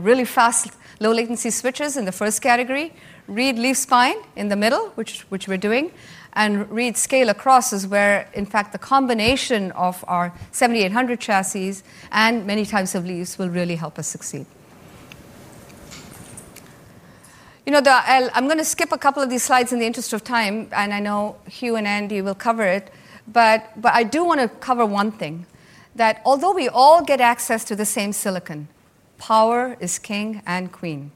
Really fast low latency switches in the first category, read leaf spine in the middle, which we're doing, and read scale across is where, in fact, the combination of our 7800 chassis and many types of leaves will really help us succeed. I'm going to skip a couple of these slides in the interest of time, and I know Hugh and Andy will cover it, but I do want to cover one thing: that although we all get access to the same silicon, power is king and queen.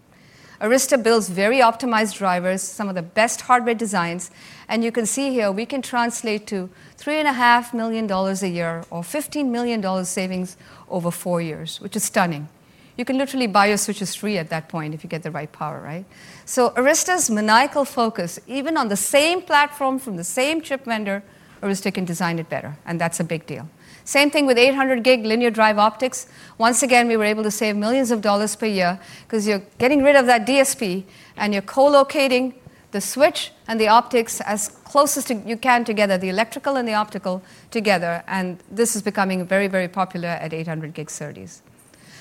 Arista builds very optimized drivers, some of the best hardware designs, and you can see here we can translate to $3.5 million a year or $15 million savings over four years, which is stunning. You can literally buy your switches free at that point if you get the right power, right? Arista's maniacal focus, even on the same platform from the same chip vendor, Arista can design it better, and that's a big deal. Same thing with 800 gig linear drive optics. Once again, we were able to save millions of dollars per year because you're getting rid of that DSP and you're co-locating the switch and the optics as close as you can together, the electrical and the optical together, and this is becoming very, very popular at 800 gig servers.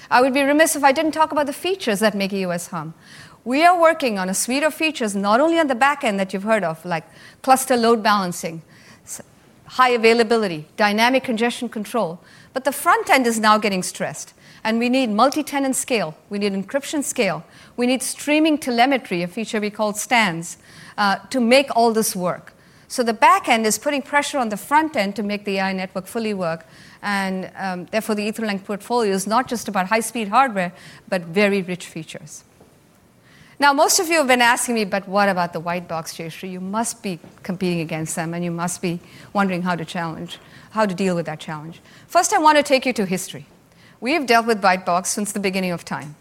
I would be remiss if I didn't talk about the features that make a US hum. We are working on a suite of features not only on the back end that you've heard of, like cluster load balancing, high availability, dynamic congestion control, but the front end is now getting stressed, and we need multi-tenant scale, we need encryption scale, we need streaming telemetry, a feature we call STANS, to make all this work. The back end is putting pressure on the front end to make the AI network fully work, and therefore, the Ethernet portfolio is not just about high-speed hardware, but very rich features. Most of you have been asking me, but what about the white box, Jayshree? You must be competing against them, and you must be wondering how to challenge, how to deal with that challenge. First, I want to take you to history. We've dealt with white box since the beginning of time,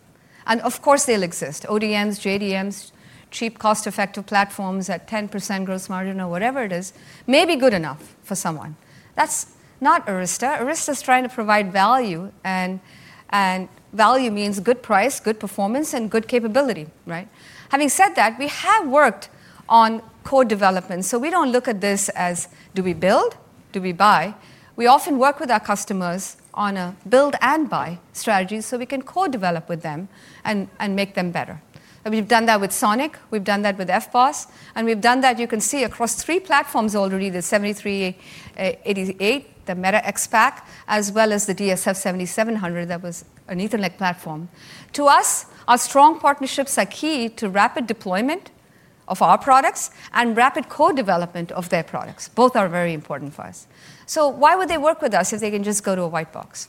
and of course, they'll exist. ODMs, JDMs, cheap, cost-effective platforms at 10% gross margin or whatever it is, may be good enough for someone. That's not Arista. Arista is trying to provide value, and value means good price, good performance, and good capability, right? Having said that, we have worked on co-development, so we don't look at this as do we build, do we buy. We often work with our customers on a build and buy strategy, so we can co-develop with them and make them better. We've done that with SONiC, we've done that with FBOSS, and we've done that, you can see, across three platforms already, the 7388, the Meta XPAC, as well as the DSF 7700 that was an Ethernet platform. To us, our strong partnerships are key to rapid deployment of our products and rapid co-development of their products. Both are very important for us. Why would they work with us if they can just go to a white box?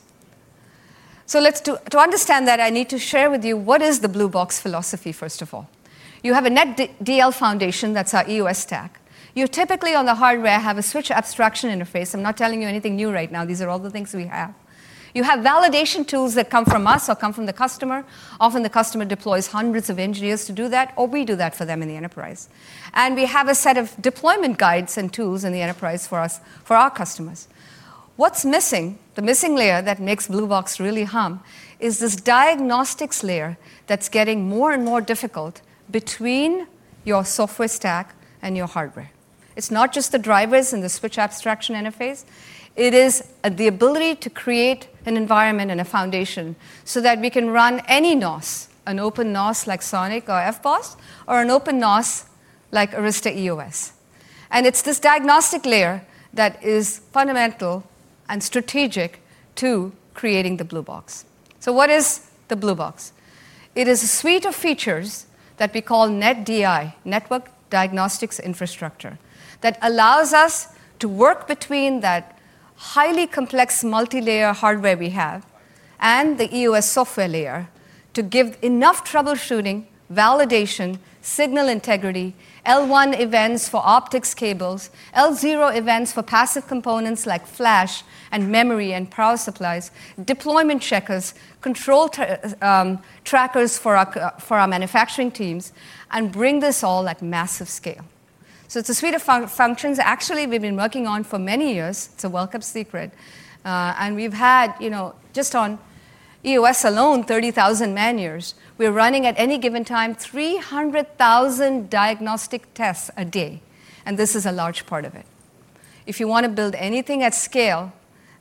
To understand that, I need to share with you what is the Blue Box philosophy, first of all. You have a NetDL Foundation, that's our EOS stack. You typically, on the hardware, have a switch abstraction interface. I'm not telling you anything new right now. These are all the things we have. You have validation tools that come from us or come from the customer. Often, the customer deploys hundreds of engineers to do that, or we do that for them in the enterprise. We have a set of deployment guides and tools in the enterprise for our customers. What's missing? The missing layer that makes Blue Box really hum is this diagnostics layer that's getting more and more difficult between your software stack and your hardware. It's not just the drivers and the switch abstraction interface. It is the ability to create an environment and a foundation so that we can run any NOS, an open NOS like SONiC or FBOSS, or an open NOS like Arista EOS. It's this diagnostic layer that is fundamental and strategic to creating the Blue Box. What is the Blue Box? It is a suite of features that we call NetDI, Network Diagnostics Infrastructure, that allows us to work between that highly complex multi-layer hardware we have and the EOS software layer to give enough troubleshooting, validation, signal integrity, L1 events for optics cables, L0 events for passive components like flash and memory and power supplies, deployment checkers, control trackers for our manufacturing teams, and bring this all at massive scale. It's a suite of functions actually we've been working on for many years. It's a welcome secret. We've had, you know, just on EOS alone, 30,000 man-years. We're running at any given time 300,000 diagnostic tests a day, and this is a large part of it. If you want to build anything at scale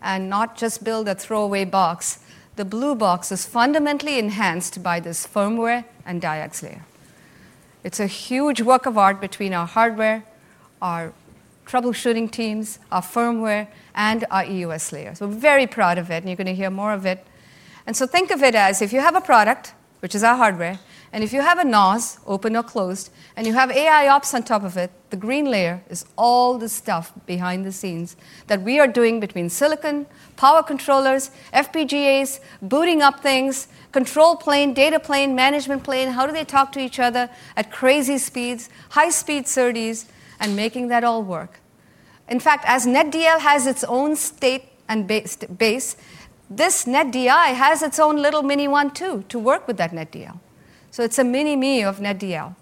and not just build a throwaway box, the Blue Box is fundamentally enhanced by this firmware and dyads layer. It's a huge work of art between our hardware, our troubleshooting teams, our firmware, and our EOS layer. We're very proud of it, and you're going to hear more of it. Think of it as if you have a product, which is our hardware, and if you have a NOS, open or closed, and you have AIOps on top of it, the green layer is all the stuff behind the scenes that we are doing between silicon, power controllers, FPGAs, booting up things, control plane, data plane, management plane, how do they talk to each other at crazy speeds, high-speed servers, and making that all work. In fact, as NetDL has its own state and base, this NetDI has its own little mini one too to work with that NetDL. It's a mini me of NetDL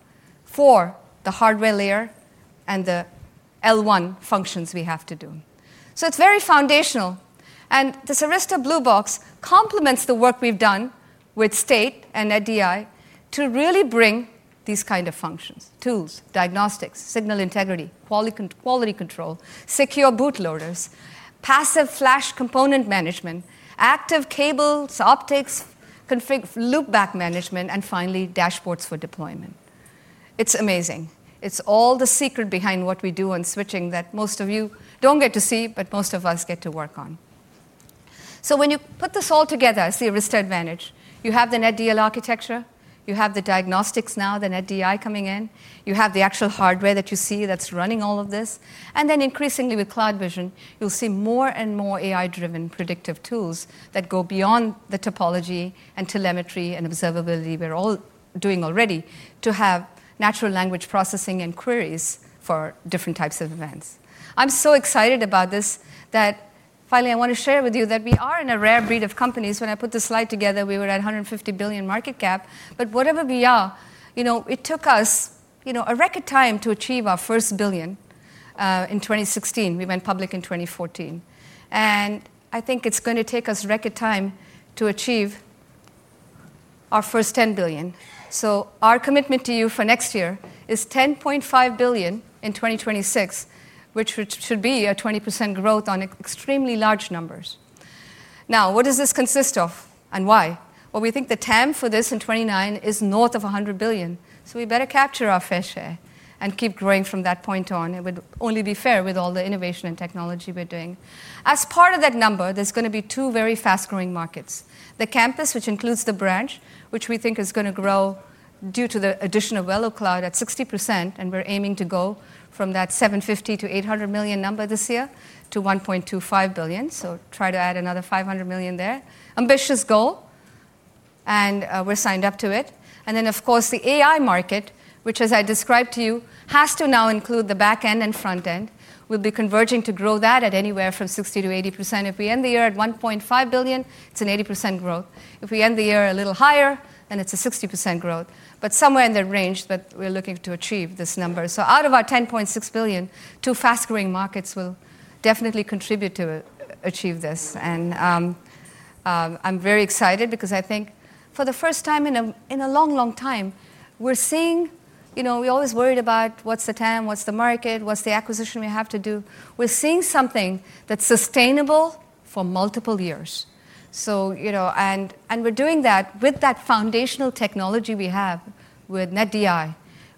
for the hardware layer and the L1 functions we have to do. It's very foundational, and this Arista Blue Box complements the work we've done with state and NetDI to really bring these kinds of functions, tools, diagnostics, signal integrity, quality control, secure boot loaders, passive flash component management, active cables, optics, loopback management, and finally, dashboards for deployment. It's amazing. It's all the secret behind what we do on switching that most of you don't get to see, but most of us get to work on. When you put this all together, see Arista Advantage, you have the NetDL architecture, you have the diagnostics now, the NetDI coming in, you have the actual hardware that you see that's running all of this, and then increasingly with CloudVision, you'll see more and more AI-driven predictive tools that go beyond the topology and telemetry and observability we're all doing already to have natural language processing and queries for different types of events. I'm so excited about this that finally, I want to share with you that we are in a rare breed of companies. When I put this slide together, we were at $150 billion market cap, but wherever we are, it took us a record time to achieve our first billion in 2016. We went public in 2014, and I think it's going to take us record time to achieve our first $10 billion. Our commitment to you for next year is $10.5 billion in 2026, which should be a 20% growth on extremely large numbers. What does this consist of and why? We think the TAM for this in 2029 is north of $100 billion, so we better capture our fair share and keep growing from that point on. It would only be fair with all the innovation and technology we're doing. As part of that number, there's going to be two very fast-growing markets. The campus, which includes the branch, which we think is going to grow due to the addition of VeloCloud at 60%, and we're aiming to go from that $750 to $800 million number this year to $1.25 billion, trying to add another $500 million there. Ambitious goal, and we're signed up to it. Of course, the AI market, which, as I described to you, has to now include the back end and front end, will be converging to grow that at anywhere from 60%-80%. If we end the year at $1.5 billion, it's an 80% growth. If we end the year a little higher, then it's a 60% growth, but somewhere in that range, we're looking to achieve this number. Out of our $10.6 billion, two fast-growing markets will definitely contribute to achieve this, and I'm very excited because I think for the first time in a long, long time, we're seeing, you know, we always worried about what's the TAM, what's the market, what's the acquisition we have to do. We're seeing something that's sustainable for multiple years. We're doing that with that foundational technology we have with NetDI,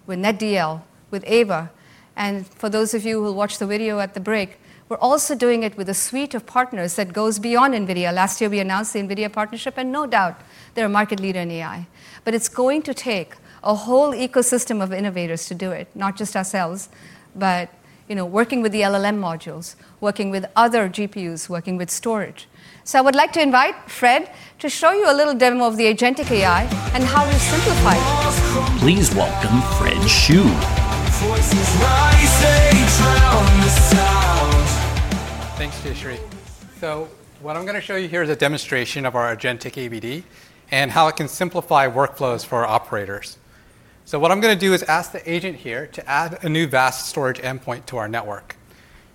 with NetDL, with AVA, and for those of you who'll watch the video at the break, we're also doing it with a suite of partners that goes beyond NVIDIA. Last year, we announced the NVIDIA partnership, and no doubt, they're a market leader in AI, but it's going to take a whole ecosystem of innovators to do it, not just ourselves, but, you know, working with the LLM modules, working with other GPUs, working with storage. I would like to invite Fred to show you a little demo of the Agentic AI and how we've simplified it. Please welcome Fred Hsu. Thanks, Jayshree. What I'm going to show you here is a demonstration of our Agentic AVD and how it can simplify workflows for our operators. What I'm going to do is ask the agent here to add a new VAST Data storage endpoint to our network,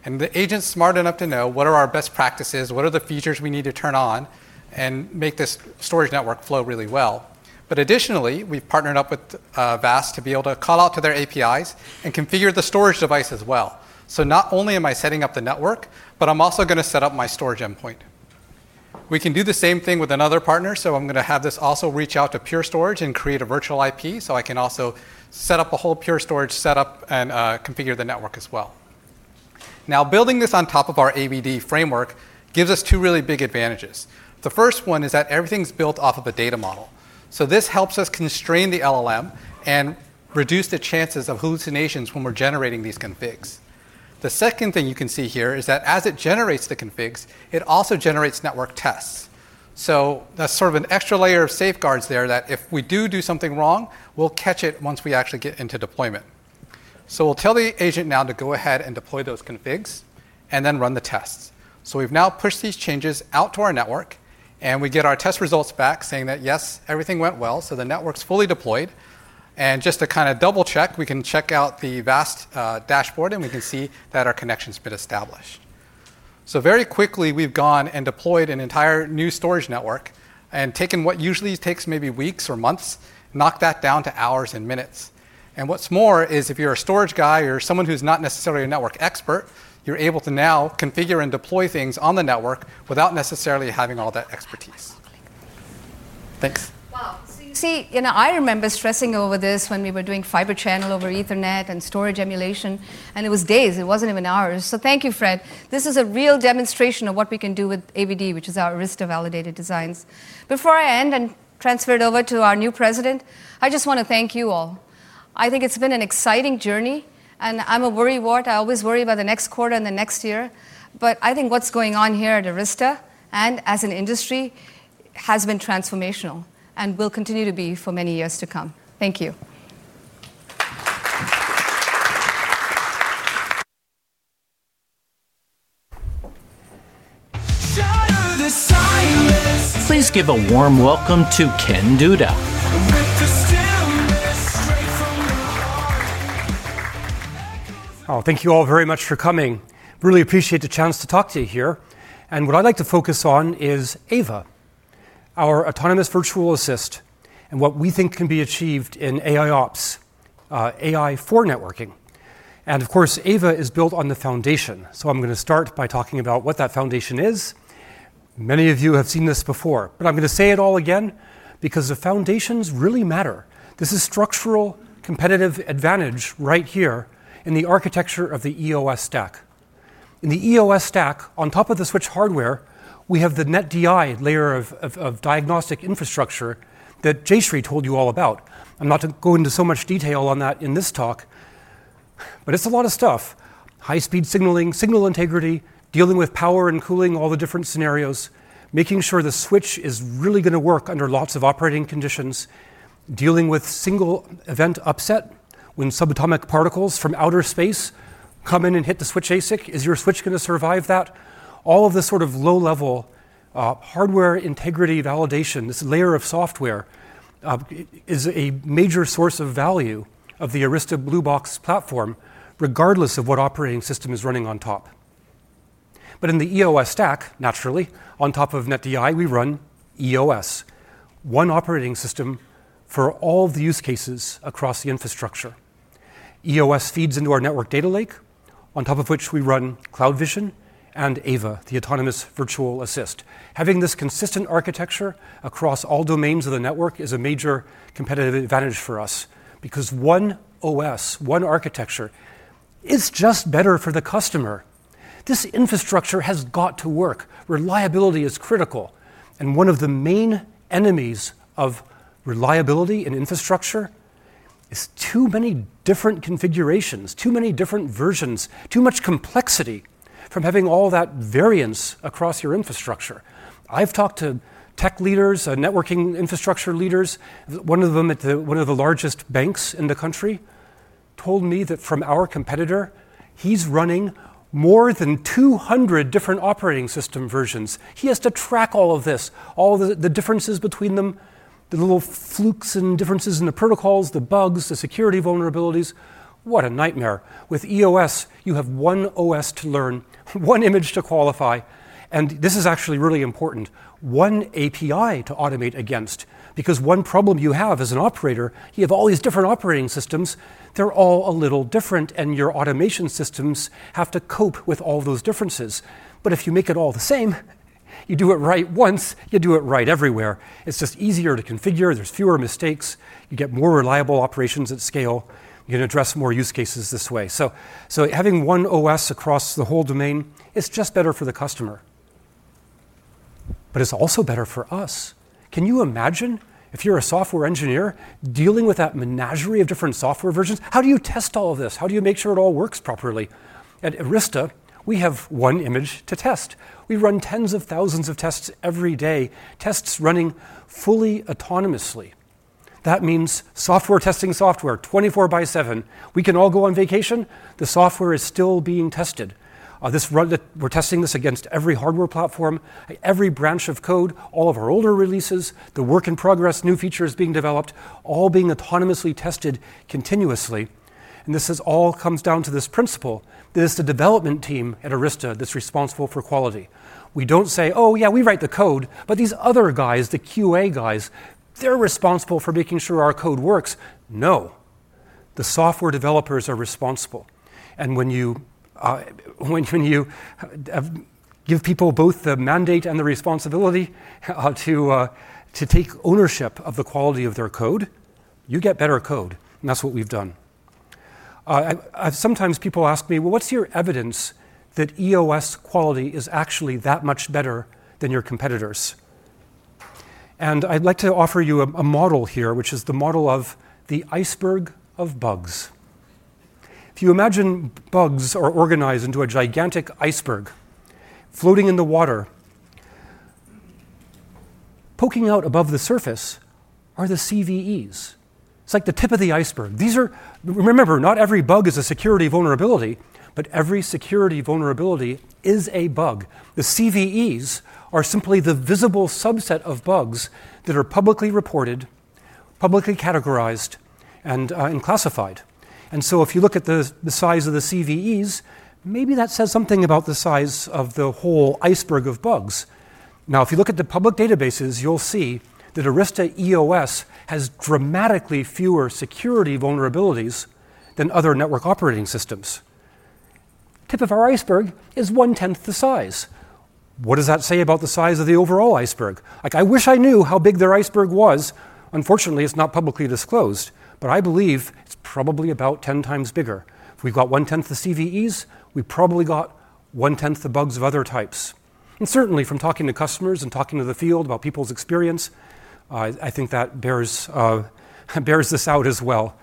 and the agent's smart enough to know what are our best practices, what are the features we need to turn on, and make this storage network flow really well. Additionally, we've partnered up with VAST Data to be able to call out to their APIs and configure the storage device as well. Not only am I setting up the network, but I'm also going to set up my storage endpoint. We can do the same thing with another partner, so I'm going to have this also reach out to Pure Storage and create a virtual IP so I can also set up a whole Pure Storage setup and configure the network as well. Now, building this on top of our AVD framework gives us two really big advantages. The first one is that everything's built off of a data model. This helps us constrain the LLM and reduce the chances of hallucinations when we're generating these configs. The second thing you can see here is that as it generates the configs, it also generates network tests. That's sort of an extra layer of safeguards there that if we do do something wrong, we'll catch it once we actually get into deployment. We'll tell the agent now to go ahead and deploy those configs and then run the tests. We've now pushed these changes out to our network, and we get our test results back saying that yes, everything went well, so the network's fully deployed. Just to kind of double-check, we can check out the VAST Data dashboard, and we can see that our connection's been established. Very quickly, we've gone and deployed an entire new storage network and taken what usually takes maybe weeks or months, knocked that down to hours and minutes. What's more is if you're a storage guy or someone who's not necessarily a network expert, you're able to now configure and deploy things on the network without necessarily having all that expertise. Thanks. You see, I remember stressing over this when we were doing fiber channel over Ethernet and storage emulation, and it was days, it wasn't even hours. Thank you, Fred. This is a real demonstration of what we can do with AVD, which is our Arista Validated Designs. Before I end and transfer it over to our new President, I just want to thank you all. I think it's been an exciting journey, and I'm a worrywart. I always worry about the next quarter and the next year, but I think what's going on here at Arista Networks and as an industry has been transformational and will continue to be for many years to come. Thank you. Please give a warm welcome to Kenneth Duda. Oh, thank you all very much for coming. Really appreciate the chance to talk to you here. What I'd like to focus on is AVA, our Autonomous Virtual Assist, and what we think can be achieved in AIOps, AI for networking. Of course, AVA is built on the foundation. I'm going to start by talking about what that foundation is. Many of you have seen this before, but I'm going to say it all again because the foundations really matter. This is structural competitive advantage right here in the architecture of the EOS stack. In the EOS stack, on top of the switch hardware, we have the NetDI layer of diagnostic infrastructure that Jayshree told you all about. I'm not going to go into so much detail on that in this talk, but it's a lot of stuff. High-speed signaling, signal integrity, dealing with power and cooling, all the different scenarios, making sure the switch is really going to work under lots of operating conditions, dealing with single event upset when subatomic particles from outer space come in and hit the switch ASIC. Is your switch going to survive that? All of this sort of low-level hardware integrity validation, this layer of software, is a major source of value of the Arista Blue Box platform, regardless of what operating system is running on top. In the EOS stack, naturally, on top of NetDI, we run EOS, one operating system for all of the use cases across the infrastructure. EOS feeds into our Network Data Lake, on top of which we run CloudVision and AVA, the Autonomous Virtual Assist. Having this consistent architecture across all domains of the network is a major competitive advantage for us because one OS, one architecture, is just better for the customer. This infrastructure has got to work. Reliability is critical. One of the main enemies of reliability in infrastructure is too many different configurations, too many different versions, too much complexity from having all that variance across your infrastructure. I've talked to tech leaders, networking infrastructure leaders. One of them at one of the largest banks in the country told me that from our competitor, he's running more than 200 different operating system versions. He has to track all of this, all the differences between them, the little flukes and differences in the protocols, the bugs, the security vulnerabilities. What a nightmare. With EOS, you have one OS to learn, one image to qualify. This is actually really important, one API to automate against because one problem you have as an operator, you have all these different operating systems, they're all a little different, and your automation systems have to cope with all those differences. If you make it all the same, you do it right once, you do it right everywhere. It's just easier to configure, there's fewer mistakes, you get more reliable operations at scale, you can address more use cases this way. Having one OS across the whole domain is just better for the customer. It's also better for us. Can you imagine if you're a software engineer dealing with that menagerie of different software versions? How do you test all of this? How do you make sure it all works properly? At Arista, we have one image to test. We run tens of thousands of tests every day, tests running fully autonomously. That means software testing software, 24 by 7. We can all go on vacation, the software is still being tested. This run that we're testing is against every hardware platform, every branch of code, all of our older releases, the work in progress, new features being developed, all being autonomously tested continuously. This all comes down to this principle. There's a development team at Arista Networks that's responsible for quality. We don't say, oh yeah, we write the code, but these other guys, the QA guys, they're responsible for making sure our code works. No. The software developers are responsible. When you give people both the mandate and the responsibility to take ownership of the quality of their code, you get better code, and that's what we've done. Sometimes people ask me, what's your evidence that EOS quality is actually that much better than your competitors? I'd like to offer you a model here, which is the model of the iceberg of bugs. If you imagine bugs are organized into a gigantic iceberg floating in the water, poking out above the surface are the CVEs. It's like the tip of the iceberg. These are, remember, not every bug is a security vulnerability, but every security vulnerability is a bug. The CVEs are simply the visible subset of bugs that are publicly reported, publicly categorized, and classified. If you look at the size of the CVEs, maybe that says something about the size of the whole iceberg of bugs. Now, if you look at the public databases, you'll see that Arista EOS has dramatically fewer security vulnerabilities than other network operating systems. The tip of our iceberg is one-tenth the size. What does that say about the size of the overall iceberg? I wish I knew how big their iceberg was. Unfortunately, it's not publicly disclosed, but I believe it's probably about 10 times bigger. If we got one-tenth the CVEs, we probably got one-tenth the bugs of other types. Certainly, from talking to customers and talking to the field about people's experience, I think that bears this out as well.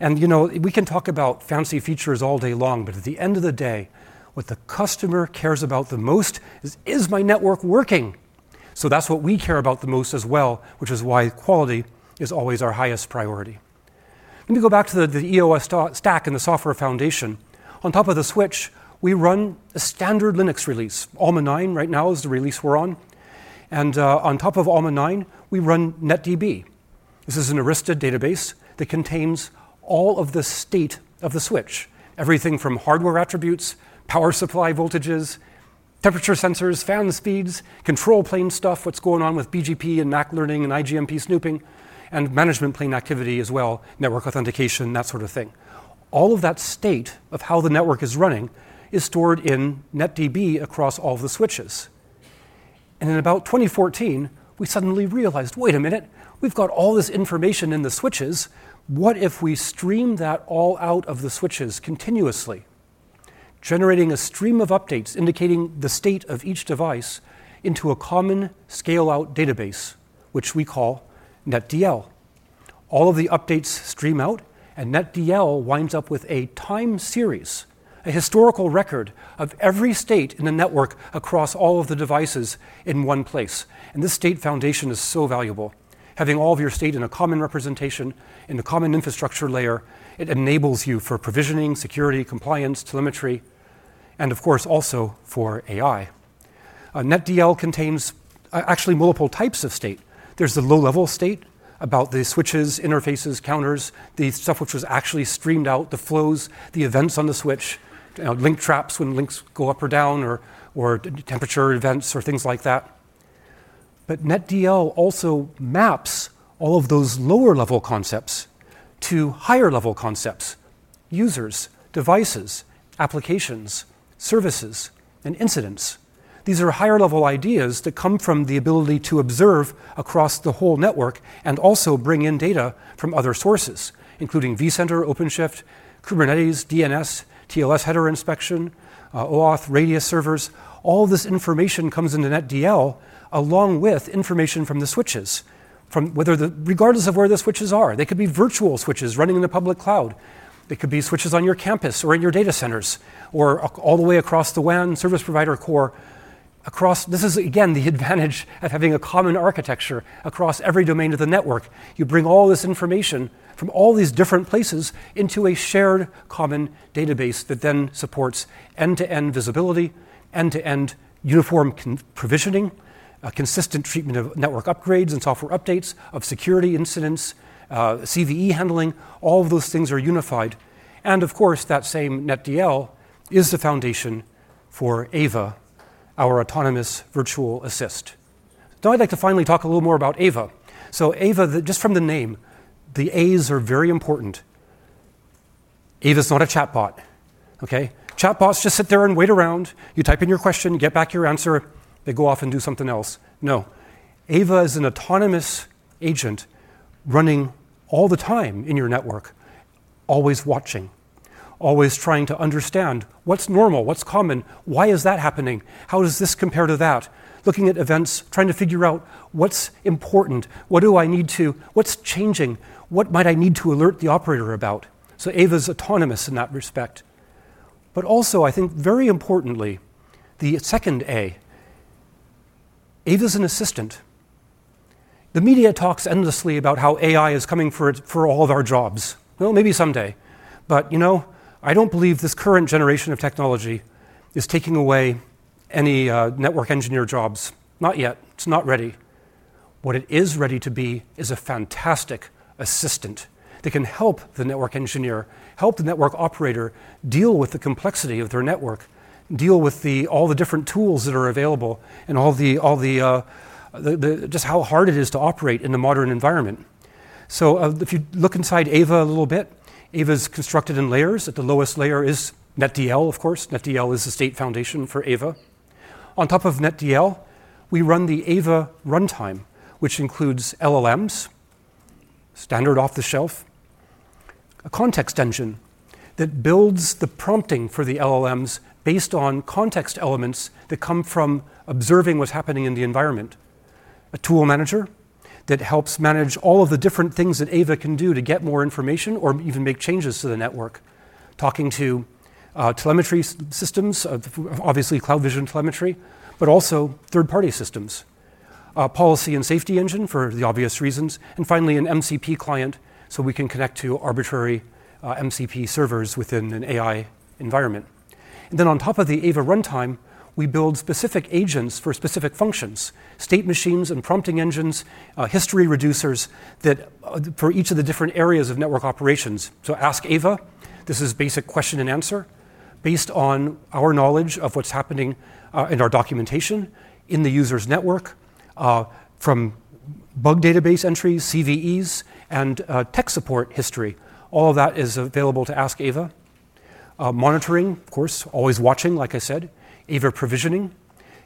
You know, we can talk about fancy features all day long, but at the end of the day, what the customer cares about the most is, is my network working? That's what we care about the most as well, which is why quality is always our highest priority. Let me go back to the EOS stack and the software foundation. On top of the switch, we run a standard Linux release. Alma 9 right now is the release we're on. On top of Alma 9, we run NetDB. This is an Arista database that contains all of the state of the switch, everything from hardware attributes, power supply voltages, temperature sensors, fan speeds, control plane stuff, what's going on with BGP and MAC learning and IGMP snooping, and management plane activity as well, network authentication, that sort of thing. All of that state of how the network is running is stored in NetDB across all of the switches. In about 2014, we suddenly realized, wait a minute, we've got all this information in the switches. What if we stream that all out of the switches continuously, generating a stream of updates indicating the state of each device into a common scale-out database, which we call NetDL? All of the updates stream out, and NetDL winds up with a time series, a historical record of every state in the network across all of the devices in one place. This state foundation is so valuable. Having all of your state in a common representation, in a common infrastructure layer, it enables you for provisioning, security, compliance, telemetry, and of course, also for AI. NetDL contains actually multiple types of state. There's the low-level state about the switches, interfaces, counters, the stuff which was actually streamed out, the flows, the events on the switch, link traps when links go up or down, or temperature events, or things like that. NetDL also maps all of those lower-level concepts to higher-level concepts, users, devices, applications, services, and incidents. These are higher-level ideas that come from the ability to observe across the whole network and also bring in data from other sources, including vCenter, OpenShift, Kubernetes, DNS, TLS header inspection, OAuth, RADIUS servers. All this information comes into NetDL along with information from the switches, regardless of where the switches are. They could be virtual switches running in the public cloud. It could be switches on your campus or in your data centers, or all the way across the WAN service provider core. This is again the advantage of having a common architecture across every domain of the network. You bring all this information from all these different places into a shared common database that then supports end-to-end visibility, end-to-end uniform provisioning, a consistent treatment of network upgrades and software updates, of security incidents, CVE handling. All of those things are unified. That same NetDL is the foundation for AVA, our Autonomous Virtual Assist. Now I'd like to finally talk a little more about AVA. AVA, just from the name, the A's are very important. AVA's not a chatbot, okay? Chatbots just sit there and wait around. You type in your question, get back your answer, they go off and do something else. No. AVA is an autonomous agent running all the time in your network, always watching, always trying to understand what's normal, what's common, why is that happening, how does this compare to that, looking at events, trying to figure out what's important, what do I need to, what's changing, what might I need to alert the operator about. AVA's autonomous in that respect. I think very importantly, the second A, AVA's an assistant. The media talks endlessly about how AI is coming for all of our jobs. Maybe someday. I don't believe this current generation of technology is taking away any network engineer jobs. Not yet. It's not ready. What it is ready to be is a fantastic assistant that can help the network engineer, help the network operator deal with the complexity of their network, deal with all the different tools that are available, and just how hard it is to operate in a modern environment. If you look inside AVA a little bit, AVA's constructed in layers. At the lowest layer is NetDL, of course. NetDL is the state foundation for AVA. On top of NetDL, we run the AVA runtime, which includes LLMs, standard off-the-shelf, a context engine that builds the prompting for the LLMs based on context elements that come from observing what's happening in the environment, a tool manager that helps manage all of the different things that AVA can do to get more information or even make changes to the network, talking to telemetry systems, obviously CloudVision telemetry, but also third-party systems, a policy and safety engine for the obvious reasons, and finally an MCP client so we can connect to arbitrary MCP servers within an AI environment. On top of the AVA runtime, we build specific agents for specific functions, state machines and prompting engines, history reducers for each of the different areas of network operations. Ask AVA, this is basic question and answer based on our knowledge of what's happening in our documentation, in the user's network, from bug database entries, CVEs, and tech support history. All of that is available to ask AVA. Monitoring, of course, always watching, like I said. AVA provisioning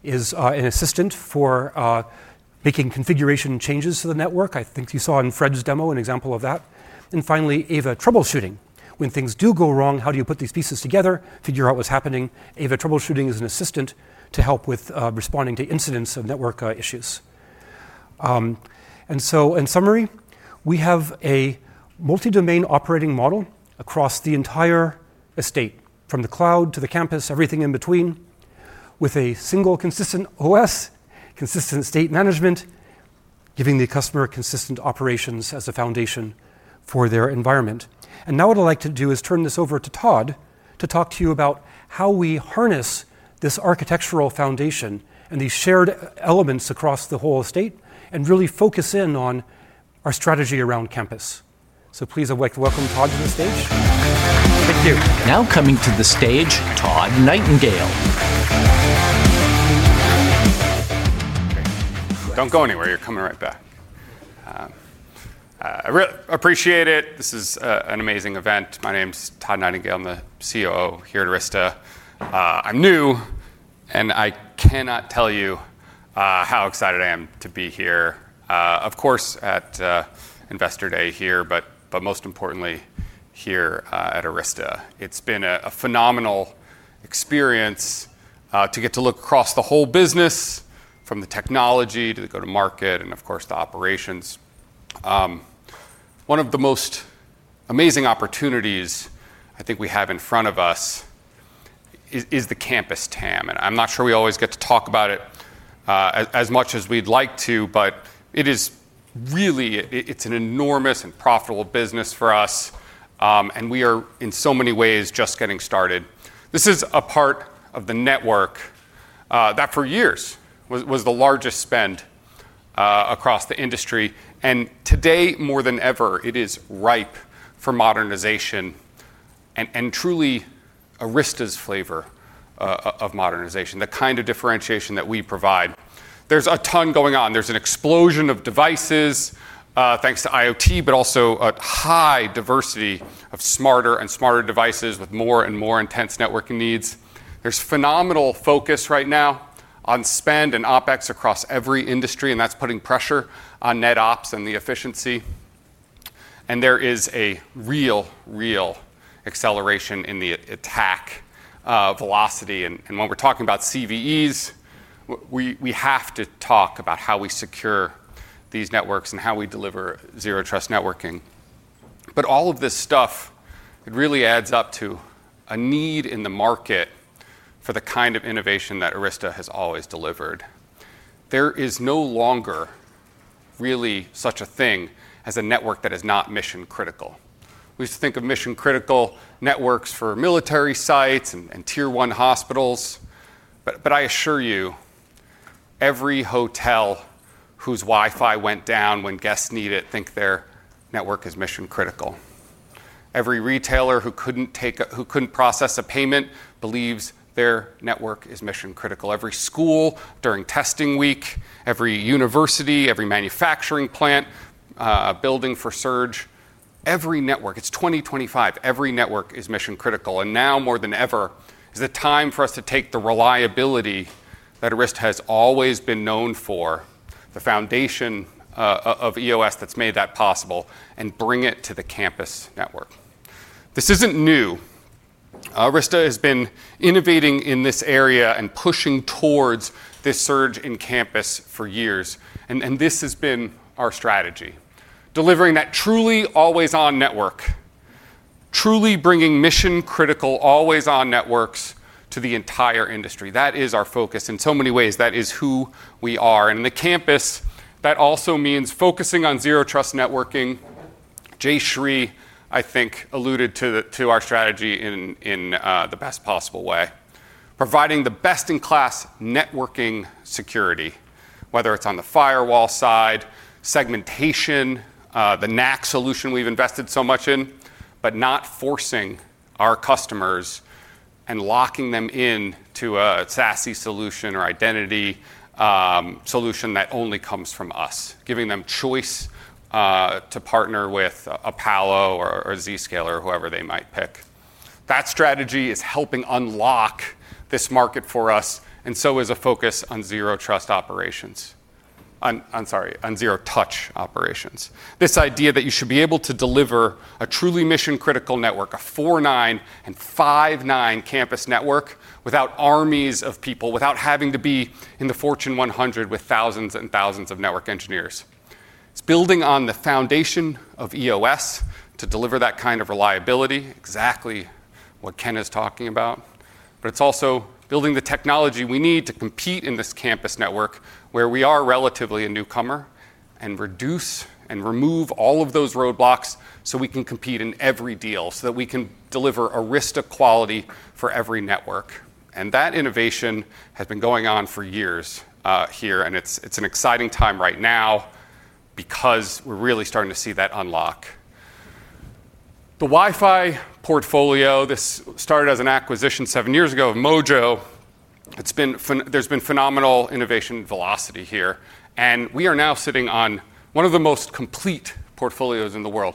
is an assistant for making configuration changes to the network. I think you saw in Fred's demo an example of that. Finally, AVA troubleshooting. When things do go wrong, how do you put these pieces together, figure out what's happening? AVA troubleshooting is an assistant to help with responding to incidents of network issues. In summary, we have a multi-domain operating model across the entire estate, from the cloud to the campus, everything in between, with a single consistent OS, consistent state management, giving the customer consistent operations as a foundation for their environment. Now what I'd like to do is turn this over to Todd to talk to you about how we harness this architectural foundation and these shared elements across the whole estate and really focus in on our strategy around campus. Please I'd like to welcome Todd to the stage. Thank you. Now coming to the stage, Todd Nightingale. Don't go anywhere. You're coming right back. I really appreciate it. This is an amazing event. My name's Todd Nightingale. I'm the COO here at Arista Networks. I'm new, and I cannot tell you how excited I am to be here, of course, at Investor Day here, but most importantly here at Arista Networks. It's been a phenomenal experience to get to look across the whole business, from the technology to the go-to-market, and of course the operations. One of the most amazing opportunities I think we have in front of us is the campus TAM, and I'm not sure we always get to talk about it as much as we'd like to, but it is really, it's an enormous and profitable business for us, and we are in so many ways just getting started. This is a part of the network that for years was the largest spend across the industry, and today more than ever, it is ripe for modernization and truly Arista Networks' flavor of modernization, the kind of differentiation that we provide. There's a ton going on. There's an explosion of devices thanks to IoT, but also a high diversity of smarter and smarter devices with more and more intense networking needs. There's phenomenal focus right now on spend and OpEx across every industry, and that's putting pressure on NetOps and the efficiency. There is a real, real acceleration in the attack velocity, and when we're talking about CVEs, we have to talk about how we secure these networks and how we deliver zero trust networking. All of this stuff really adds up to a need in the market for the kind of innovation that Arista Networks has always delivered. There is no longer really such a thing as a network that is not mission critical. We used to think of mission critical networks for military sites and tier one hospitals, but I assure you, every hotel whose Wi-Fi went down when guests need it thinks their network is mission critical. Every retailer who couldn't process a payment believes their network is mission critical. Every school during testing week, every university, every manufacturing plant, building for surge, every network, it's 2025, every network is mission critical, and now more than ever is the time for us to take the reliability that Arista Networks has always been known for, the foundation of EOS that's made that possible, and bring it to the campus network. This isn't new. Arista Networks has been innovating in this area and pushing towards this surge in campus for years, and this has been our strategy, delivering that truly always-on network, truly bringing mission critical always-on networks to the entire industry. That is our focus in so many ways. That is who we are. The campus, that also means focusing on zero trust networking. Jayshree, I think, alluded to our strategy in the best possible way, providing the best-in-class networking security, whether it's on the firewall side, segmentation, the NAC solution we've invested so much in, not forcing our customers and locking them into a SASE solution or identity solution that only comes from us, giving them choice to partner with Apalo or Zscaler or whoever they might pick. That strategy is helping unlock this market for us, and so is a focus on zero trust operations. I'm sorry, on zero touch operations. This idea that you should be able to deliver a truly mission critical network, a 4.9 and 5.9 campus network without armies of people, without having to be in the Fortune 100 with thousands and thousands of network engineers. It's building on the foundation of EOS to deliver that kind of reliability, exactly what Ken is talking about, but it's also building the technology we need to compete in this campus network where we are relatively a newcomer and reduce and remove all of those roadblocks so we can compete in every deal so that we can deliver Arista quality for every network. That innovation has been going on for years here, and it's an exciting time right now because we're really starting to see that unlock. The Wi-Fi portfolio, this started as an acquisition seven years ago of Mojo. There's been phenomenal innovation velocity here, and we are now sitting on one of the most complete portfolios in the world.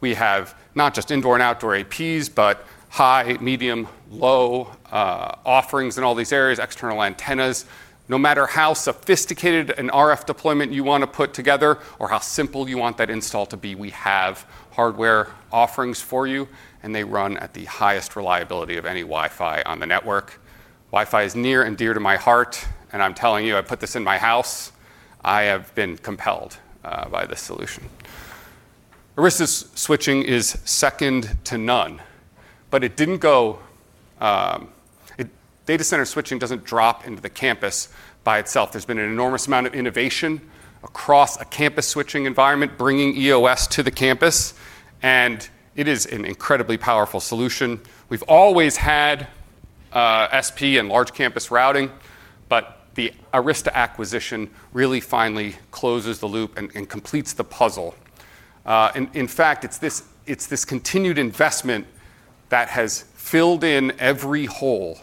We have not just indoor and outdoor APs, but high, medium, low offerings in all these areas, external antennas. No matter how sophisticated an RF deployment you want to put together or how simple you want that install to be, we have hardware offerings for you, and they run at the highest reliability of any Wi-Fi on the network. Wi-Fi is near and dear to my heart, and I'm telling you, I put this in my house. I have been compelled by this solution. Arista's switching is second to none, but it didn't go, data center switching doesn't drop into the campus by itself. There's been an enormous amount of innovation across a campus switching environment, bringing EOS to the campus, and it is an incredibly powerful solution. We've always had SP and large campus routing, but the Arista acquisition really finally closes the loop and completes the puzzle. In fact, it's this continued investment that has filled in every hole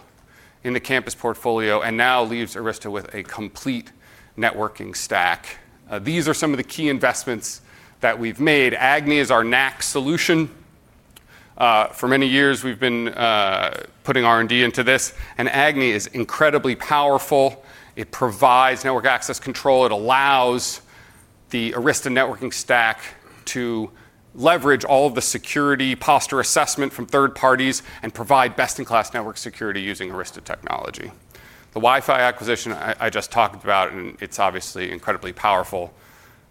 in the campus portfolio and now leaves Arista with a complete networking stack. These are some of the key investments that we've made. Agni is our NAC solution. For many years, we've been putting R&D into this, and Agni is incredibly powerful. It provides network access control. It allows the Arista networking stack to leverage all of the security posture assessment from third parties and provide best-in-class network security using Arista technology. The Wi-Fi acquisition I just talked about, and it's obviously incredibly powerful,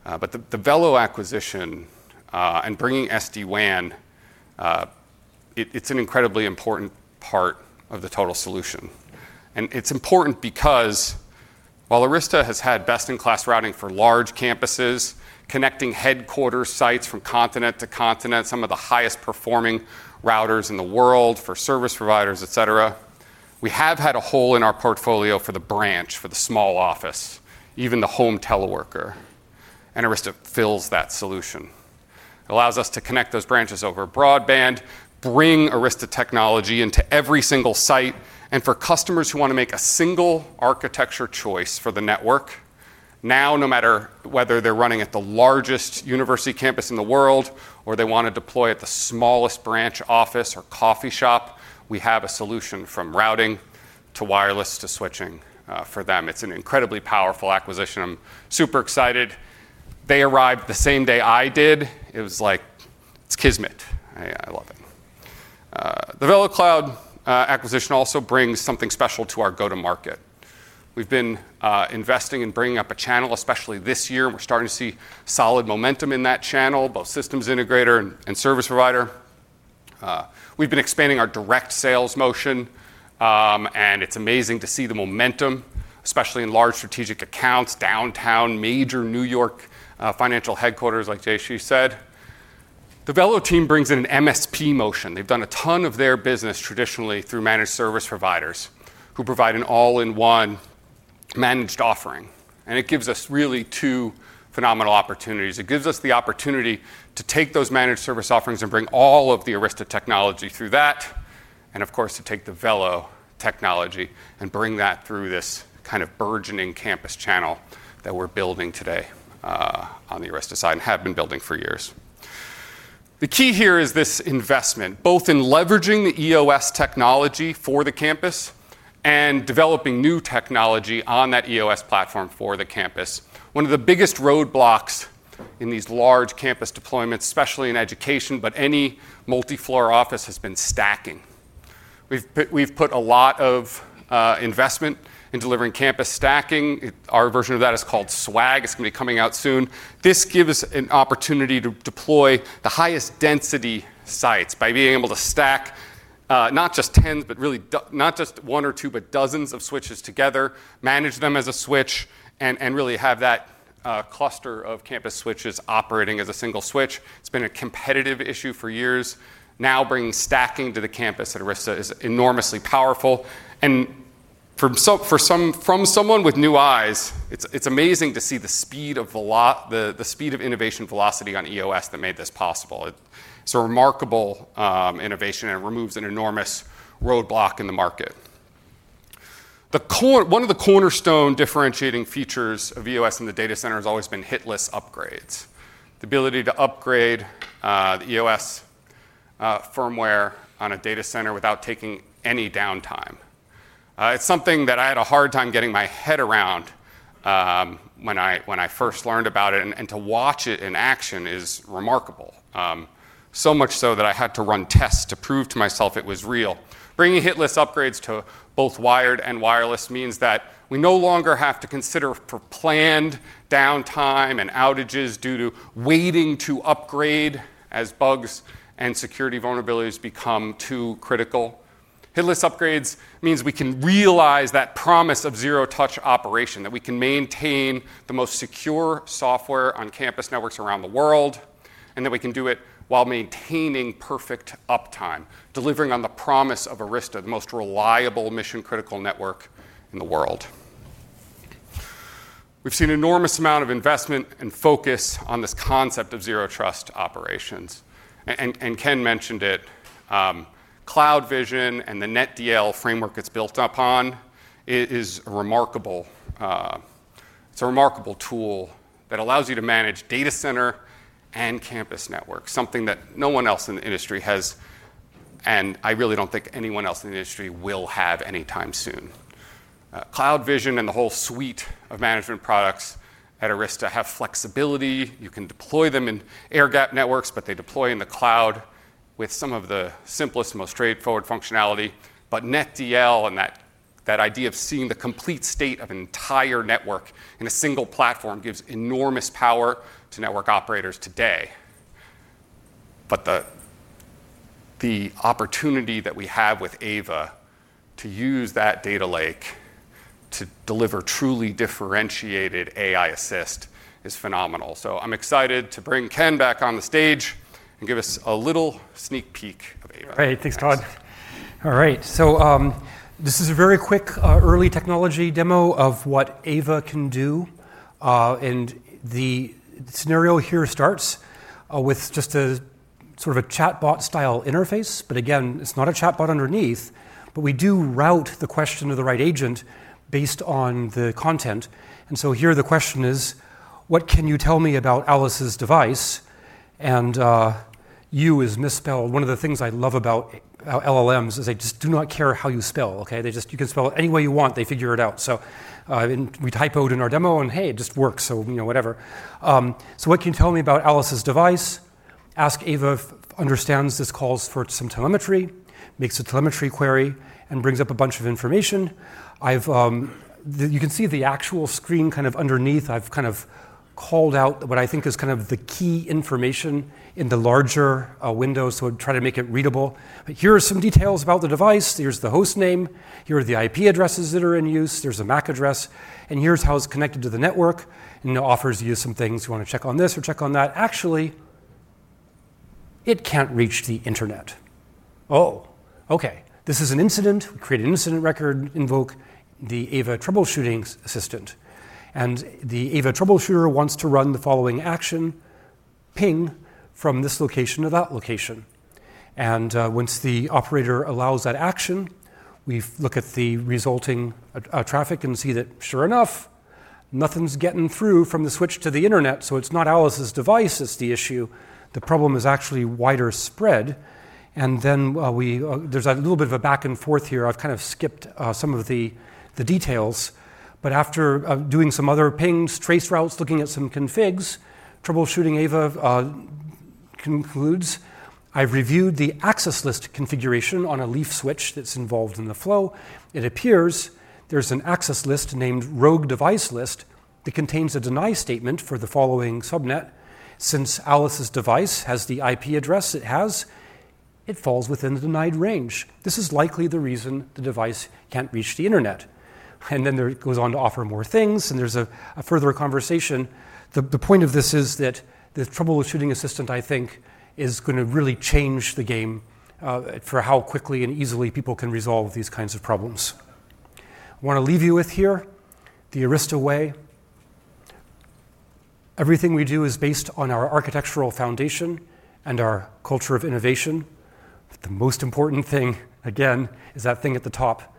but the VeloCloud acquisition and bringing SD-WAN, it's an incredibly important part of the total solution. It's important because while Arista has had best-in-class routing for large campuses, connecting headquarter sites from continent to continent, some of the highest performing routers in the world for service providers, et cetera, we have had a hole in our portfolio for the branch, for the small office, even the home teleworker, and Arista fills that solution. It allows us to connect those branches over broadband, bring Arista technology into every single site, and for customers who want to make a single architecture choice for the network, now no matter whether they're running at the largest university campus in the world or they want to deploy at the smallest branch office or coffee shop, we have a solution from routing to wireless to switching for them. It's an incredibly powerful acquisition. I'm super excited. They arrived the same day I did. It was like, it's kismet. I love it. The VeloCloud acquisition also brings something special to our go-to-market. We've been investing in bringing up a channel, especially this year, and we're starting to see solid momentum in that channel, both systems integrator and service provider. We've been expanding our direct sales motion, and it's amazing to see the momentum, especially in large strategic accounts, downtown major New York financial headquarters, like Jayshree said. The VeloCloud team brings in an MSP motion. They've done a ton of their business traditionally through managed service providers who provide an all-in-one managed offering, and it gives us really two phenomenal opportunities. It gives us the opportunity to take those managed service offerings and bring all of the Arista technology through that, and of course, to take the VeloCloud technology and bring that through this kind of burgeoning campus channel that we're building today on the Arista side and have been building for years. The key here is this investment, both in leveraging the EOS technology for the campus and developing new technology on that EOS platform for the campus. One of the biggest roadblocks in these large campus deployments, especially in education, but any multi-floor office, has been stacking. We've put a lot of investment in delivering campus stacking. Our version of that is called SWAG. It's going to be coming out soon. This gives us an opportunity to deploy the highest density sites by being able to stack not just tens, but really not just one or two, but dozens of switches together, manage them as a switch, and really have that cluster of campus switches operating as a single switch. It's been a competitive issue for years. Now, bringing stacking to the campus at Arista is enormously powerful. For someone with new eyes, it's amazing to see the speed of innovation velocity on EOS that made this possible. It's a remarkable innovation, and it removes an enormous roadblock in the market. One of the cornerstone differentiating features of EOS in the data center has always been hitless upgrades, the ability to upgrade the EOS firmware on a data center without taking any downtime. It's something that I had a hard time getting my head around when I first learned about it, and to watch it in action is remarkable, so much so that I had to run tests to prove to myself it was real. Bringing hitless upgrades to both wired and wireless means that we no longer have to consider for planned downtime and outages due to waiting to upgrade as bugs and security vulnerabilities become too critical. Hitless upgrades mean we can realize that promise of zero touch operation, that we can maintain the most secure software on campus networks around the world, and that we can do it while maintaining perfect uptime, delivering on the promise of Arista, the most reliable mission-critical network in the world. We've seen an enormous amount of investment and focus on this concept of zero trust operations. Ken mentioned it, CloudVision and the NetDL framework it's built upon is a remarkable tool that allows you to manage data center and campus networks, something that no one else in the industry has, and I really don't think anyone else in the industry will have anytime soon. CloudVision and the whole suite of management products at Arista have flexibility. You can deploy them in air gap networks, but they deploy in the cloud with some of the simplest, most straightforward functionality. NetDL and that idea of seeing the complete state of an entire network in a single platform gives enormous power to network operators today. The opportunity that we have with AVA to use that data lake to deliver truly differentiated AI assist is phenomenal. I'm excited to bring Ken back on the stage and give us a little sneak peek of AVA. All right, thanks Todd. All right, this is a very quick early technology demo of what AVA can do, and the scenario here starts with just a sort of a chatbot style interface, but again, it's not a chatbot underneath, but we do route the question to the right agent based on the content. Here the question is, what can you tell me about Alice's device? And "you" is misspelled. One of the things I love about LLMs is they just do not care how you spell, okay? You can spell it any way you want, they figure it out. We typoed in our demo and hey, it just works, so you know, whatever. What can you tell me about Alice's device? Ask AVA if it understands this calls for some telemetry, makes a telemetry query, and brings up a bunch of information. You can see the actual screen kind of underneath. I've called out what I think is the key information in the larger window, so I try to make it readable. Here are some details about the device. Here's the host name. Here are the IP addresses that are in use. There's a MAC address. Here's how it's connected to the network and offers you some things. You want to check on this or check on that. Actually, it can't reach the internet. Oh, okay. This is an incident. We create an incident record, invoke the AVA troubleshooting assistant. The AVA troubleshooter wants to run the following action, ping from this location to that location. Once the operator allows that action, we look at the resulting traffic and see that sure enough, nothing's getting through from the switch to the internet. It's not Alice's device that's the issue. The problem is actually wider spread. There's a little bit of a back and forth here. I've skipped some of the details. After doing some other pings, trace routes, looking at some configs, troubleshooting AVA concludes, I've reviewed the access list configuration on a leaf switch that's involved in the flow. It appears there's an access list named Rogue Device List that contains a deny statement for the following subnet. Since Alice's device has the IP address it has, it falls within the denied range. This is likely the reason the device can't reach the internet. It goes on to offer more things, and there's a further conversation. The point of this is that the troubleshooting assistant, I think, is going to really change the game for how quickly and easily people can resolve these kinds of problems. I want to leave you with here the Arista way. Everything we do is based on our architectural foundation and our culture of innovation. The most important thing, again, is that thing at the top,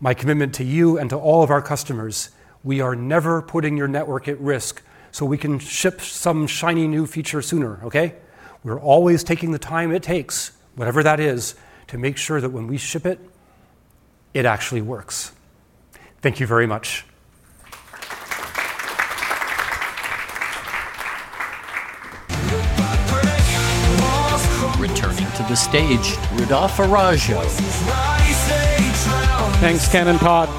my commitment to you and to all of our customers. We are never putting your network at risk so we can ship some shiny new feature sooner, okay? We're always taking the time it takes, whatever that is, to make sure that when we ship it, it actually works. Thank you very much. Returning to the stage, Rudolph Araujo. Thanks, Ken and Todd.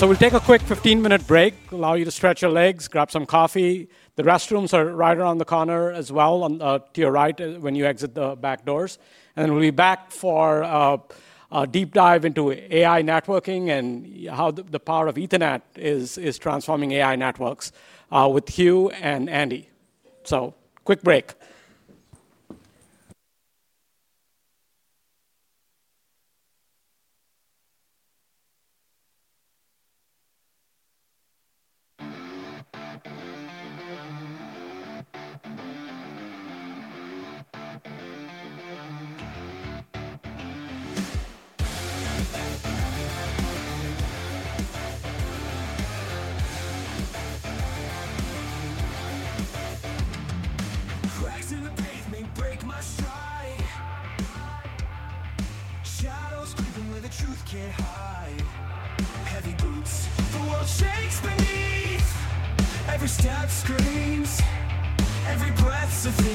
We'll take a quick 15-minute break, allow you to stretch your legs, grab some coffee. The restrooms are right around the corner as well, to your right when you exit the back doors. We'll be back for a deep dive into AI networking and how the power of Ethernet is transforming AI networks with Hugh and Andy. Quick break. Rise to the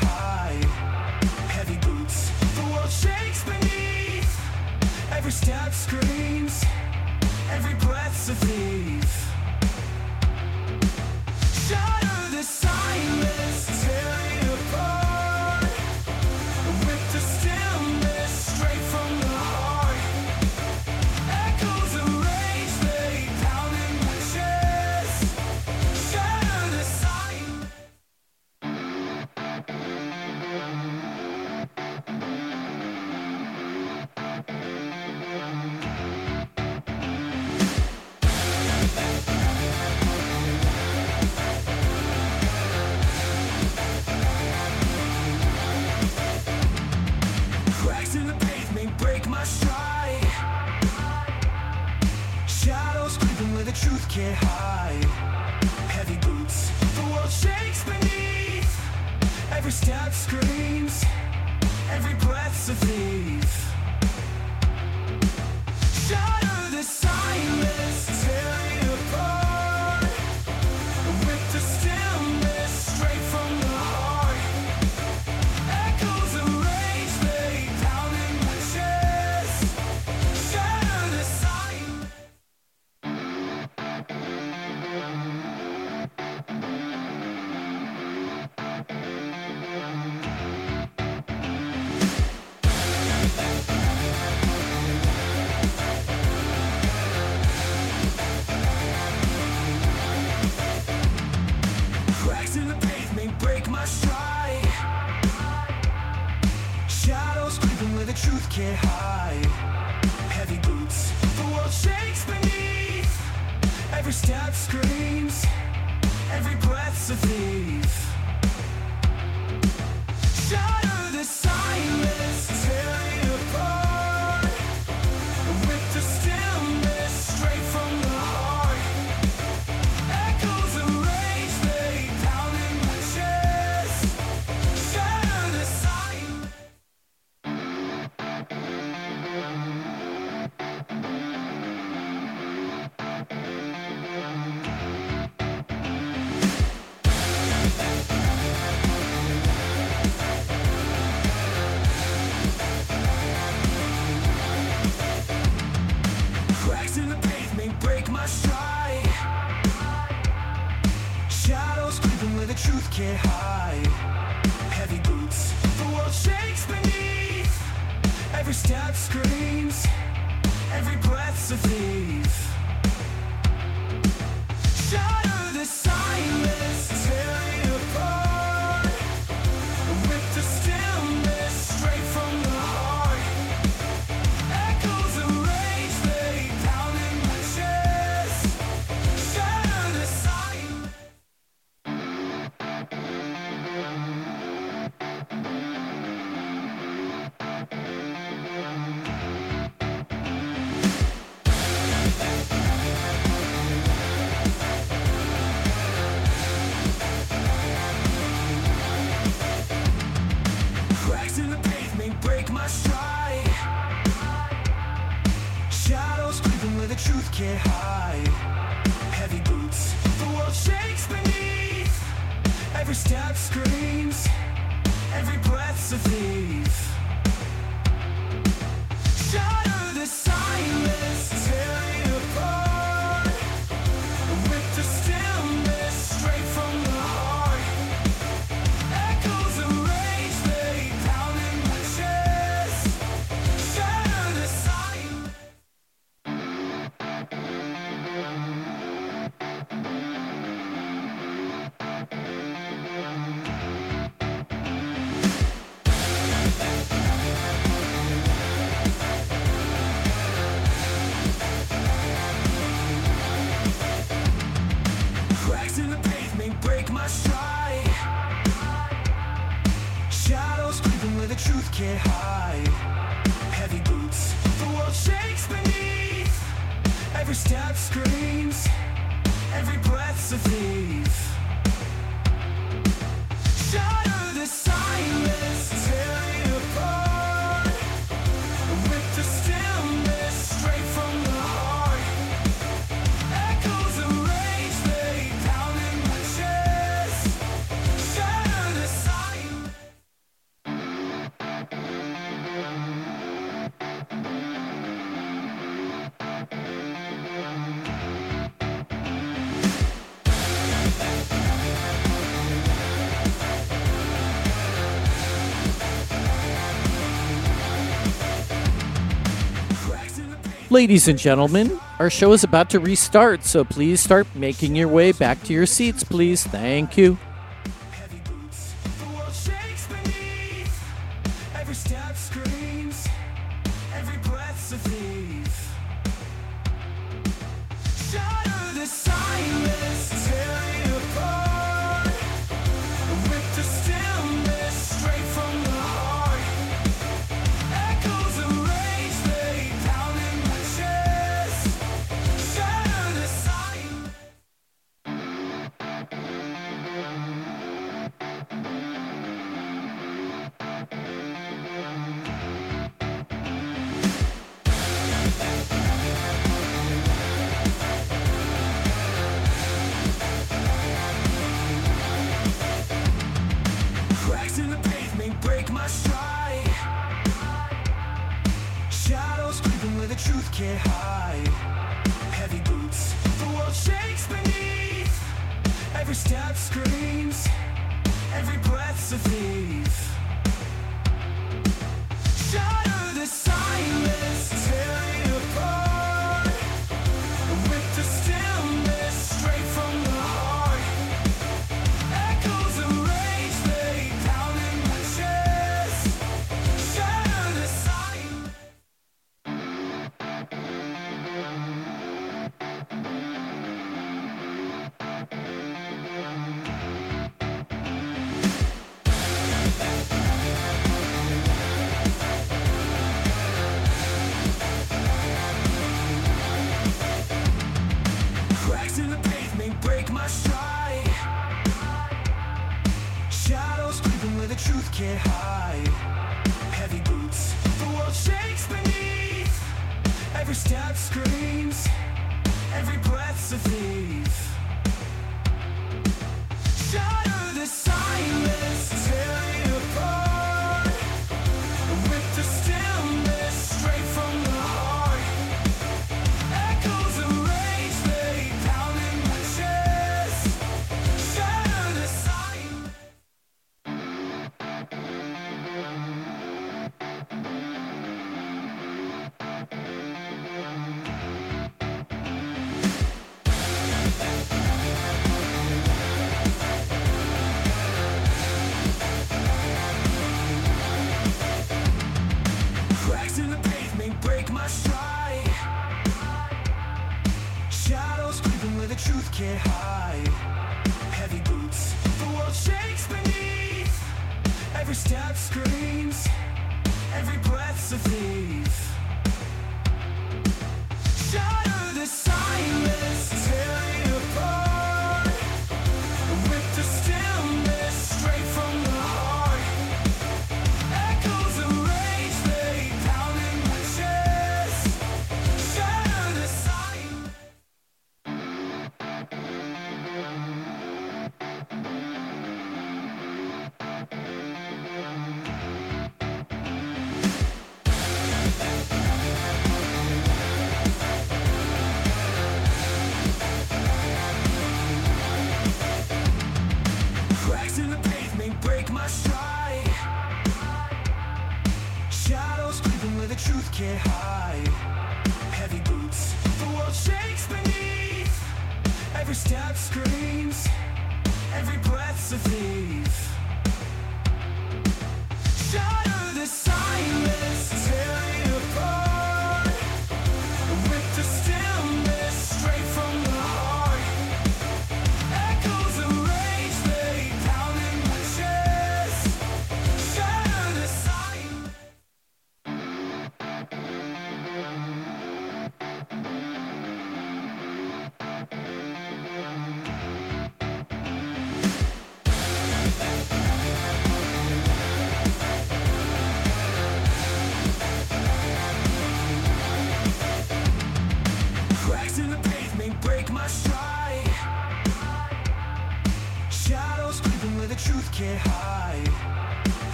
pavement, break my shine. Shadows, people know the truth can't hide. Heavy boots, the world shakes beneath. Every step screams, every breath's a thief. Shatter the silence, tear it apart.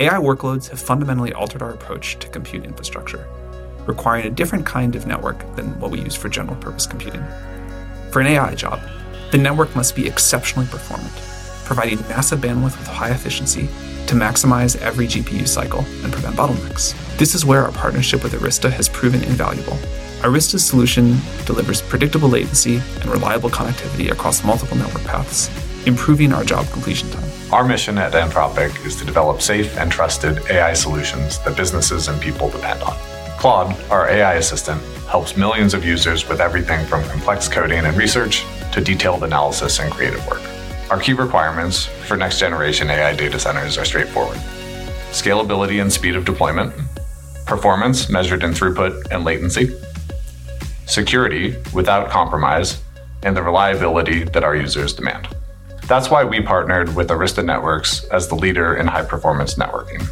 AI workloads have fundamentally altered our approach to compute infrastructure, requiring a different kind of network than what we use for general purpose computing. For an AI job, the network must be exceptionally performant, providing massive bandwidth with high efficiency to maximize every GPU cycle and prevent bottlenecks. This is where our partnership with Arista Networks has proven invaluable. Arista Networks' solution delivers predictable latency and reliable connectivity across multiple network paths, improving our job completion time. Our mission at Anthropic is to develop safe and trusted AI solutions that businesses and people depend on. Claude, our AI assistant, helps millions of users with everything from complex coding and research to detailed analysis and creative work. Our key requirements for next-generation AI data centers are straightforward: scalability and speed of deployment, performance measured in throughput and latency, security without compromise, and the reliability that our users demand. That's why we partnered with Arista Networks as the leader in high-performance networking.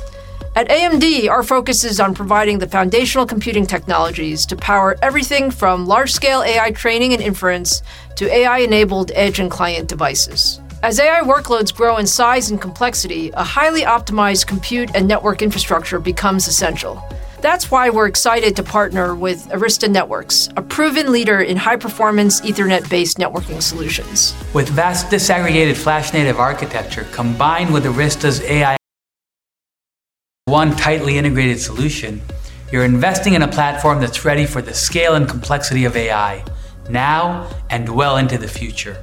At AMD, our focus is on providing the foundational computing technologies to power everything from large-scale AI training and inference to AI-enabled edge and client devices. As AI workloads grow in size and complexity, a highly optimized compute and network infrastructure becomes essential. That's why we're excited to partner with Arista Networks, a proven leader in high-performance Ethernet-based networking solutions. With VAST disaggregated flash-native architecture combined with Arista's AI, one tightly integrated solution, you're investing in a platform that's ready for the scale and complexity of AI now and well into the future.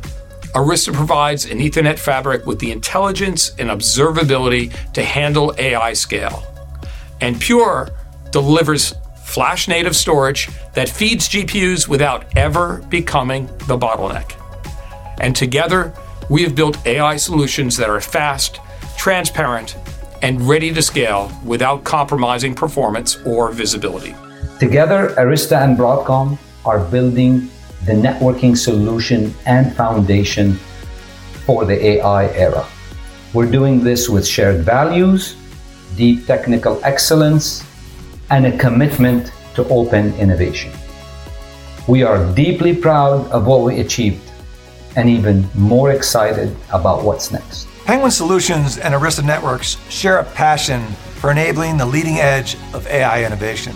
Arista provides an Ethernet fabric with the intelligence and observability to handle AI scale, and Pure Storage delivers flash-native storage that feeds GPUs without ever becoming the bottleneck. Together, we have built AI solutions that are fast, transparent, and ready to scale without compromising performance or visibility. Together, Arista Networks and Broadcom are building the networking solution and foundation for the AI era. We're doing this with shared values, deep technical excellence, and a commitment to open innovation. We are deeply proud of what we achieved and even more excited about what's next. Penguin Solutions and Arista Networks share a passion for enabling the leading edge of AI innovation.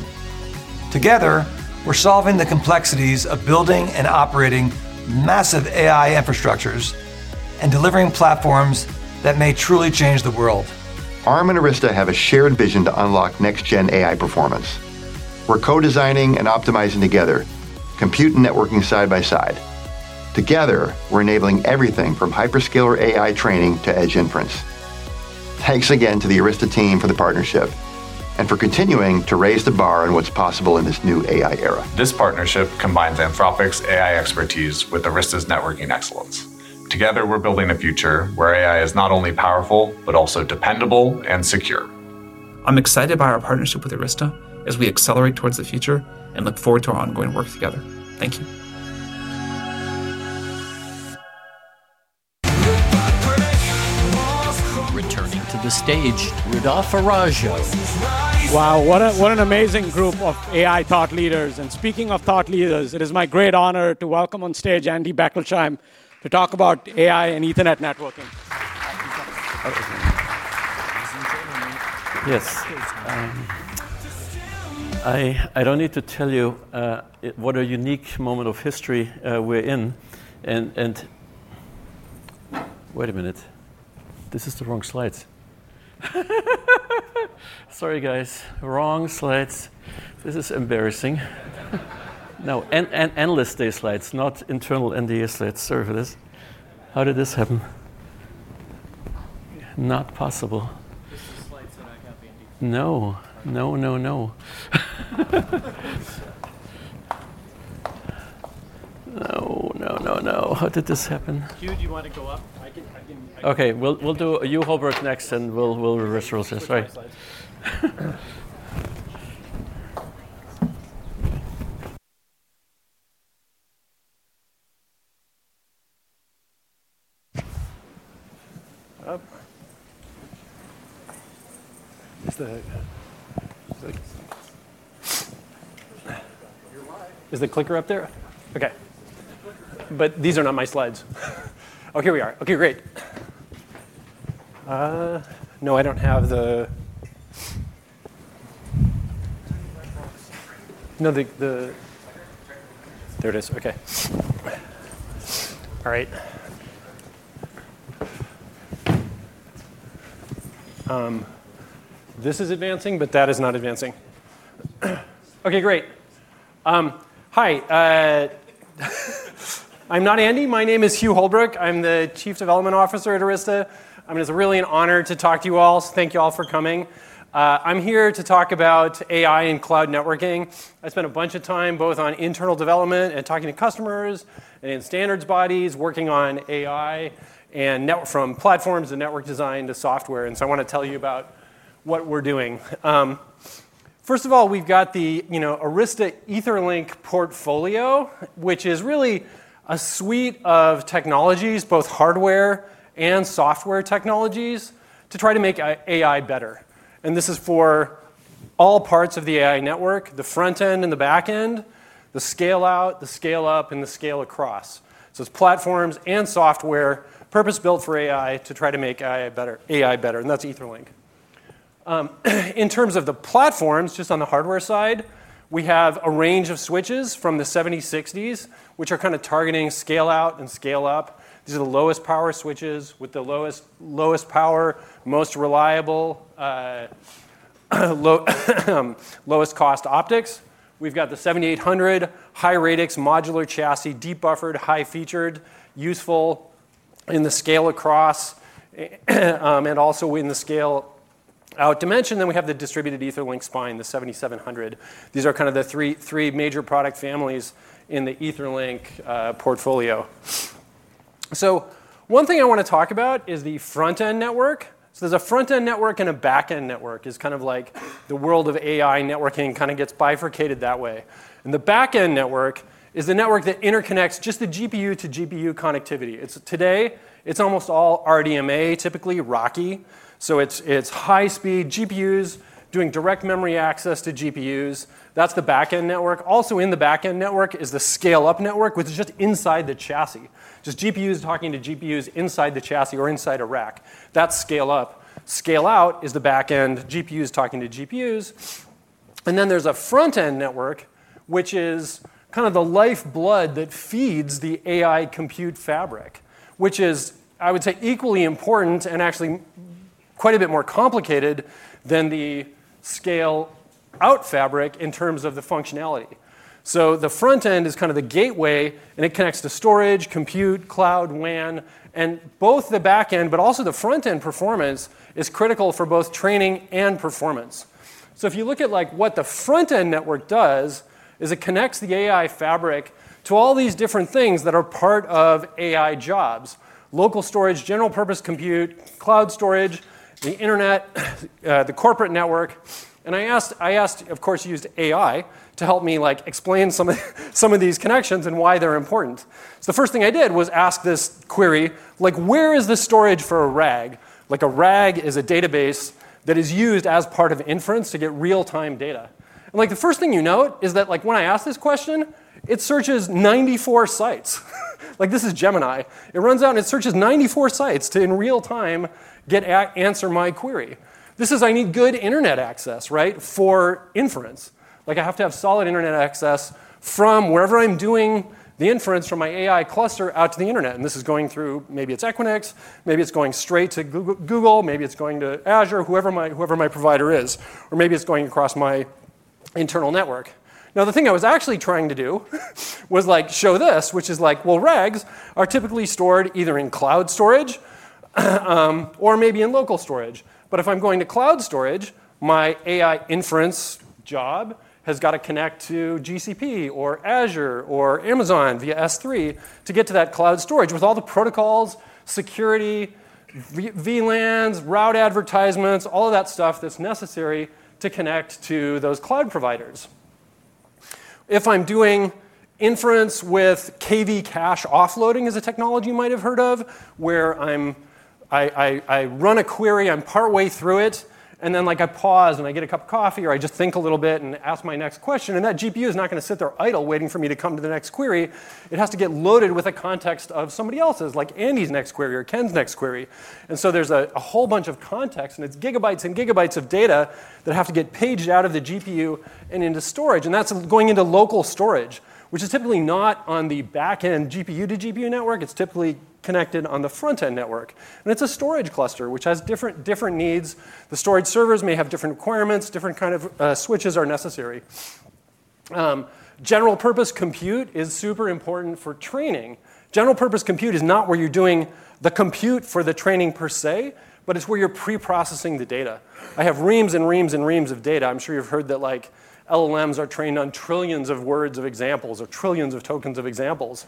Together, we're solving the complexities of building and operating massive AI infrastructures and delivering platforms that may truly change the world. ARM and Arista have a shared vision to unlock next-gen AI performance. We're co-designing and optimizing together, compute and networking side by side. Together, we're enabling everything from hyperscaler AI training to edge inference. Thanks again to the Arista team for the partnership and for continuing to raise the bar on what's possible in this new AI era. This partnership combines Anthropic's AI expertise with Arista's networking excellence. Together, we're building a future where AI is not only powerful but also dependable and secure. I'm excited by our partnership with Arista Networks as we accelerate towards the future and look forward to our ongoing work together. Thank you. Returning to the stage, Rudolph Araujo. Wow, what an amazing group of AI thought leaders. Speaking of thought leaders, it is my great honor to welcome on stage Andy Bechtolsheim to talk about AI and Ethernet networking. I don't need to tell you what a unique moment of history we're in. Wait a minute, this is the wrong slides. Sorry, guys, wrong slides. This is embarrassing. No, Analyst Day slides, not internal NDA slides. Sorry for this. How did this happen? Not possible. These are the slides that I have, Andy. No, no, no, no. No, no, no, no. How did this happen? Jude, you want to go up? Okay, we'll do you, Hugh Holbrook, next and we'll reverse roles. Is the clicker up there? Okay. These are not my slides. Oh, here we are. Okay, great. No, I don't have the... No, the... There it is. Okay. All right. This is advancing, but that is not advancing. Okay, great. Hi. I'm not Andy. My name is Hugh Holbrook. I'm the Chief Development Officer at Arista. I mean, it's really an honor to talk to you all. Thank you all for coming. I'm here to talk about AI. and cloud networking. I spent a bunch of time both on internal development and talking to customers and standards bodies, working on AI and network from platforms and network design to software. I want to tell you about what we're doing. First of all, we've got the Arista Etherlink portfolio, which is really a suite of technologies, both hardware and software technologies, to try to make AI better. This is for all parts of the AI network, the front end and the back end, the scale out, the scale up, and the scale across. It's platforms and software purpose-built for AI to try to make AI better. That's Etherlink. In terms of the platforms, just on the hardware side, we have a range of switches from the 7060s, which are kind of targeting scale out and scale up. These are the lowest power switches with the lowest power, most reliable, lowest cost optics. We've got the 7800, high-radix, modular chassis, deep buffered, high-featured, useful in the scale across, and also in the scale out dimension. We have the distributed Etherlink spine, the 7700. These are kind of the three major product families in the Etherlink portfolio. One thing I want to talk about is the front-end network. There's a front-end network and a back-end network. It's kind of like the world of AI networking gets bifurcated that way. The back-end network is the network that interconnects just the GPU to GPU connectivity. Today, it's almost all RDMA, typically RoCE. It's high-speed GPUs doing direct memory access to GPUs. That's the back-end network. Also in the back-end network is the scale-up network, which is just inside the chassis. Just GPUs talking to GPUs inside the chassis or inside a rack. That's scale-up. Scale-out is the back-end, GPUs talking to GPUs. There's a front-end network, which is kind of the lifeblood that feeds the AI compute fabric, which is, I would say, equally important and actually quite a bit more complicated than the scale-out fabric in terms of the functionality. The front-end is kind of the gateway, and it connects to storage, compute, cloud, WAN, and both the back-end, but also the front-end performance is critical for both training and performance. If you look at what the front-end network does, it connects the AI fabric to all these different things that are part of AI jobs: local storage, general-purpose compute, cloud storage, the internet, the corporate network. I asked, of course, you used AI to help me explain some of these connections and why they're important. The first thing I did was ask this query, like, where is the storage for a RAG? A RAG is a database that is used as part of inference to get real-time data. The first thing you note is that when I asked this question, it searches 94 sites. This is Gemini. It runs out and it searches 94 sites to, in real time, answer my query. I need good internet access, right, for inference. I have to have solid internet access from wherever I'm doing the inference from my AI cluster out to the internet. This is going through, maybe it's Equinix, maybe it's going straight to Google, maybe it's going to Azure, whoever my provider is, or maybe it's going across my internal network. The thing I was actually trying to do was show this, which is like, RAGs are typically stored either in cloud storage or maybe in local storage. If I'm going to cloud storage, my AI inference job has got to connect to GCP or Azure or Amazon via S3 to get to that cloud storage with all the protocols, security, VLANs, route advertisements, all of that stuff that's necessary to connect to those cloud providers. If I'm doing inference with KV cache offloading, as a technology you might have heard of, where I run a query, I'm partway through it, and then I pause and I get a cup of coffee or I just think a little bit and ask my next question. That GPU is not going to sit there idle waiting for me to come to the next query. It has to get loaded with a context of somebody else's, like Andy's next query or Ken's next query. There is a whole bunch of context, and it's gigabytes and gigabytes of data that have to get paged out of the GPU and into storage. That's going into local storage, which is typically not on the back-end GPU-to-GPU network. It's typically connected on the front-end network. It's a storage cluster, which has different needs. The storage servers may have different requirements. Different kinds of switches are necessary. General-purpose compute is super important for training. General-purpose compute is not where you're doing the compute for the training per se, but it's where you're pre-processing the data. I have reams and reams and reams of data. I'm sure you've heard that LLMs are trained on trillions of words of examples or trillions of tokens of examples.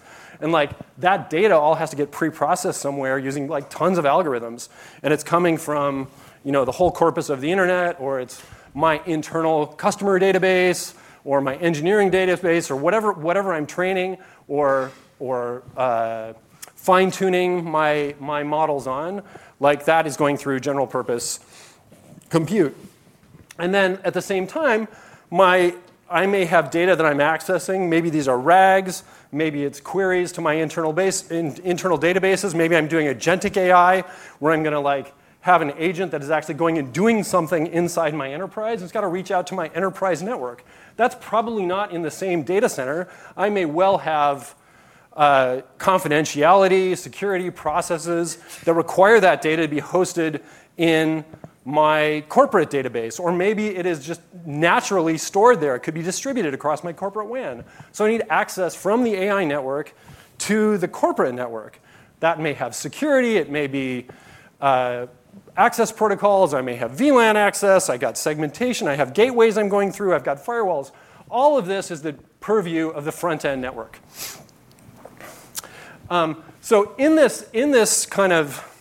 That data all has to get pre-processed somewhere using tons of algorithms. It's coming from the whole corpus of the internet, or it's my internal customer database, or my engineering database, or whatever I'm training or fine-tuning my models on. That is going through general-purpose compute. At the same time, I may have data that I'm accessing. Maybe these are RAGs. Maybe it's queries to my internal databases. Maybe I'm doing Agentic AI, where I'm going to have an agent that is actually going and doing something inside my enterprise. It's got to reach out to my enterprise network. That's probably not in the same data center. I may well have confidentiality, security processes that require that data to be hosted in my corporate database. Maybe it is just naturally stored there. It could be distributed across my corporate WAN. I need access from the AI network to the corporate network. That may have security. It may be access protocols. I may have VLAN access. I've got segmentation. I have gateways I'm going through. I've got firewalls. All of this is the purview of the front-end network. In this kind of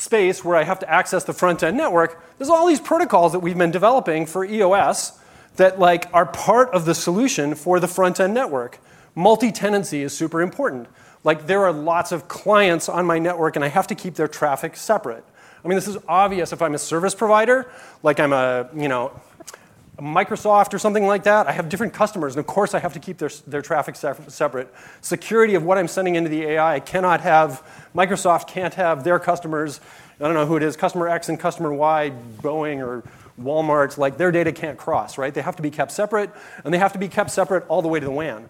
space where I have to access the front-end network, there are all these protocols that we've been developing for EOS that are part of the solution for the front-end network. Multi-tenancy is super important. There are lots of clients on my network, and I have to keep their traffic separate. This is obvious if I'm a service provider, like I'm a Microsoft or something like that. I have different customers, and of course, I have to keep their traffic separate. Security of what I'm sending into the AI cannot have. Microsoft can't have their customers. I don't know who it is, customer X and customer Y, Boeing or Walmart, like their data can't cross, right? They have to be kept separate, and they have to be kept separate all the way to the WAN.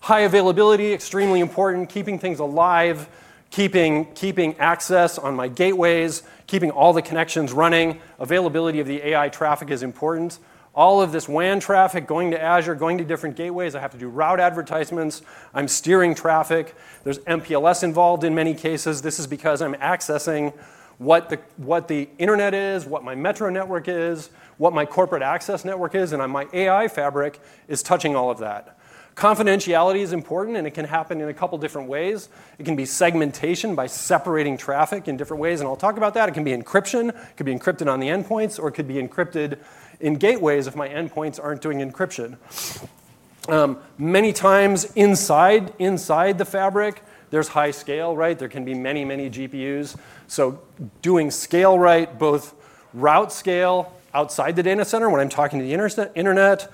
High availability is extremely important. Keeping things alive, keeping access on my gateways, keeping all the connections running, availability of the AI traffic is important. All of this WAN traffic going to Azure, going to different gateways, I have to do route advertisements. I'm steering traffic. There's MPLS involved in many cases. This is because I'm accessing what the internet is, what my metro network is, what my corporate access network is, and my AI fabric is touching all of that. Confidentiality is important, and it can happen in a couple of different ways. It can be segmentation by separating traffic in different ways. I'll talk about that. It can be encryption. It could be encrypted on the endpoints, or it could be encrypted in gateways if my endpoints aren't doing encryption. Many times inside the fabric, there's high scale, right? There can be many, many GPUs. Doing scale right, both route scale outside the data center when I'm talking to the internet,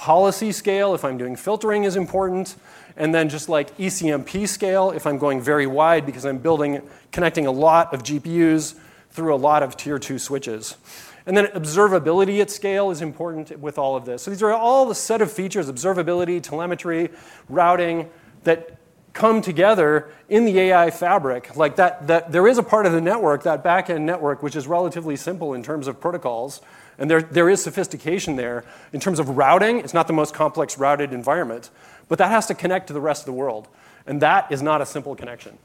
policy scale if I'm doing filtering is important, and just like ECMP scale if I'm going very wide because I'm connecting a lot of GPUs through a lot of tier two switches. Observability at scale is important with all of this. These are all the set of features, observability, telemetry, routing that come together in the AI fabric. Like that, there is a part of the network, that back-end network, which is relatively simple in terms of protocols. There is sophistication there. In terms of routing, it's not the most complex routed environment. That has to connect to the rest of the world. That is not a simple connection.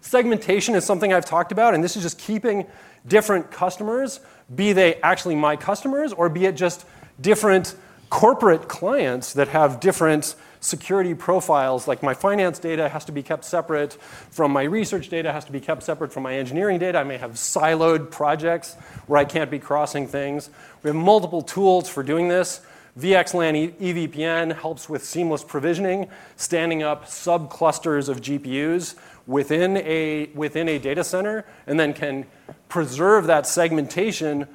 Segmentation is something I've talked about. This is just keeping different customers, be they actually my customers or be it just different corporate clients that have different security profiles. My finance data has to be kept separate from my research data, has to be kept separate from my engineering data. I may have siloed projects where I can't be crossing things. We have multiple tools for doing this. VXLAN EVPN helps with seamless provisioning, standing up subclusters of GPUs within a data center, and can preserve that segmentation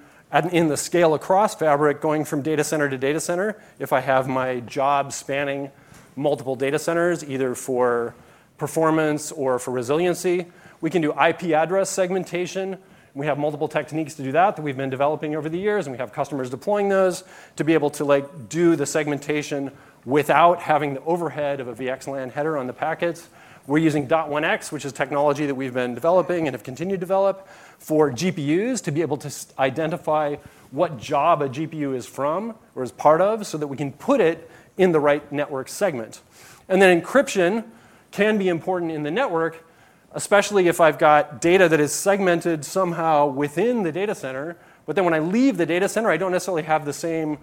in the scale across fabric, going from data center to data center. If I have my job spanning multiple data centers, either for performance or for resiliency, we can do IP address segmentation. We have multiple techniques to do that that we've been developing over the years. We have customers deploying those to be able to do the segmentation without having the overhead of a VXLAN header on the packets. We're using 802.1X, which is technology that we've been developing and have continued to develop for GPUs to be able to identify what job a GPU is from or is part of so that we can put it in the right network segment. Encryption can be important in the network, especially if I've got data that is segmented somehow within the data center. When I leave the data center, I don't necessarily have the same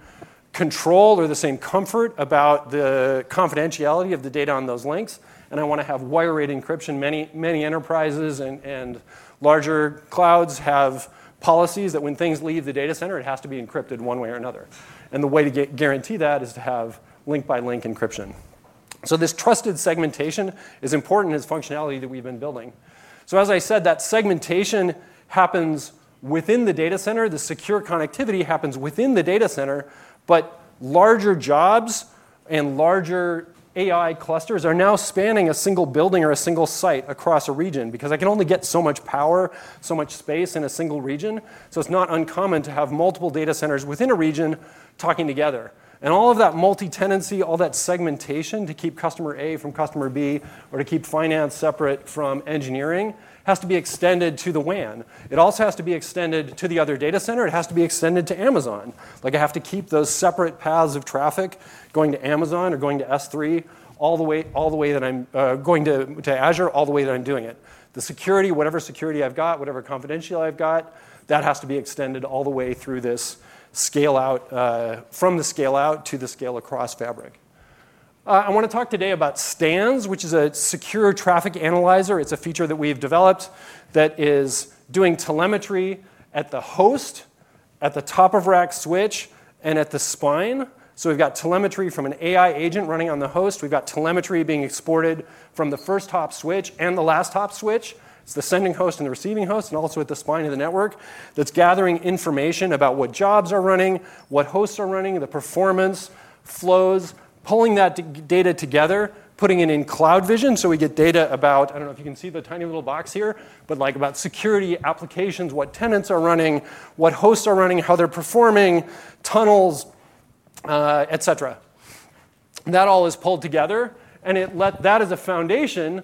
control or the same comfort about the confidentiality of the data on those links. I want to have wire rate encryption. Many enterprises and larger clouds have policies that when things leave the data center, it has to be encrypted one way or another. The way to guarantee that is to have link-by-link encryption. This trusted segmentation is important as functionality that we've been building. As I said, that segmentation happens within the data center. The secure connectivity happens within the data center. Larger jobs and larger AI clusters are now spanning a single building or a single site across a region because I can only get so much power, so much space in a single region. It's not uncommon to have multiple data centers within a region talking together. All of that multi-tenancy, all that segmentation to keep customer A from customer B or to keep finance separate from engineering has to be extended to the WAN. It also has to be extended to the other data center. It has to be extended to Amazon. I have to keep those separate paths of traffic going to Amazon or going to S3 all the way that I'm going to Azure, all the way that I'm doing it. The security, whatever security I've got, whatever confidential I've got, that has to be extended all the way through this scale out from the scale out to the scale across fabric. I want to talk today about STANS, which is a secure traffic analyzer. It's a feature that we've developed that is doing telemetry at the host, at the top of rack switch, and at the spine. We've got telemetry from an AI Agent running on the host. We've got telemetry being exported from the first hop switch and the last hop switch. It's the sending host and the receiving host, and also at the spine of the network that's gathering information about what jobs are running, what hosts are running, the performance flows, pulling that data together, putting it in CloudVision. We get data about, I don't know if you can see the tiny little box here, but about security applications, what tenants are running, what hosts are running, how they're performing, tunnels, etc. That all is pulled together. That is a foundation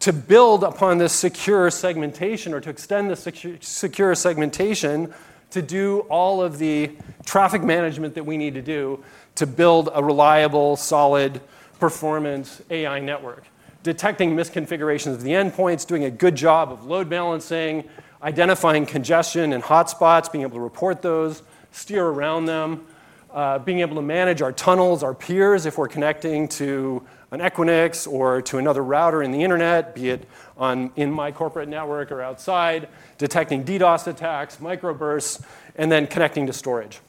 to build upon this secure segmentation or to extend the secure segmentation to do all of the traffic management that we need to do to build a reliable, solid performance AI network, detecting misconfigurations of the endpoints, doing a good job of load balancing, identifying congestion and hotspots, being able to report those, steer around them, being able to manage our tunnels, our peers if we're connecting to an Equinix or to another router in the internet, be it in my corporate network or outside, detecting DDoS attacks, microbursts, and then connecting to storage.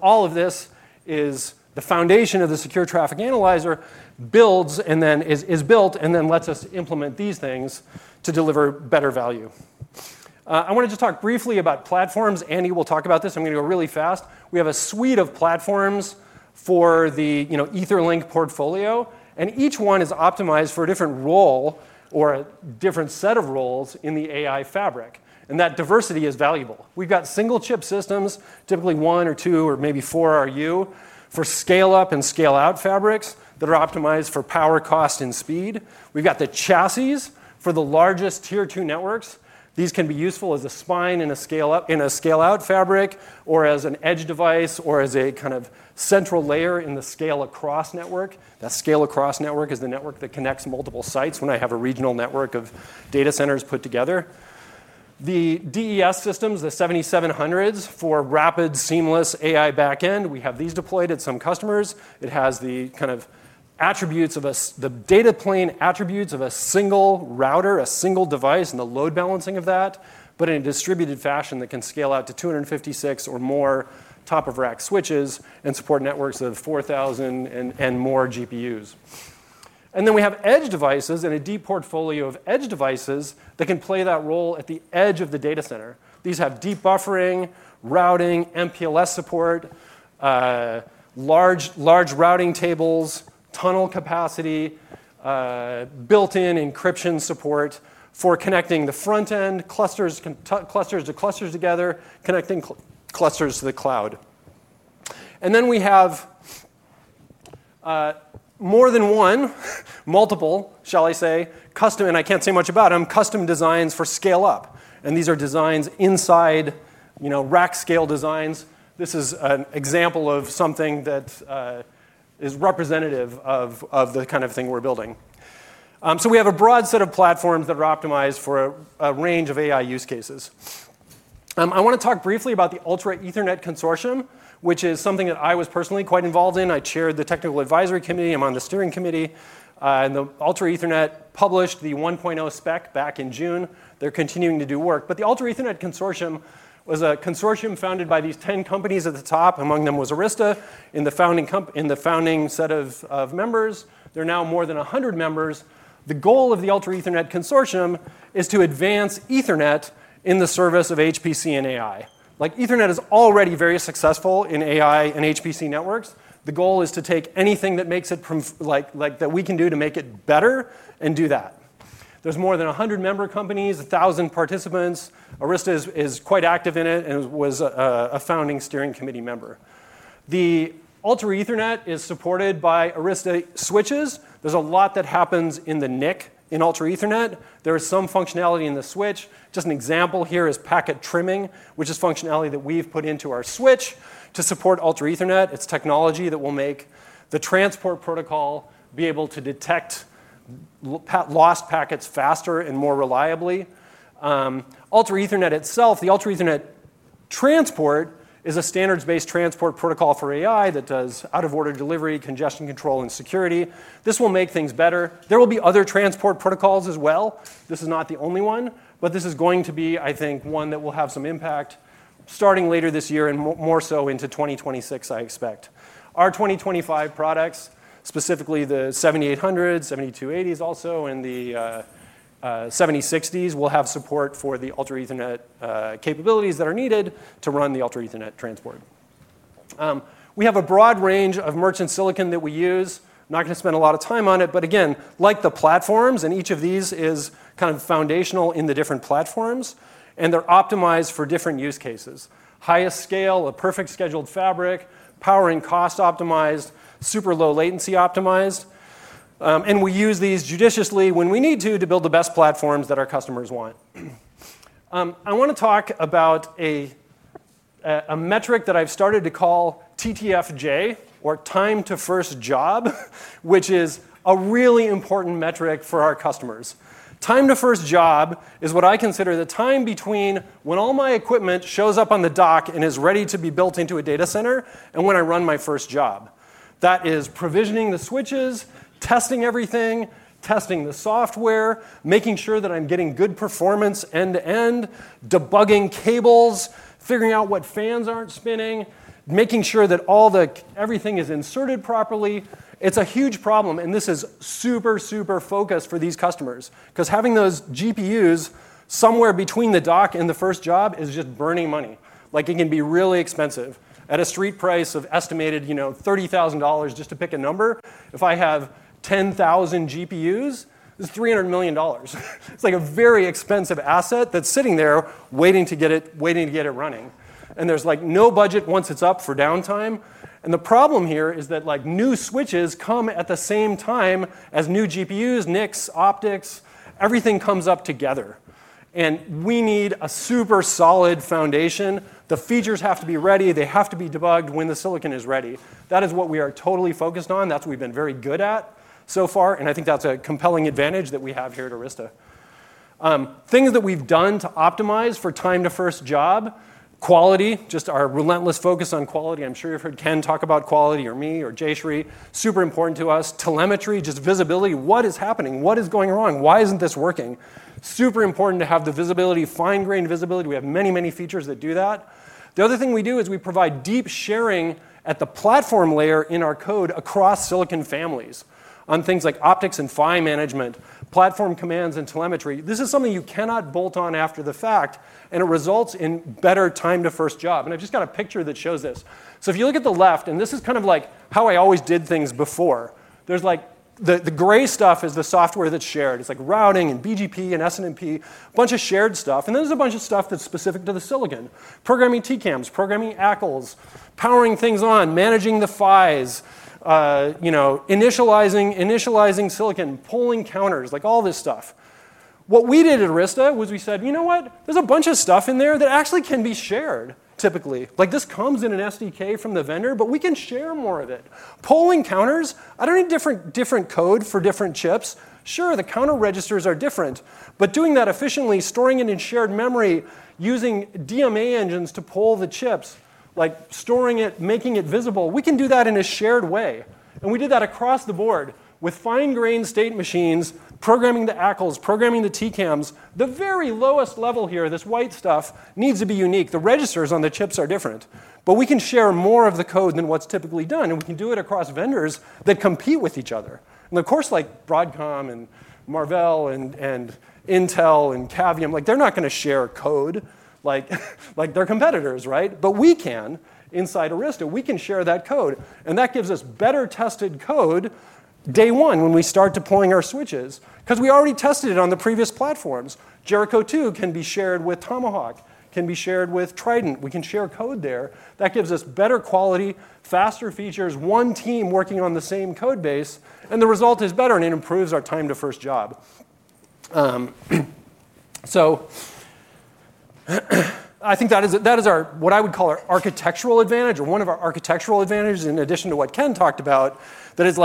All of this is the foundation of the secure traffic analyzer builds and then is built and then lets us implement these things to deliver better value. I wanted to talk briefly about platforms. Andy will talk about this. I'm going to go really fast. We have a suite of platforms for the Etherlink portfolio, and each one is optimized for a different role or a different set of roles in the AI fabric. That diversity is valuable. We've got single-chip systems, typically one or two or maybe four RU for scale-up and scale-out fabrics that are optimized for power, cost, and speed. We've got the chassis for the largest tier two networks. These can be useful as a spine in a scale-out fabric or as an edge device or as a kind of central layer in the scale across network. That scale across network is the network that connects multiple sites when I have a regional network of data centers put together. The DES systems, the 7700s for rapid, seamless AI backend, we have these deployed at some customers. It has the kind of attributes of the data plane attributes of a single router, a single device, and the load balancing of that, but in a distributed fashion that can scale out to 256 or more top-of-rack switches and support networks of 4,000 and more GPUs. We have edge devices and a deep portfolio of edge devices that can play that role at the edge of the data center. These have deep buffering, routing, MPLS support, large routing tables, tunnel capacity, built-in encryption support for connecting the front end clusters to clusters together, connecting clusters to the cloud. We have more than one, multiple, shall I say, custom, and I can't say much about them, custom designs for scale-up. These are designs inside rack scale designs. This is an example of something that is representative of the kind of thing we're building. We have a broad set of platforms that are optimized for a range of AI use cases. I want to talk briefly about the Ultra Ethernet Consortium, which is something that I was personally quite involved in. I chaired the technical advisory committee. I'm on the steering committee. The Ultra Ethernet Consortium published the 1.0 spec back in June. They're continuing to do work. The Ultra Ethernet Consortium was a consortium founded by these 10 companies at the top. Among them was Arista in the founding set of members. There are now more than 100 members. The goal of the Ultra Ethernet Consortium is to advance Ethernet in the service of HPC and AI. Ethernet is already very successful in AI and HPC networks. The goal is to take anything that makes it that we can do to make it better and do that. There are more than 100 member companies, 1,000 participants. Arista is quite active in it and was a founding steering committee member. The Ultra Ethernet is supported by Arista switches. There is a lot that happens in the NIC in Ultra Ethernet. There is some functionality in the switch. Just an example here is packet trimming, which is functionality that we've put into our switch to support Ultra Ethernet. It's technology that will make the transport protocol be able to detect lost packets faster and more reliably. Ultra Ethernet itself, the Ultra Ethernet transport is a standards-based transport protocol for AI that does out-of-order delivery, congestion control, and security. This will make things better. There will be other transport protocols as well. This is not the only one, but this is going to be, I think, one that will have some impact starting later this year and more so into 2026, I expect. Our 2025 products, specifically the 7800s, 7280s also, and the 7660s will have support for the Ultra Ethernet capabilities that are needed to run the Ultra Ethernet transport. We have a broad range of merchant silicon that we use. I'm not going to spend a lot of time on it, but again, like the platforms, and each of these is kind of foundational in the different platforms, and they're optimized for different use cases. Highest scale, a perfect scheduled fabric, power and cost optimized, super low latency optimized. We use these judiciously when we need to to build the best platforms that our customers want. I want to talk about a metric that I've started to call TTFJ, or time to first job, which is a really important metric for our customers. Time to first job is what I consider the time between when all my equipment shows up on the dock and is ready to be built into a data center and when I run my first job. That is provisioning the switches, testing everything, testing the software, making sure that I'm getting good performance end-to-end, debugging cables, figuring out what fans aren't spinning, making sure that everything is inserted properly. It's a huge problem. This is super, super focused for these customers because having those GPUs somewhere between the dock and the first job is just burning money. It can be really expensive. At a street price of estimated $30,000, just to pick a number, if I have 10,000 GPUs, it's $300 million. It's like a very expensive asset that's sitting there waiting to get it running. There's like no budget once it's up for downtime. The problem here is that new switches come at the same time as new GPUs, NICs, optics, everything comes up together. We need a super solid foundation. The features have to be ready. They have to be debugged when the silicon is ready. That is what we are totally focused on. That's what we've been very good at so far. I think that's a compelling advantage that we have here at Arista Networks. Things that we've done to optimize for time to first job, quality, just our relentless focus on quality. I'm sure you've heard Ken talk about quality, or me, or Jayshree. Super important to us. Telemetry, just visibility. What is happening? What is going wrong? Why isn't this working? Super important to have the visibility, fine-grained visibility. We have many, many features that do that. The other thing we do is we provide deep sharing at the platform layer in our code across silicon families on things like optics and fan management, platform commands, and telemetry. This is something you cannot bolt on after the fact. It results in better time to first job. I've just got a picture that shows this. If you look at the left, and this is kind of like how I always did things before, the gray stuff is the software that's shared. It's like routing and BGP and SNMP, a bunch of shared stuff. Then there's a bunch of stuff that's specific to the silicon. Programming TCAMs, programming ACCLs, powering things on, managing the PHYs, initializing silicon, pulling counters, like all this stuff. What we did at Arista Networks was we said, you know what? There's a bunch of stuff in there that actually can be shared typically. Like this comes in an SDK from the vendor, but we can share more of it. Pulling counters, I don't need different code for different chips. Sure, the counter registers are different. Doing that efficiently, storing it in shared memory, using DMA engines to pull the chips, storing it, making it visible, we can do that in a shared way. We did that across the board with fine-grained state machines, programming the ACCLs, programming the TCAMs. The very lowest level here, this white stuff, needs to be unique. The registers on the chips are different. We can share more of the code than what's typically done. We can do it across vendors that compete with each other. Of course, like Broadcom and Marvell and Intel and Cavium, they're not going to share code like their competitors, right? We can inside Arista. We can share that code. That gives us better tested code day one when we start deploying our switches because we already tested it on the previous platforms. Jericho 2 can be shared with Tomahawk, can be shared with Trident. We can share code there. That gives us better quality, faster features, one team working on the same code base. The result is better. It improves our time to first job. I think that is what I would call our architectural advantage, or one of our architectural advantages in addition to what Ken talked about that is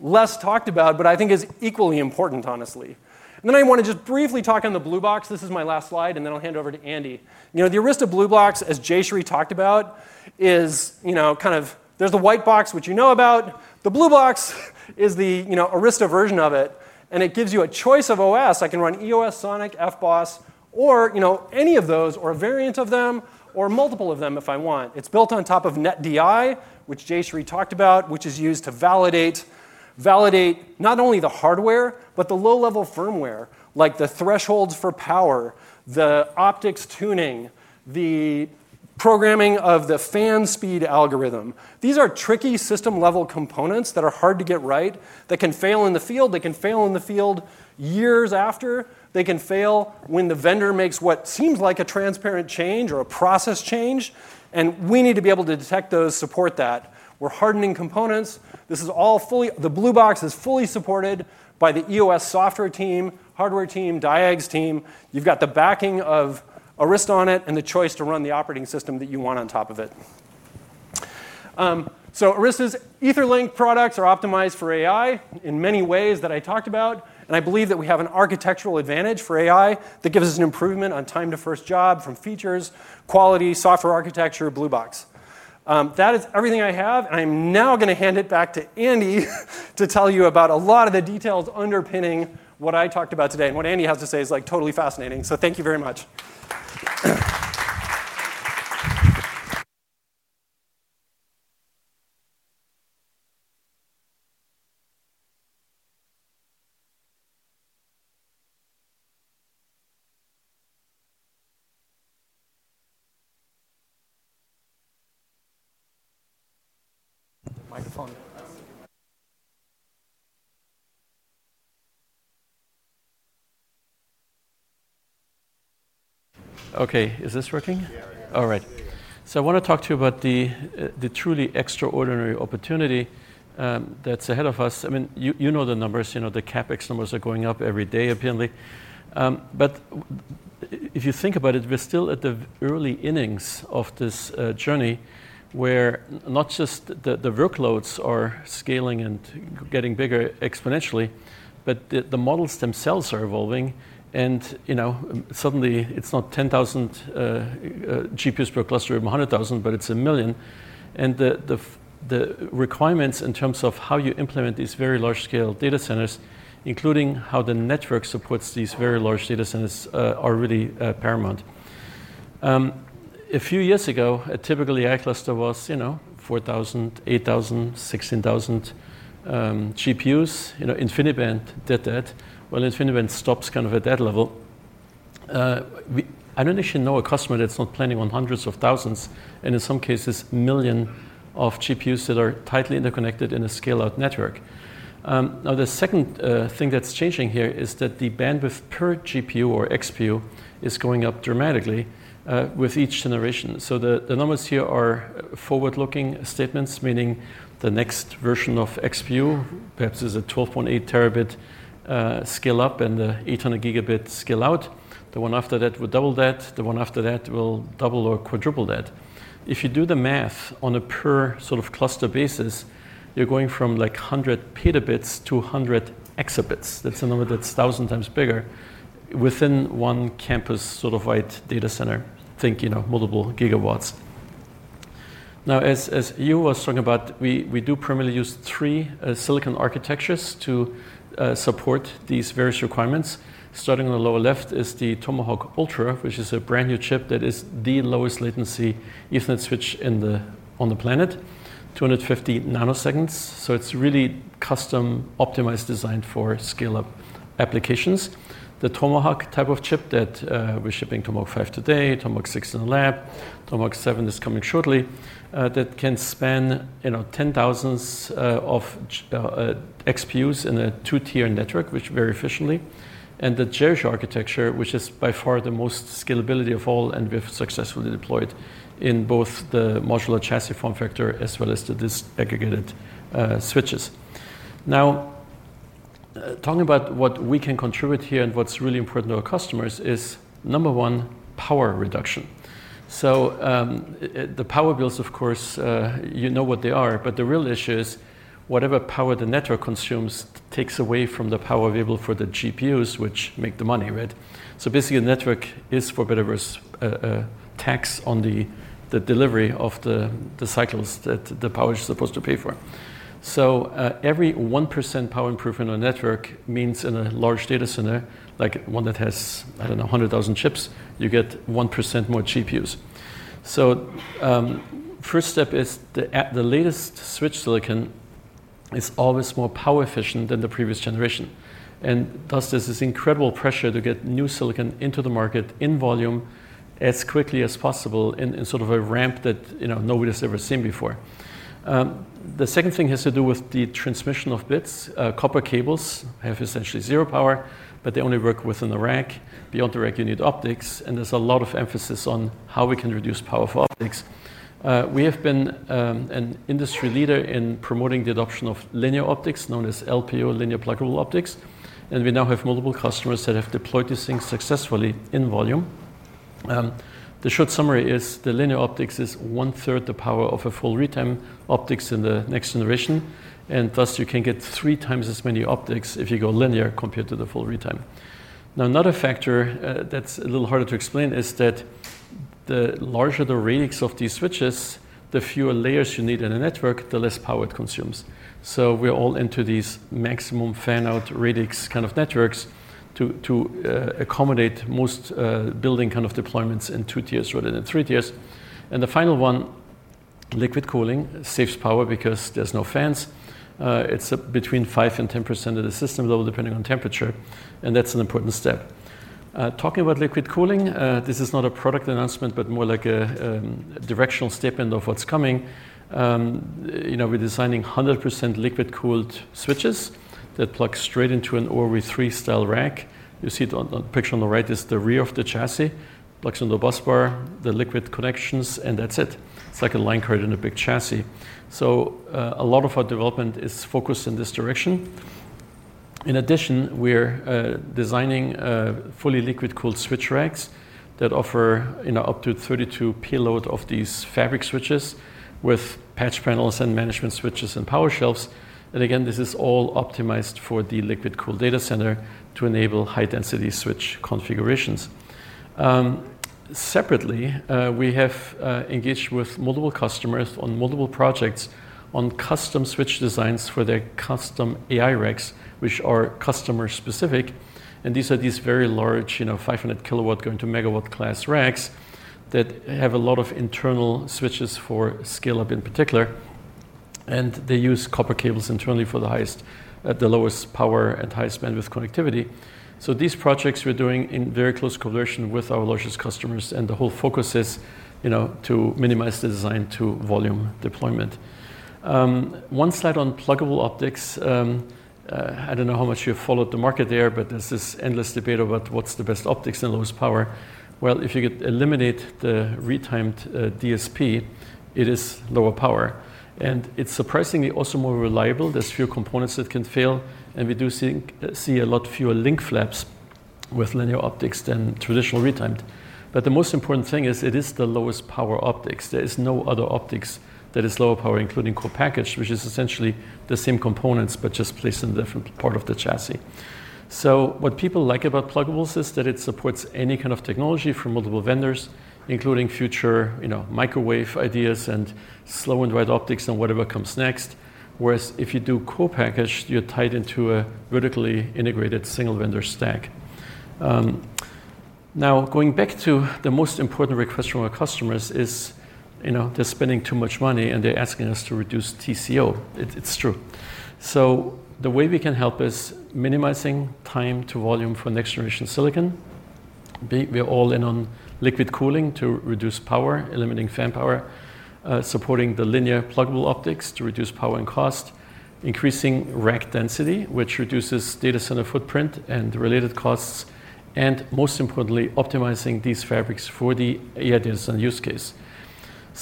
less talked about, but I think is equally important, honestly. I want to just briefly talk on the Blue Box. This is my last slide. I'll hand over to Andy. The Arista Blue Box, as Jayshree talked about, is kind of there's the white box, which you know about. The Blue Box is the Arista version of it. It gives you a choice of OS. I can run EOS, SONiC, FBOSS, or any of those, or a variant of them, or multiple of them if I want. It's built on top of NetDI, which Jayshree talked about, which is used to validate not only the hardware, but the low-level firmware, like the thresholds for power, the optics tuning, the programming of the fan speed algorithm. These are tricky system-level components that are hard to get right, that can fail in the field. They can fail in the field years after. They can fail when the vendor makes what seems like a transparent change or a process change. We need to be able to detect those, support that. We're hardening components. This is all fully the Blue Box is fully supported by the EOS software team, hardware team, diags team. You have got the backing of Arista on it and the choice to run the operating system that you want on top of it. Arista's Etherlink products are optimized for AI in many ways that I talked about. I believe that we have an architectural advantage for AI that gives us an improvement on time to first job from features, quality, software architecture, Blue Box. That is everything I have. I am now going to hand it back to Andy to tell you about a lot of the details underpinning what I talked about today. What Andy has to say is like totally fascinating. Thank you very much. Okay. Is this working? All right. I want to talk to you about the truly extraordinary opportunity that's ahead of us. You know the numbers. You know the CapEx numbers are going up every day, apparently. If you think about it, we're still at the early innings of this journey where not just the workloads are scaling and getting bigger exponentially, but the models themselves are evolving. Suddenly, it's not 10,000 GPUs per cluster or 100,000, but it's a million. The requirements in terms of how you implement these very large-scale data centers, including how the network supports these very large data centers, are really paramount. A few years ago, a typical AI cluster was 4,000, 8,000, 16,000 GPUs. InfiniBand did that. InfiniBand stops kind of at that level. I don't actually know a customer that's not planning on hundreds of thousands, and in some cases, millions of GPUs that are tightly interconnected in a scale-out network. The second thing that's changing here is that the bandwidth per GPU or XPU is going up dramatically with each generation. The numbers here are forward-looking statements, meaning the next version of XPU perhaps is a 12.8 Tb scale-up and the 800 Gb scale-out. The one after that will double that. The one after that will double or quadruple that. If you do the math on a per sort of cluster basis, you're going from like 100 Pb-200 Eb. That's a number that's 1,000x bigger within one campus sort of white data center. Think multiple gigawatts. As EO was talking about, we do primarily use three silicon architectures to support these various requirements. Starting on the lower left is the Tomahawk Ultra, which is a brand new chip that is the lowest latency Ethernet switch on the planet, 250 nanoseconds. It's really custom optimized designed for scale-up applications. The Tomahawk type of chip that we're shipping Tomahawk 5 today, Tomahawk 6 in the lab, Tomahawk 7 is coming shortly, that can span 10,000s of XPUs in a two-tier network very efficiently. The Jericho architecture, which is by far the most scalability of all, and we've successfully deployed in both the modular chassis form factor as well as the disaggregated switches. Talking about what we can contribute here and what's really important to our customers is, number one, power reduction. The power bills, of course, you know what they are. The real issue is whatever power the network consumes takes away from the power available for the GPUs, which make the money, right? Basically, a network is, for better or worse, taxed on the delivery of the cycles that the power is supposed to pay for. Every 1% power improvement on a network means in a large data center, like one that has, I don't know, 100,000 chips, you get 1% more GPUs. The first step is the latest switch silicon is always more power efficient than the previous generation. Thus, there's this incredible pressure to get new silicon into the market in volume as quickly as possible in sort of a ramp that nobody has ever seen before. The second thing has to do with the transmission of bits. Copper cables have essentially zero power, but they only work within the rack. Beyond the rack, you need optics. There's a lot of emphasis on how we can reduce power for optics. We have been an industry leader in promoting the adoption of linear optics, known as LPO, linear pluggable optics. We now have multiple customers that have deployed these things successfully in volume. The short summary is the linear optics is one-third the power of a full-retime optics in the next generation. Thus, you can get three times as many optics if you go linear compared to the full-retime. Another factor that's a little harder to explain is that the larger the radix of these switches, the fewer layers you need in a network, the less power it consumes. We're all into these maximum fan-out radix kind of networks to accommodate most building kind of deployments in two tiers rather than three tiers. The final one, liquid cooling, saves power because there's no fans. It's between 5% and 10% of the system level, depending on temperature. That's an important step. Talking about liquid cooling, this is not a product announcement, but more like a directional step in of what's coming. We're designing 100% liquid-cooled switches that plug straight into an ORI-3 style rack. You see the picture on the right is the rear of the chassis, plugs into the busbar, the liquid connections, and that's it. It's like a line curtain in a big chassis. A lot of our development is focused in this direction. In addition, we're designing fully liquid-cooled switch racks that offer up to 32 P loads of these fabric switches with patch panels and management switches and power shelves. This is all optimized for the liquid-cooled data center to enable high-density switch configurations. Separately, we have engaged with multiple customers on multiple projects on custom switch designs for their custom AI racks, which are customer-specific. These are very large, 500 kW going to megawatt class racks that have a lot of internal switches for scale-up in particular. They use copper cables internally for the lowest power and highest bandwidth connectivity. These projects are being done in very close coalition with our largest customers. The whole focus is to minimize the design to volume deployment. On pluggable optics, I don't know how much you've followed the market there, but there's this endless debate about what's the best optics and lowest power. If you could eliminate the retimed DSP, it is lower power. It is surprisingly also more reliable. There are fewer components that can fail. We do see a lot fewer link flaps with linear optics than traditional retimed. The most important thing is it is the lowest power optics. There is no other optics that is lower power, including core package, which is essentially the same components, but just placed in a different part of the chassis. What people like about pluggables is that it supports any kind of technology from multiple vendors, including future microwave ideas and slow and wide optics and whatever comes next. If you do core package, you're tied into a vertically integrated single-vendor stack. The most important request from our customers is they're spending too much money and they're asking us to reduce TCO. It's true. The way we can help is minimizing time to volume for next-generation silicon. We're all in on liquid cooling to reduce power, eliminating fan power, supporting the linear pluggable optics to reduce power and cost, increasing rack density, which reduces data center footprint and related costs, and most importantly, optimizing these fabrics for the AI data center use case.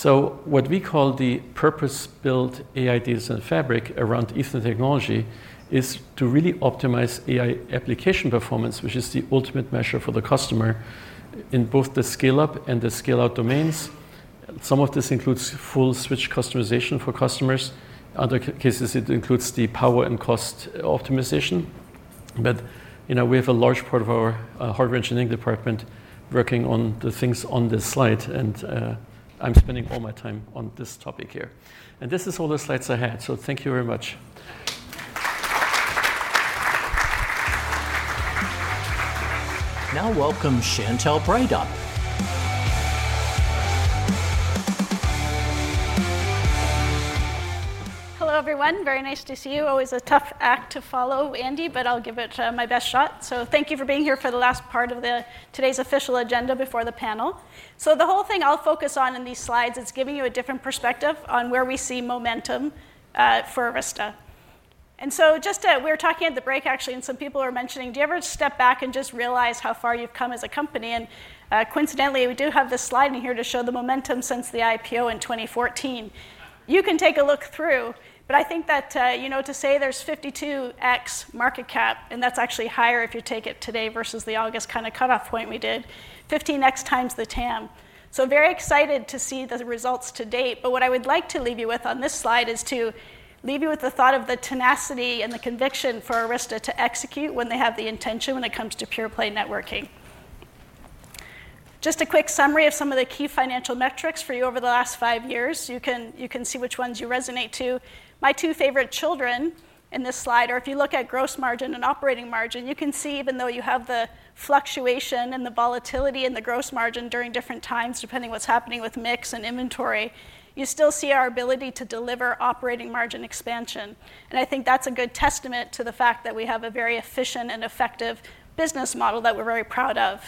What we call the purpose-built AI data center fabric around Ethernet technology is to really optimize AI application performance, which is the ultimate measure for the customer in both the scale-up and the scale-out domains. Some of this includes full switch customization for customers. In other cases, it includes the power and cost optimization. We have a large part of our hardware engineering department working on the things on this slide. I'm spending all my time on this topic here. This is all the slides I had. Thank you very much. Now, welcome Chantelle Breithaupt. Hello, everyone. Very nice to see you. Always a tough act to follow, Andy, but I'll give it my best shot. Thank you for being here for the last part of today's official agenda before the panel. The whole thing I'll focus on in these slides is giving you a different perspective on where we see momentum for Arista. We were talking at the break, actually, and some people were mentioning, do you ever step back and just realize how far you've come as a company? Coincidentally, we do have this slide in here to show the momentum since the IPO in 2014. You can take a look through. I think that to say there's 52x market cap, and that's actually higher if you take it today versus the August kind of cutoff point we did, 15x times the TAM. Very excited to see the results to date. What I would like to leave you with on this slide is to leave you with the thought of the tenacity and the conviction for Arista to execute when they have the intention when it comes to pure play networking. Just a quick summary of some of the key financial metrics for you over the last five years. You can see which ones you resonate to. My two favorite children in this slide are, if you look at gross margin and operating margin, you can see even though you have the fluctuation and the volatility in the gross margin during different times, depending on what's happening with mix and inventory, you still see our ability to deliver operating margin expansion. I think that's a good testament to the fact that we have a very efficient and effective business model that we're very proud of.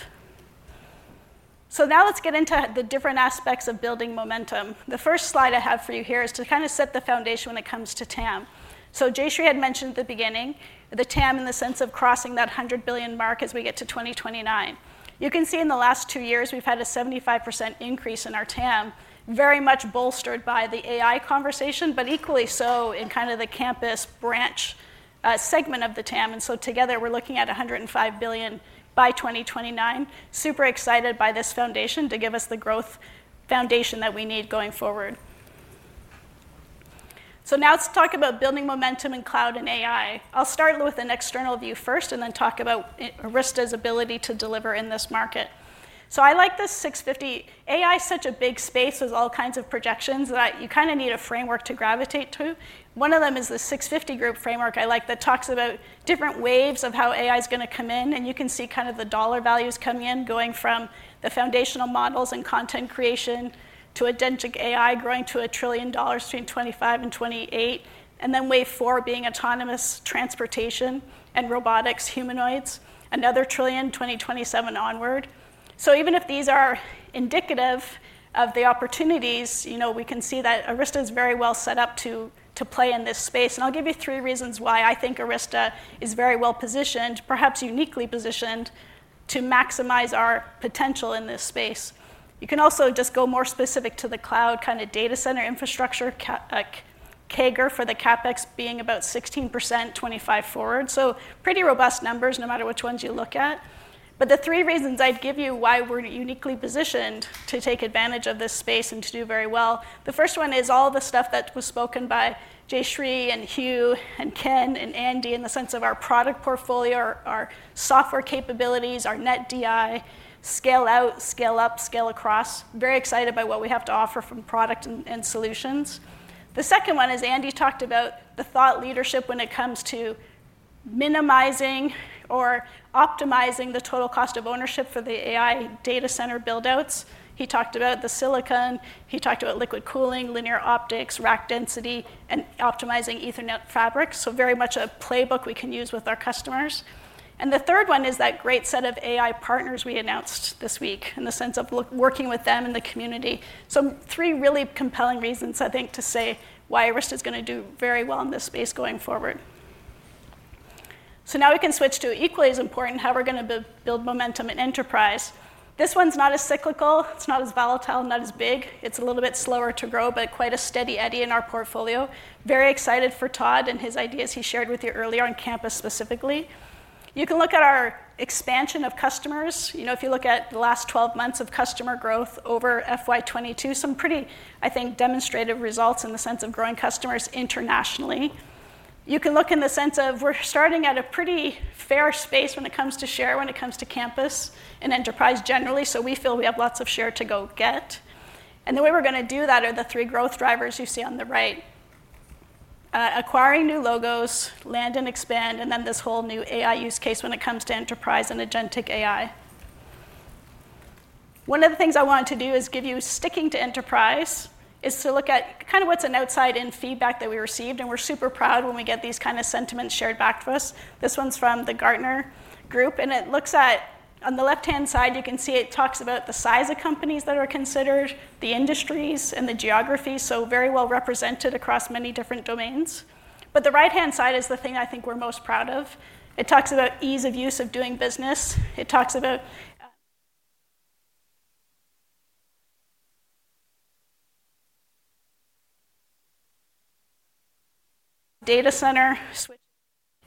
Now let's get into the different aspects of building momentum. The first slide I have for you here is to kind of set the foundation when it comes to TAM. Jayshree had mentioned at the beginning the TAM in the sense of crossing that $100 billion mark as we get to 2029. You can see in the last two years, we've had a 75% increase in our TAM, very much bolstered by the AI conversation, but equally so in kind of the campus branch segment of the TAM. Together, we're looking at $105 billion by 2029. Super excited by this foundation to give us the growth foundation that we need going forward. Now let's talk about building momentum in cloud and AI. I'll start with an external view first and then talk about Arista's ability to deliver in this market. I like this 650. AI is such a big space with all kinds of projections that you kind of need a framework to gravitate to. One of them is the 650 Group framework I like that talks about different waves of how AI is going to come in. You can see kind of the dollar values coming in, going from the foundational models and content creation to agentic AI growing to 1 trillion dollars between 2025 and 2028, and then wave four being autonomous transportation and robotics, humanoids, another trillion 2027 onward. Even if these are indicative of the opportunities, we can see that Arista Networks is very well set up to play in this space. I'll give you three reasons why I think Arista Networks is very well positioned, perhaps uniquely positioned to maximize our potential in this space. You can also just go more specific to the cloud kind of data center infrastructure, CAGR for the CapEx being about 16% 2025 forward. Pretty robust numbers no matter which ones you look at. The three reasons I'd give you why we're uniquely positioned to take advantage of this space and to do very well. The first one is all the stuff that was spoken by Jayshree and Hugh and Ken and Andy in the sense of our product portfolio, our software capabilities, our NetDI, scale out, scale up, scale across. Very excited by what we have to offer from product and solutions. The second one is Andy talked about the thought leadership when it comes to minimizing or optimizing the total cost of ownership for the AI data center buildouts. He talked about the silicon. He talked about liquid cooling, linear optics, rack density, and optimizing Ethernet fabrics. Very much a playbook we can use with our customers. The third one is that great set of AI partners we announced this week in the sense of working with them in the community. Three really compelling reasons, I think, to say why Arista Networks is going to do very well in this space going forward. Now we can switch to equally as important how we're going to build momentum in enterprise. This one's not as cyclical. It's not as volatile, not as big. It's a little bit slower to grow, but quite a steady eddy in our portfolio. Very excited for Todd and his ideas he shared with you earlier on campus specifically. You can look at our expansion of customers. If you look at the last 12 months of customer growth over FY 2022, some pretty, I think, demonstrative results in the sense of growing customers internationally. You can look in the sense of we're starting at a pretty fair space when it comes to share, when it comes to campus and enterprise generally. We feel we have lots of share to go get. The way we're going to do that are the three growth drivers you see on the right: acquiring new logos, land and expand, and then this whole new AI use case when it comes to enterprise and Agentic AI. One of the things I wanted to do is give you, sticking to enterprise, is to look at kind of what's an outside-in feedback that we received. We're super proud when we get these kind of sentiments shared back to us. This one's from the Gartner Group. It looks at, on the left-hand side, you can see it talks about the size of companies that are considered, the industries, and the geography. Very well represented across many different domains. The right-hand side is the thing I think we're most proud of. It talks about ease of use of doing business. It talks about data center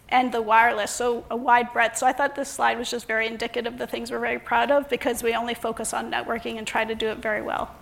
and the wireless. A wide breadth. I thought this slide was just very indicative of the things we're very proud of because we only focus on networking and try to do it very well.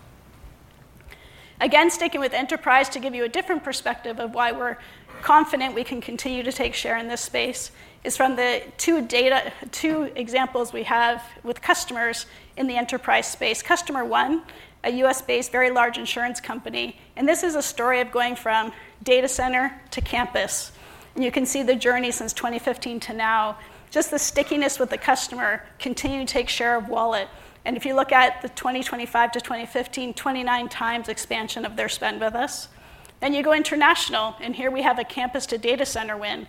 Again, sticking with enterprise to give you a different perspective of why we're confident we can continue to take share in this space is from the two data, two examples we have with customers in the enterprise space. Customer one, a U.S.-based very large insurance company. This is a story of going from data center to campus. You can see the journey since 2015 to now. Just the stickiness with the customer continuing to take share of wallet. If you look at the 2025 to 2015, 2x expansion of their spend with us. You go international. Here we have a campus to data center win.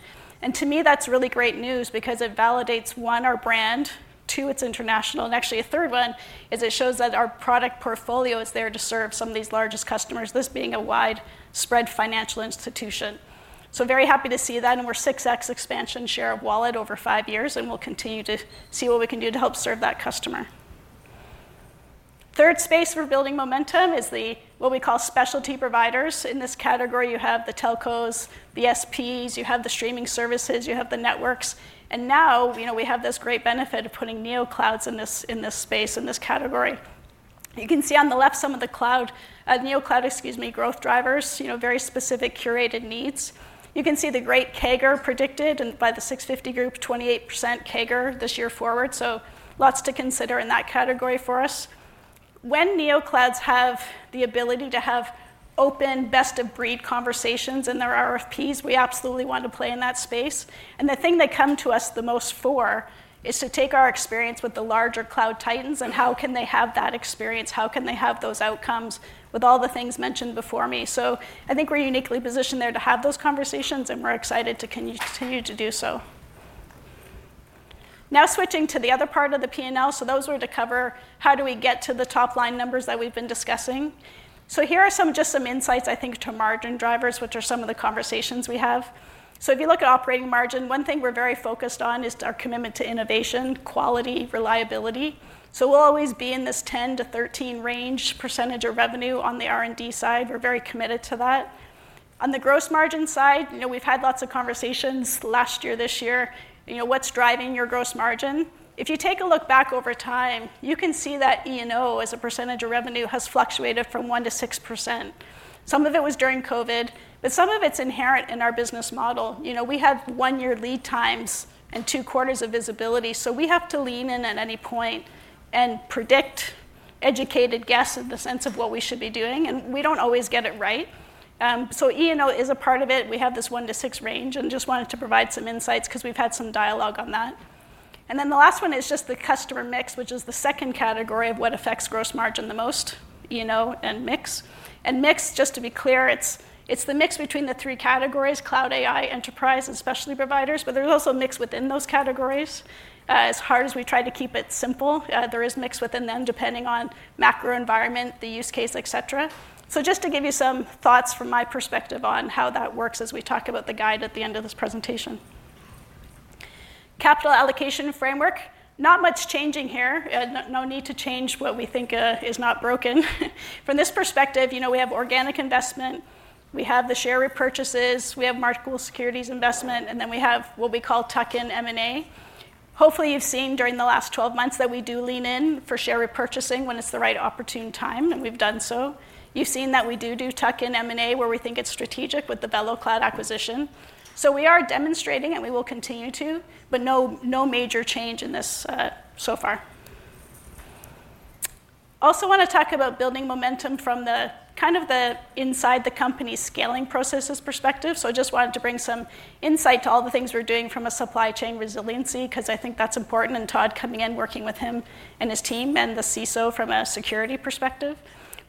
To me, that's really great news because it validates, one, our brand, two, it's international. Actually, a third one is it shows that our product portfolio is there to serve some of these largest customers, this being a widespread financial institution. I'm very happy to see that. We're 6x expansion share of wallet over five years. We'll continue to see what we can do to help serve that customer. Third space for building momentum is what we call specialty providers. In this category, you have the telcos, the SPs, you have the streaming services, you have the networks. Now we have this great benefit of putting NeoClouds in this space, in this category. You can see on the left some of the cloud, NeoCloud, excuse me, growth drivers, very specific curated needs. You can see the great CAGR predicted by the 650 Group, 28% CAGR this year forward. Lots to consider in that category for us. When NeoClouds have the ability to have open, best-of-breed conversations in their RFPs, we absolutely want to play in that space. The thing they come to us the most for is to take our experience with the larger cloud titans and how can they have that experience, how can they have those outcomes with all the things mentioned before me. I think we're uniquely positioned there to have those conversations. We're excited to continue to do so. Now switching to the other part of the P&L. Those were to cover how do we get to the top line numbers that we've been discussing. Here are just some insights, I think, to margin drivers, which are some of the conversations we have. If you look at operating margin, one thing we're very focused on is our commitment to innovation, quality, reliability. We'll always be in this 10% to 13% range of revenue on the R&D side. We're very committed to that. On the gross margin side, we've had lots of conversations last year, this year, what's driving your gross margin. If you take a look back over time, you can see that E&O as a percentage of revenue has fluctuated from 1%-6%. Some of it was during COVID, but some of it's inherent in our business model. We have one-year lead times and two quarters of visibility. We have to lean in at any point and predict educated guess in the sense of what we should be doing. We don't always get it right. E&O is a part of it. We have this 1%-6% range and just wanted to provide some insights because we've had some dialogue on that. The last one is just the customer mix, which is the second category of what affects gross margin the most, you know, and mix. Mix, just to be clear, it's the mix between the three categories: cloud, AI, enterprise, and specialty providers. There's also a mix within those categories. As hard as we try to keep it simple, there is mix within them depending on macro environment, the use case, et cetera. Just to give you some thoughts from my perspective on how that works as we talk about the guide at the end of this presentation. Capital allocation framework, not much changing here. No need to change what we think is not broken. From this perspective, you know, we have organic investment. We have the share repurchases. We have marketable securities investment. Then we have what we call tuck-in M&A. Hopefully, you've seen during the last 12 months that we do lean in for share repurchasing when it's the right opportune time. We've done so. You've seen that we do do tuck-in M&A where we think it's strategic with the VeloCloud acquisition. We are demonstrating and we will continue to, but no major change in this so far. I also want to talk about building momentum from the inside the company scaling processes perspective. I just wanted to bring some insight to all the things we're doing from a supply chain resiliency because I think that's important. Todd coming in, working with him and his team and the CISO from a security perspective.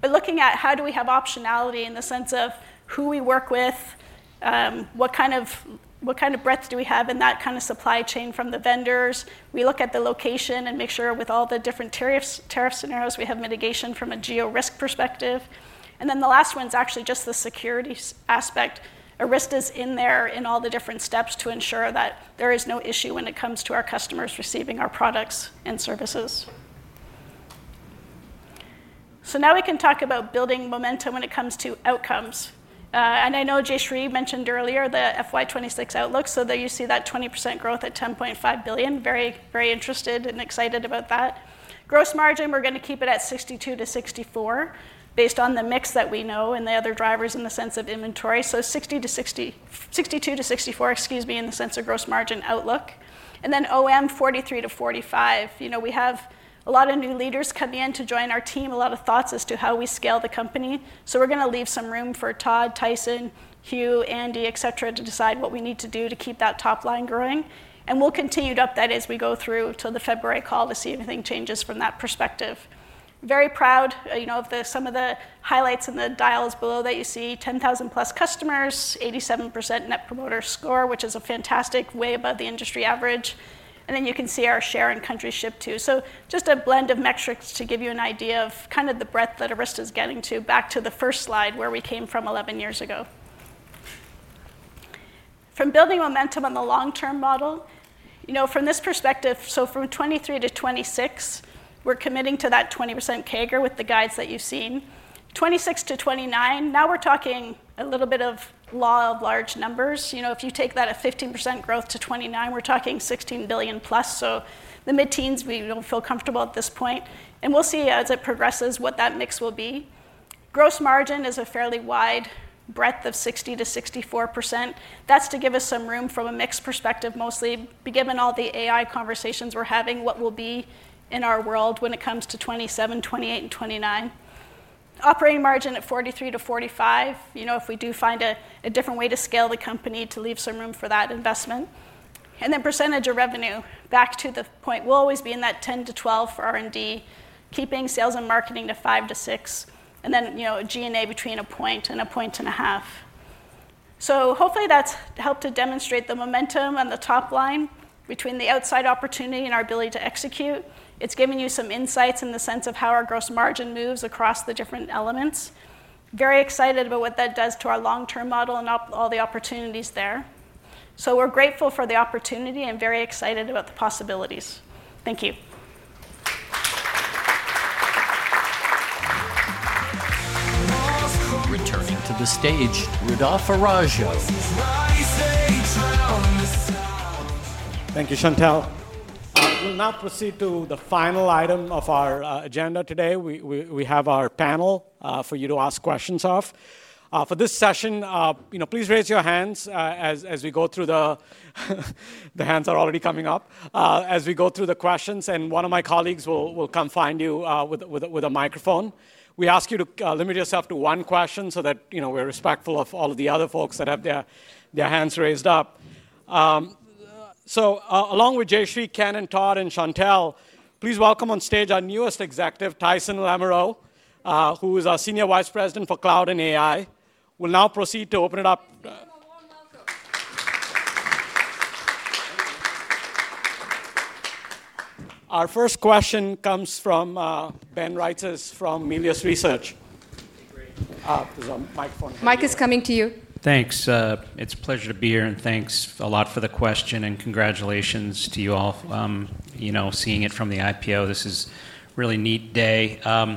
Looking at how do we have optionality in the sense of who we work with, what kind of breadth do we have in that kind of supply chain from the vendors. We look at the location and make sure with all the different tariff scenarios we have mitigation from a geo-risk perspective. The last one is actually just the security aspect. Arista Networks is in there in all the different steps to ensure that there is no issue when it comes to our customers receiving our products and services. Now we can talk about building momentum when it comes to outcomes. I know Jayshree mentioned earlier the FY 2026 outlook. There you see that 20% growth at $10.5 billion. Very, very interested and excited about that. Gross margin, we're going to keep it at 62%-64% based on the mix that we know and the other drivers in the sense of inventory. So 62%-64%, excuse me, in the sense of gross margin outlook. Then OM 43%-45%. We have a lot of new leaders coming in to join our team, a lot of thoughts as to how we scale the company. We're going to leave some room for Todd, Tyson, Hugh, Andy, et cetera, to decide what we need to do to keep that top line growing. We'll continue to up that as we go through till the February call to see if anything changes from that perspective. Very proud of some of the highlights in the dials below that you see. 10,000 plus customers, 87% Net Promoter Score, which is a fantastic way above the industry average. You can see our share in country ship too. Just a blend of metrics to give you an idea of the breadth that Arista Networks is getting to, back to the first slide where we came from 11 years ago. From building momentum on the long-term model, from this perspective, from 2023-2026, we're committing to that 20% CAGR with the guides that you've seen. 2026-2029, now we're talking a little bit of law of large numbers. If you take that at 15% growth to 2029, we're talking $16 billion plus. The mid-teens, we don't feel comfortable at this point. We'll see as it progresses what that mix will be. Gross margin is a fairly wide breadth of 60%-64%. That's to give us some room from a mix perspective, mostly given all the AI conversations we're having, what will be in our world when it comes to 2027, 2028, and 2029. Operating margin at 43%-45%, if we do find a different way to scale the company to leave some room for that investment. Percentage of revenue, back to the point, we'll always be in that 10%-12% for R&D, keeping sales and marketing to 5%-6%. G&A between a point and a point and a half. Hopefully, that's helped to demonstrate the momentum on the top line between the outside opportunity and our ability to execute. It's given you some insights in the sense of how our gross margin moves across the different elements. Very excited about what that does to our long-term model and all the opportunities there. We're grateful for the opportunity and very excited about the possibilities. Thank you. Returning to the stage, Rudolph Araujo. Thank you, Chantelle. We'll now proceed to the final item of our agenda today. We have our panel for you to ask questions of. For this session, please raise your hands as we go through. The hands are already coming up as we go through the questions. One of my colleagues will come find you with a microphone. We ask you to limit yourself to one question so that we're respectful of all of the other folks that have their hands raised up. Along with Jayshree, Ken, Todd, and Chantelle, please welcome on stage our newest executive, Tyson Lamoreaux, who is our Senior Vice President for Cloud and AI. We'll now proceed to open it up. Our first question comes from Ben Reitzes from Melius Research. There's a microphone. Mike is coming to you. Thanks. It's a pleasure to be here. Thanks a lot for the question. Congratulations to you all, you know, seeing it from the IPO. This is a really neat day. A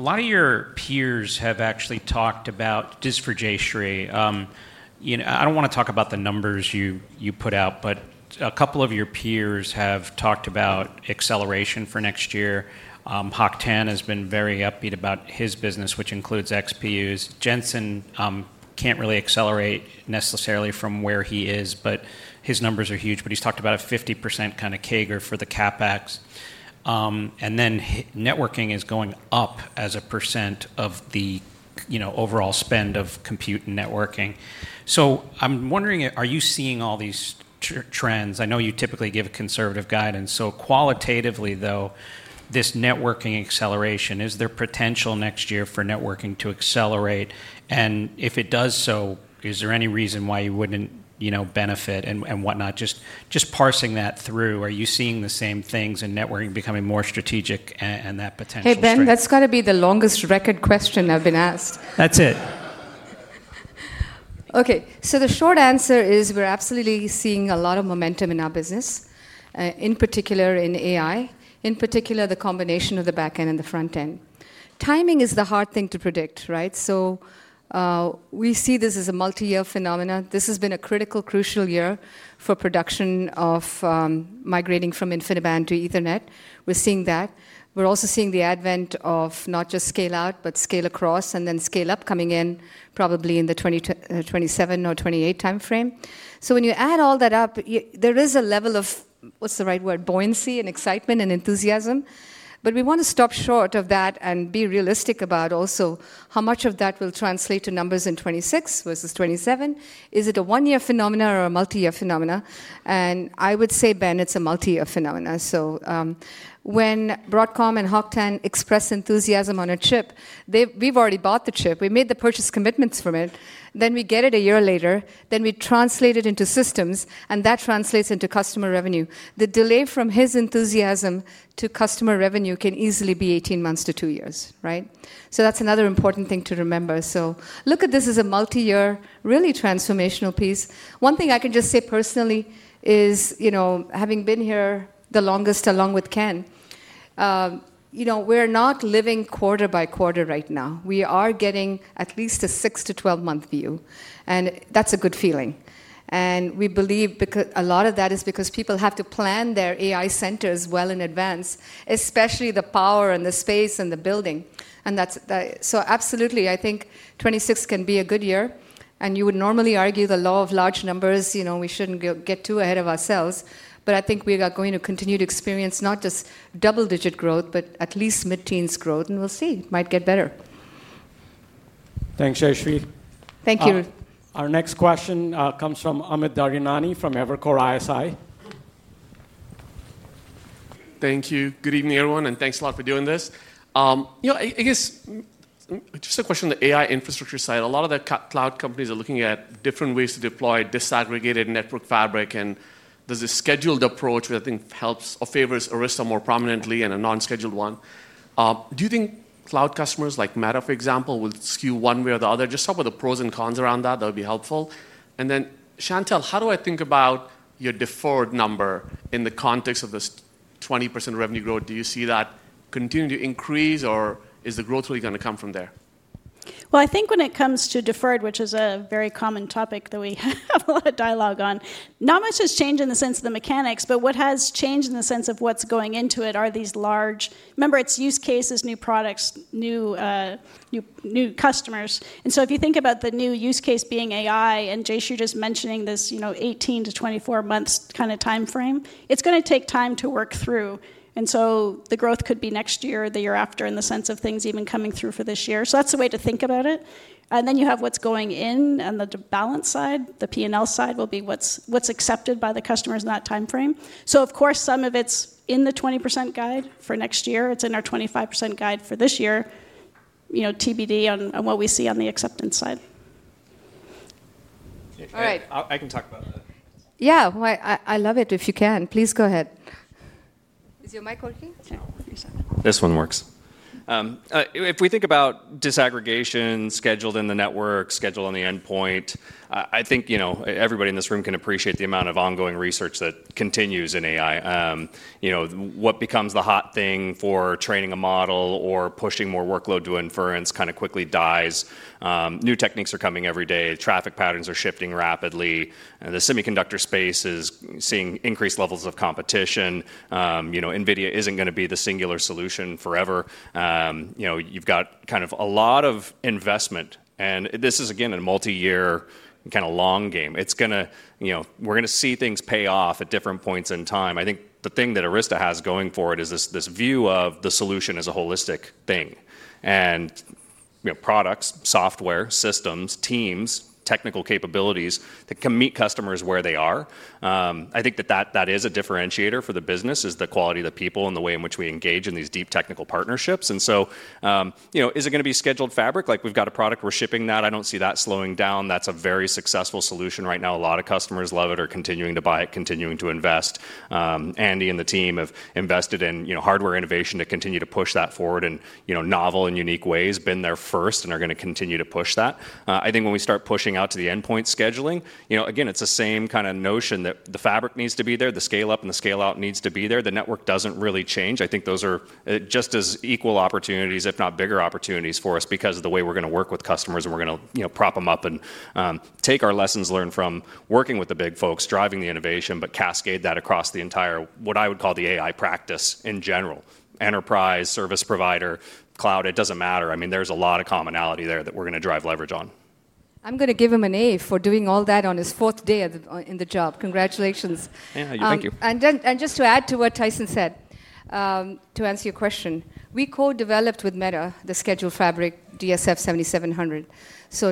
lot of your peers have actually talked about, just for Jayshree, I don't want to talk about the numbers you put out, but a couple of your peers have talked about acceleration for next year. Hock Tan has been very upbeat about his business, which includes XPUs. Jensen can't really accelerate necessarily from where he is, but his numbers are huge. He's talked about a 50% kind of CAGR for the CapEx. Networking is going up as a percent of the overall spend of compute and networking. I'm wondering, are you seeing all these trends? I know you typically give conservative guidance. Qualitatively, though, this networking acceleration, is there potential next year for networking to accelerate? If it does so, is there any reason why you wouldn't benefit and whatnot? Just parsing that through, are you seeing the same things in networking becoming more strategic and that potential? Hey, Ben, that's got to be the longest record question I've been asked. That's it. OK. The short answer is we're absolutely seeing a lot of momentum in our business, in particular in AI, in particular the combination of the backend and the frontend. Timing is the hard thing to predict, right? We see this as a multi-year phenomenon. This has been a critical, crucial year for production of migrating from InfiniBand to Ethernet. We're seeing that. We're also seeing the advent of not just scale-out, but scale across and then scale up coming in probably in the 2027 or 2028 timeframe. When you add all that up, there is a level of, what's the right word, buoyancy and excitement and enthusiasm. We want to stop short of that and be realistic about also how much of that will translate to numbers in 2026 versus 2027. Is it a one-year phenomenon or a multi-year phenomenon? I would say, Ben, it's a multi-year phenomenon. When Broadcom and Hock Tan express enthusiasm on a chip, we've already bought the chip. We made the purchase commitments from it. We get it a year later. We translate it into systems. That translates into customer revenue. The delay from his enthusiasm to customer revenue can easily be 18 months to two years, right? That's another important thing to remember. Look at this as a multi-year, really transformational piece. One thing I can just say personally is, you know, having been here the longest, along with Ken, you know, we're not living quarter by quarter right now. We are getting at least a 6 month-2 month view. That's a good feeling. We believe a lot of that is because people have to plan their AI centers well in advance, especially the power and the space and the building. Absolutely, I think 2026 can be a good year. You would normally argue the law of large numbers, you know, we shouldn't get too ahead of ourselves. I think we are going to continue to experience not just double-digit growth, but at least mid-teens growth. We'll see. It might get better. Thanks, Jayshree. Thank you. Our next question comes from Amit Daryanani from Evercore ISI. Thank you. Good evening, everyone. Thanks a lot for doing this. I guess just a question on the AI infrastructure side. A lot of the cloud companies are looking at different ways to deploy disaggregated network fabric. There's a scheduled approach that I think helps or favors Arista Networks more prominently and a non-scheduled one. Do you think cloud customers like Meta, for example, will skew one way or the other? Just talk about the pros and cons around that. That would be helpful. Chantelle, how do I think about your deferred number in the context of this 20% revenue growth? Do you see that continuing to increase, or is the growth really going to come from there? I think when it comes to deferred, which is a very common topic that we have a lot of dialogue on, not much has changed in the sense of the mechanics. What has changed in the sense of what's going into it are these large, remember, it's use cases, new products, new customers. If you think about the new use case being AI and Jayshree just mentioning this 18 months-4 months kind of timeframe, it's going to take time to work through. The growth could be next year or the year after in the sense of things even coming through for this year. That's the way to think about it. Then you have what's going in. The balance side, the P&L side will be what's accepted by the customers in that timeframe. Of course, some of it's in the 20% guide for next year. It's in our 25% guide for this year, TBD on what we see on the acceptance side. All right, I can talk about that. Yeah, I love it if you can. Please go ahead. Is your mic working? No, you said. This one works. If we think about disaggregation scheduled in the network, scheduled on the endpoint, I think everybody in this room can appreciate the amount of ongoing research that continues in AI. What becomes the hot thing for training a model or pushing more workload to inference kind of quickly dies. New techniques are coming every day. Traffic patterns are shifting rapidly. The semiconductor space is seeing increased levels of competition. NVIDIA isn't going to be the singular solution forever. You've got kind of a lot of investment. This is, again, a multi-year kind of long game. We're going to see things pay off at different points in time. I think the thing that Arista Networks has going for it is this view of the solution as a holistic thing and products, software, systems, teams, technical capabilities that can meet customers where they are. I think that that is a differentiator for the business, is the quality of the people and the way in which we engage in these deep technical partnerships. Is it going to be scheduled fabric? Like we've got a product, we're shipping that. I don't see that slowing down. That's a very successful solution right now. A lot of customers love it, are continuing to buy it, continuing to invest. Andy Bechtolsheim and the team have invested in hardware innovation to continue to push that forward in novel and unique ways. Been there first and are going to continue to push that. I think when we start pushing out to the endpoint scheduling, again, it's the same kind of notion that the fabric needs to be there. The scale-up and the scale-out needs to be there. The network doesn't really change. I think those are just as equal opportunities, if not bigger opportunities for us because of the way we're going to work with customers. We're going to prop them up and take our lessons learned from working with the big folks, driving the innovation, but cascade that across the entire, what I would call the AI practice in general, enterprise, service provider, cloud. It doesn't matter. There's a lot of commonality there that we're going to drive leverage on. I'm going to give him an A for doing all that on his fourth day in the job. Congratulations. Thank you. To add to what Tyson said, to answer your question, we co-developed with Meta the scheduled fabric DSF 7700.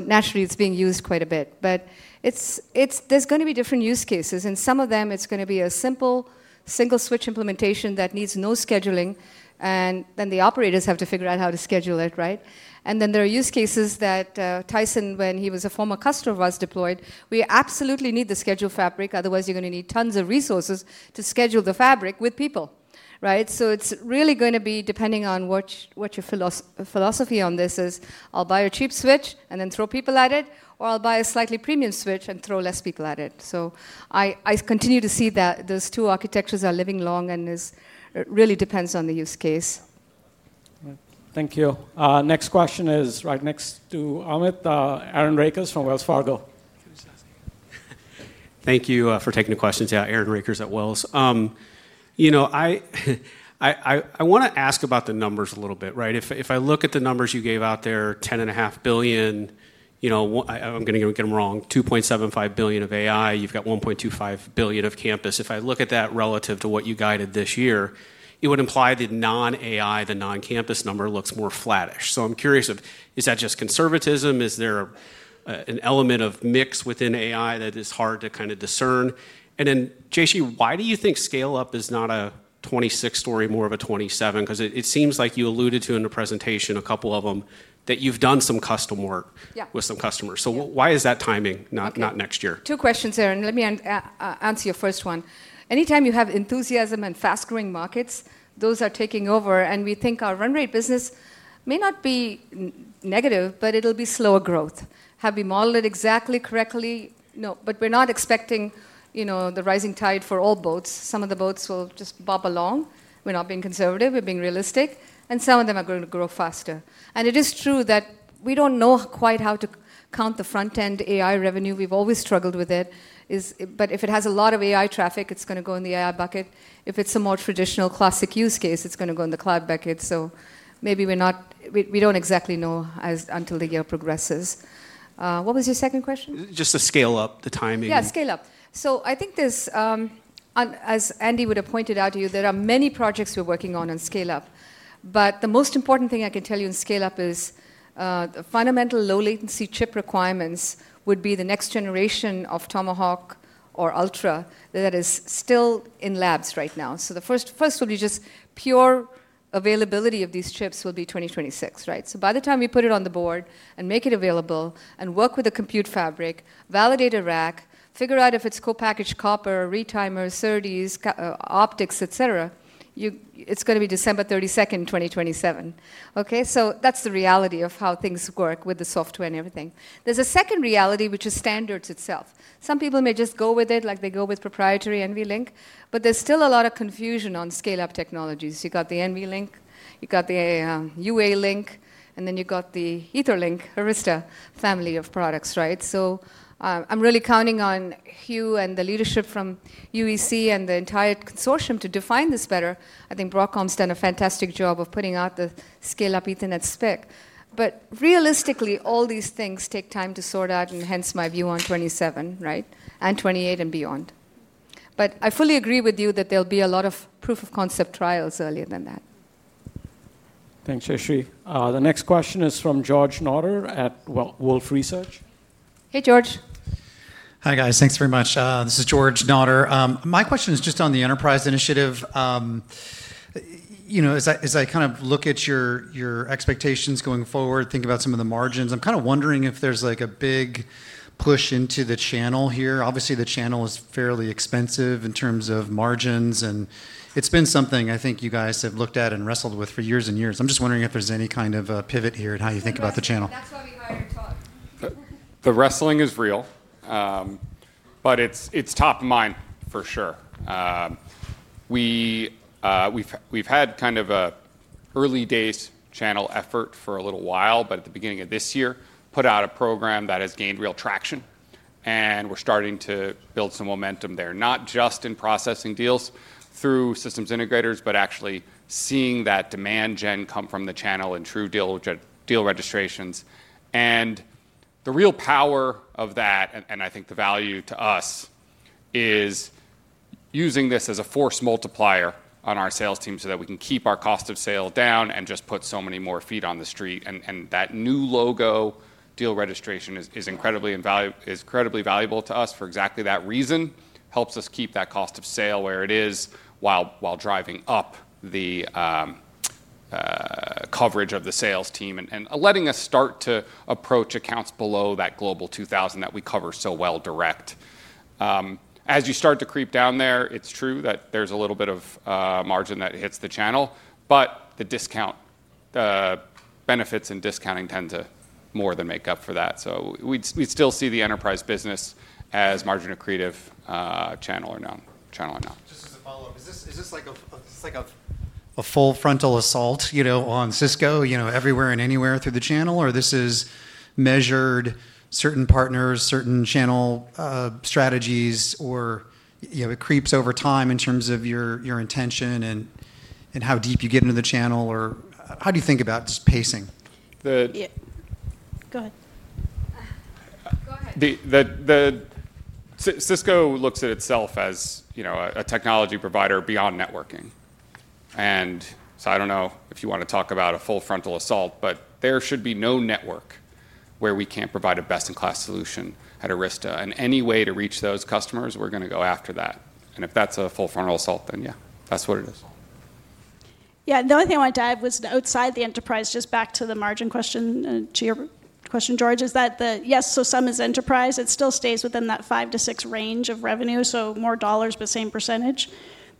Naturally, it's being used quite a bit. There are going to be different use cases, and some of them, it's going to be a simple single switch implementation that needs no scheduling. The operators have to figure out how to schedule it, right? There are use cases that Tyson, when he was a former customer, was deployed. We absolutely need the scheduled fabric. Otherwise, you're going to need tons of resources to schedule the fabric with people, right? It really is going to depend on what your philosophy on this is. I'll buy a cheap switch and then throw people at it, or I'll buy a slightly premium switch and throw less people at it. I continue to see that those two architectures are living long, and it really depends on the use case. Thank you. Next question is right next to Amit. Aaron Rakers from Wells Fargo. Thank you for taking the questions. Yeah, Aaron Rakers at Wells. I want to ask about the numbers a little bit, right? If I look at the numbers you gave out there, $10.5 billion, I'm going to get them wrong, $2.75 billion of AI. You've got $1.25 billion of campus. If I look at that relative to what you guided this year, it would imply that non-AI, the non-campus number looks more flattish. I'm curious if is that just conservatism? Is there an element of mix within AI that is hard to kind of discern? Jayshree, why do you think scale-up is not a 2026 story, more of a 2027? It seems like you alluded to in the presentation, a couple of them, that you've done some custom work with some customers. Why is that timing not next year? Two questions, Aaron. Let me answer your first one. Anytime you have enthusiasm and fast-growing markets, those are taking over. We think our run rate business may not be negative, but it'll be slower growth. Have we modeled it exactly correctly? No. We're not expecting the rising tide for all boats. Some of the boats will just bob along. We're not being conservative. We're being realistic. Some of them are going to grow faster. It is true that we don't know quite how to count the frontend AI revenue. We've always struggled with it. If it has a lot of AI traffic, it's going to go in the AI bucket. If it's a more traditional classic use case, it's going to go in the cloud bucket. Maybe we don't exactly know until the year progresses. What was your second question? Just the scale-up, the timing. Yeah, scale-up. I think there's, as Andy would have pointed out to you, there are many projects we're working on on scale-up. The most important thing I can tell you in scale-up is the fundamental low-latency chip requirements would be the next generation of Tomahawk or Ultra that is still in labs right now. The first would be just pure availability of these chips will be 2026, right? By the time we put it on the board and make it available and work with a compute fabric, validate a rack, figure out if it's co-packaged copper, retimers, SerDes, optics, et cetera, it's going to be December 31, 2027. That's the reality of how things work with the software and everything. There's a second reality, which is standards itself. Some people may just go with it like they go with proprietary NVLink. There's still a lot of confusion on scale-up technologies. You've got the NVLink. You've got the UALink. Then you've got the Etherlink, Arista family of products, right? I'm really counting on Hugh and the leadership from UEC and the entire consortium to define this better. I think Broadcom's done a fantastic job of putting out the scale-up Ethernet spec. Realistically, all these things take time to sort out. Hence my view on 2027, right, and 2028 and beyond. I fully agree with you that there'll be a lot of proof-of-concept trials earlier than that. Thanks, Jayshree. The next question is from George Notter at Wolfe Research. Hey, George. Hi, guys. Thanks very much. This is George Notter. My question is just on the enterprise initiative. You know, as I kind of look at your expectations going forward, thinking about some of the margins, I'm kind of wondering if there's like a big push into the channel here. Obviously, the channel is fairly expensive in terms of margins. It's been something I think you guys have looked at and wrestled with for years and years. I'm just wondering if there's any kind of pivot here in how you think about the channel. The wrestling is real. It is top of mind for sure. We've had kind of an early days channel effort for a little while. At the beginning of this year, put out a program that has gained real traction. We're starting to build some momentum there, not just in processing deals through systems integrators, but actually seeing that demand gen come from the channel in true deal registrations. The real power of that, and I think the value to us, is using this as a force multiplier on our sales team so that we can keep our cost of sale down and just put so many more feet on the street. That new logo deal registration is incredibly valuable to us for exactly that reason. Helps us keep that cost of sale where it is while driving up the coverage of the sales team and letting us start to approach accounts below that global 2,000 that we cover so well direct. As you start to creep down there, it's true that there's a little bit of margin that hits the channel. The benefits in discounting tend to more than make up for that. We'd still see the enterprise business as margin accretive, channel or not. Just as a follow-up, is this like a full frontal assault, you know, on Cisco, you know, everywhere and anywhere through the channel? Or is this measured, certain partners, certain channel strategies? Or, you know, it creeps over time in terms of your intention and how deep you get into the channel? How do you think about just pacing? Cisco looks at itself as a technology provider beyond networking. I don't know if you want to talk about a full frontal assault. There should be no network where we can't provide a best-in-class solution at Arista. Any way to reach those customers, we're going to go after that. If that's a full frontal assault, then yeah, that's what it is. Yeah. The only thing I want to dive was outside the enterprise, just back to the margin question to your question, George, is that yes, some is enterprise. It still stays within that 5% to 6% range of revenue, so more dollars, but same percentage.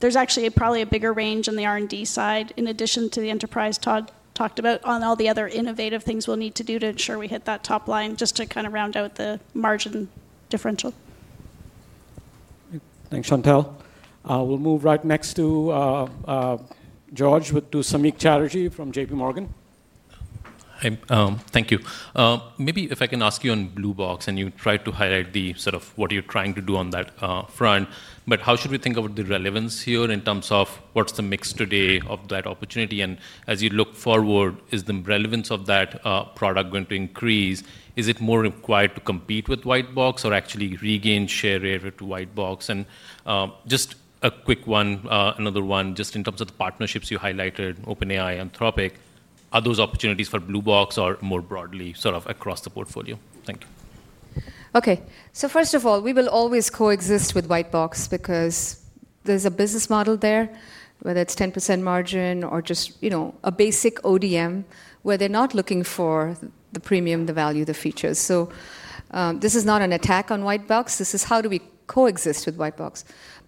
There's actually probably a bigger range in the R&D side in addition to the enterprise Todd talked about on all the other innovative things we'll need to do to ensure we hit that top line, just to kind of round out the margin differential. Thanks, Chantelle. We'll move right next to Samik Chatterjee from JPMorgan. Thank you. Maybe if I can ask you on Blue Box and you try to highlight the sort of what you're trying to do on that front. How should we think about the relevance here in terms of what's the mix today of that opportunity? As you look forward, is the relevance of that product going to increase? Is it more required to compete with WhiteBox or actually regain share rate to WhiteBox? Just a quick one, another one, in terms of the partnerships you highlighted, OpenAI, Anthropic, are those opportunities for Blue Box or more broadly sort of across the portfolio? Thank you. OK. First of all, we will always coexist with WhiteBox because there's a business model there, whether it's 10% margin or just a basic ODM, where they're not looking for the premium, the value, the features. This is not an attack on WhiteBox. This is how we coexist with WhiteBox.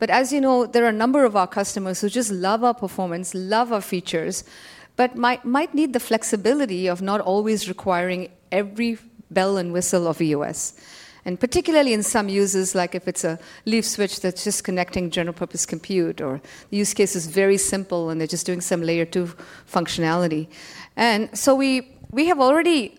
As you know, there are a number of our customers who just love our performance, love our features, but might need the flexibility of not always requiring every bell and whistle of the EOS, and particularly in some users, like if it's a leaf switch that's just connecting general purpose compute or the use case is very simple and they're just doing some layer 2 functionality. We have already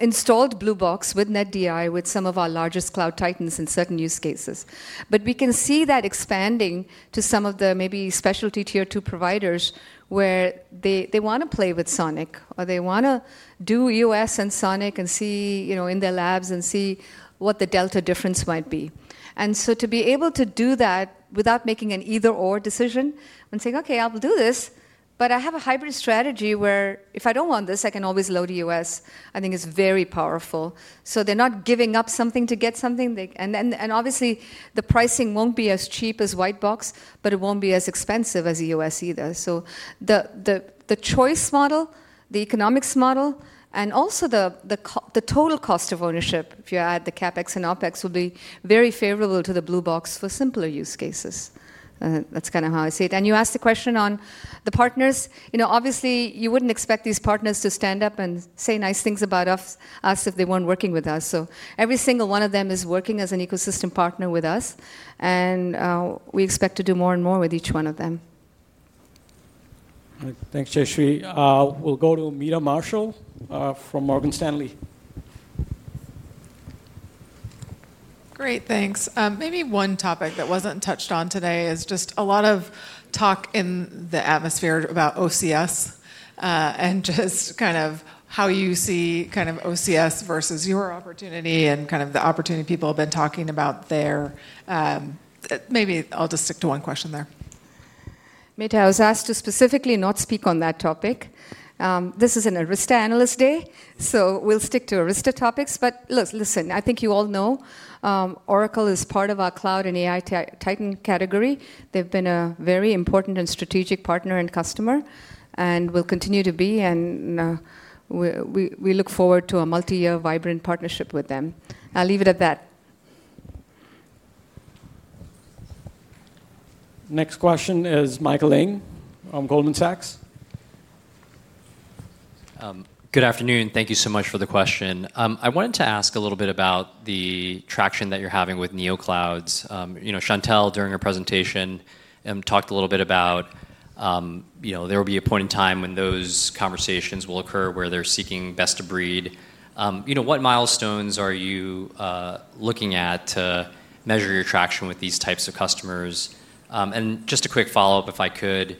installed Blue Box with NetDI with some of our largest cloud titans in certain use cases. We can see that expanding to some of the maybe specialty tier 2 providers where they want to play with SONiC or they want to do EOS and SONiC and see in their labs and see what the delta difference might be. To be able to do that without making an either/or decision and saying, OK, I'll do this, but I have a hybrid strategy where if I don't want this, I can always load EOS, I think is very powerful. They're not giving up something to get something. Obviously, the pricing won't be as cheap as white box, but it won't be as expensive as a EOS either. The choice model, the economics model, and also the total cost of ownership, if you add the CapEx and OpEx, will be very favorable to the Blue Box for simpler use cases. That's kind of how I see it. You asked the question on the partners. Obviously, you wouldn't expect these partners to stand up and say nice things about us if they weren't working with us. Every single one of them is working as an ecosystem partner with us. We expect to do more and more with each one of them. Thanks, Jayshree. We'll go to Meta Marshall from Morgan Stanley. Great, thanks. Maybe one topic that wasn't touched on today is just a lot of talk in the atmosphere about OCS and just kind of how you see OCS versus your opportunity and kind of the opportunity people have been talking about there. Maybe I'll just stick to one question there. Meta, I was asked to specifically not speak on that topic. This is an Arista analyst day. We'll stick to Arista topics. I think you all know Oracle is part of our cloud and AI titan category. They've been a very important and strategic partner and customer, and will continue to be. We look forward to a multi-year vibrant partnership with them. I'll leave it at that. Next question is Michael Ng from Goldman Sachs. Good afternoon. Thank you so much for the question. I wanted to ask a little bit about the traction that you're having with NeoClouds. Chantelle, during her presentation, talked a little bit about there will be a point in time when those conversations will occur where they're seeking best-of-breed. What milestones are you looking at to measure your traction with these types of customers? Just a quick follow-up, if I could,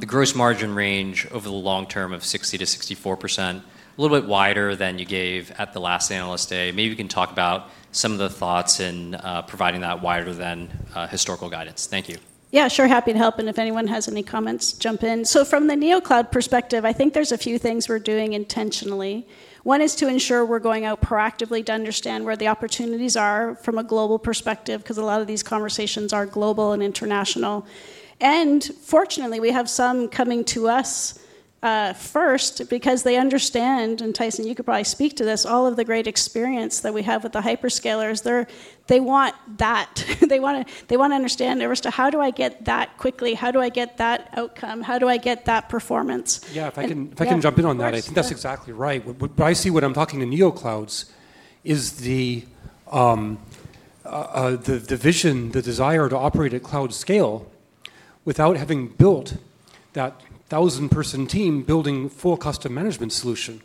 the gross margin range over the long term of 60%-64%, a little bit wider than you gave at the last Analyst Day. Maybe you can talk about some of the thoughts in providing that wider than historical guidance. Thank you. Yeah, sure. Happy to help. If anyone has any comments, jump in. From the NeoCloud perspective, I think there's a few things we're doing intentionally. One is to ensure we're going out proactively to understand where the opportunities are from a global perspective because a lot of these conversations are global and international. Fortunately, we have some coming to us first because they understand, and Tyson, you could probably speak to this, all of the great experience. That we have with the hyperscalers, they want that. They want to understand, how do I get that quickly? How do I get that outcome? How do I get that performance? If I can jump in on that, I think that's exactly right. I see what I'm talking to NeoClouds is the vision, the desire to operate at cloud scale without having built that thousand-person team, building a full custom management solution.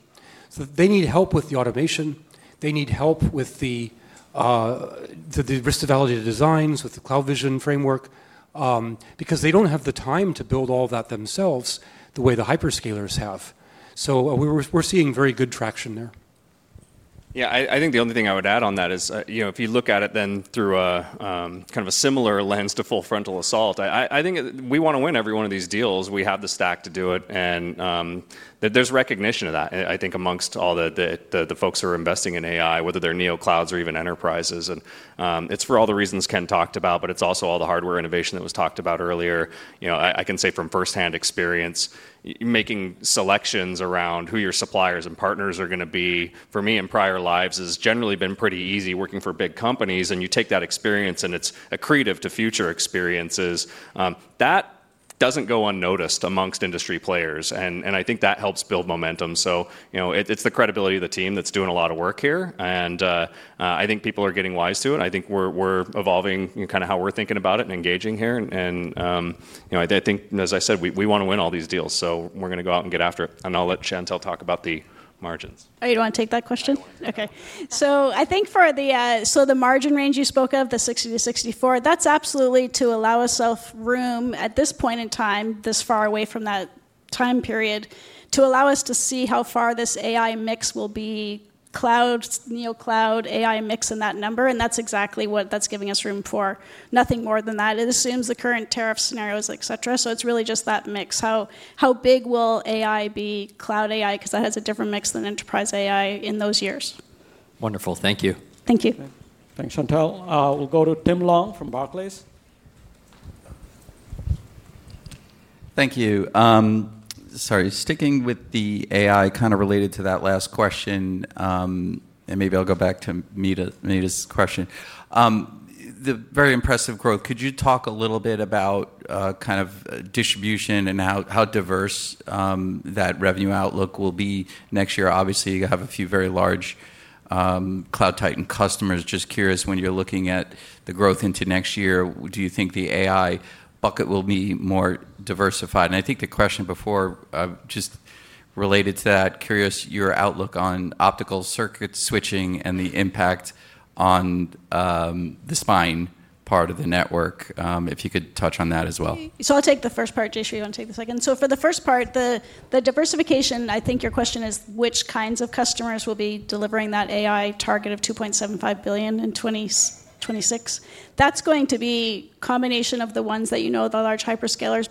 They need help with the automation. They need help with the visibility designs, with the CloudVision framework, because they don't have the time to build all of that themselves the way the hyperscalers have. We're seeing very good traction there. Yeah, I think the only thing I would add on that is, you know, if you look at it then through a kind of a similar lens to full frontal assault, I think we want to win every one of these deals. We have the stack to do it, and there's recognition of that, I think, amongst all the folks who are investing in AI, whether they're NeoClouds or even enterprises. It's for all the reasons Ken talked about, but it's also all the hardware innovation that was talked about earlier. I can say from firsthand experience, making selections around who your suppliers and partners are going to be, for me, in prior lives has generally been pretty easy working for big companies. You take that experience, and it's accretive to future experiences. That doesn't go unnoticed amongst industry players, and I think that helps build momentum. It's the credibility of the team that's doing a lot of work here, and I think people are getting wise to it. I think we're evolving kind of how we're thinking about it and engaging here. I think, as I said, we want to win all these deals. We're going to go out and get after it. I'll let Chantelle talk about the margins. Oh, you don't want to take that question? OK. I think for the margin range you spoke of, the 60%-64%, that's absolutely to allow us self-room at this point in time, this far away from that time period, to allow us to see how far this AI mix will be cloud, NeoCloud, AI mix in that number. That's exactly what that's giving us room for, nothing more than that. It assumes the current tariff scenarios, et cetera. It's really just that mix. How big will AI be cloud AI? Because that has a different mix than enterprise AI in those years. Wonderful. Thank you. Thank you. Thanks, Chantelle. We'll go to Tim Long from Barclays. Thank you. Sorry, sticking with the AI, kind of related to that last question, and maybe I'll go back to Anita's question. The very impressive growth, could you talk a little bit about kind of distribution and how diverse that revenue outlook will be next year? Obviously, you have a few very large CloudTitan customers. Just curious, when you're looking at the growth into next year, do you think the AI bucket will be more diversified? I think the question before, just related to that, curious your outlook on optical circuit switching and the impact on the spine part of the network, if you could touch on that as well. I'll take the first part, Jayshree Ullal, and take the second. For the first part, the diversification, I think your question is which kinds of customers will be delivering that AI target of $2.75 billion in 2026. That's going to be a combination of the ones that you know are the large hyperscalers.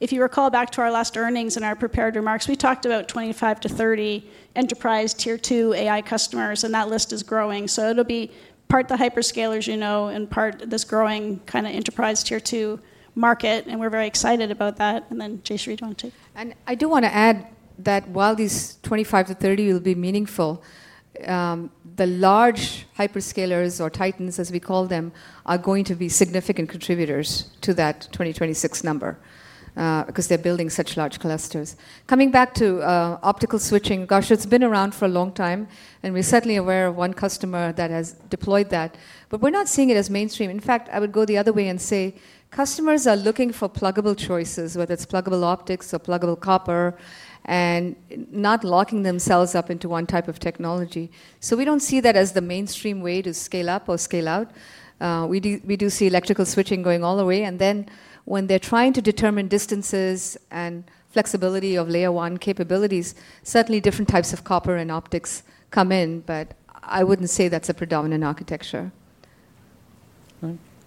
If you recall back to our last earnings and our prepared remarks, we talked about 25-30 enterprise tier 2 AI customers, and that list is growing. It'll be part of the hyperscalers you know and part of this growing kind of enterprise tier 2 market. We're very excited about that. Jayshree will go on too. I do want to add that while these 25-30 will be meaningful, the large hyperscalers, or Titans, as we call them, are going to be significant contributors to that 2026 number because they're building such large clusters. Coming back to optical switching, gosh, it's been around for a long time. We're certainly aware of one customer that has deployed that. We're not seeing it as mainstream. In fact, I would go the other way and say customers are looking for pluggable choices, whether it's pluggable optics or pluggable copper, and not locking themselves up into one type of technology. We don't see that as the mainstream way to scale up or scale out. We do see electrical switching going all the way. When they're trying to determine distances and flexibility of layer one capabilities, certainly different types of copper and optics come in. I wouldn't say that's a predominant architecture.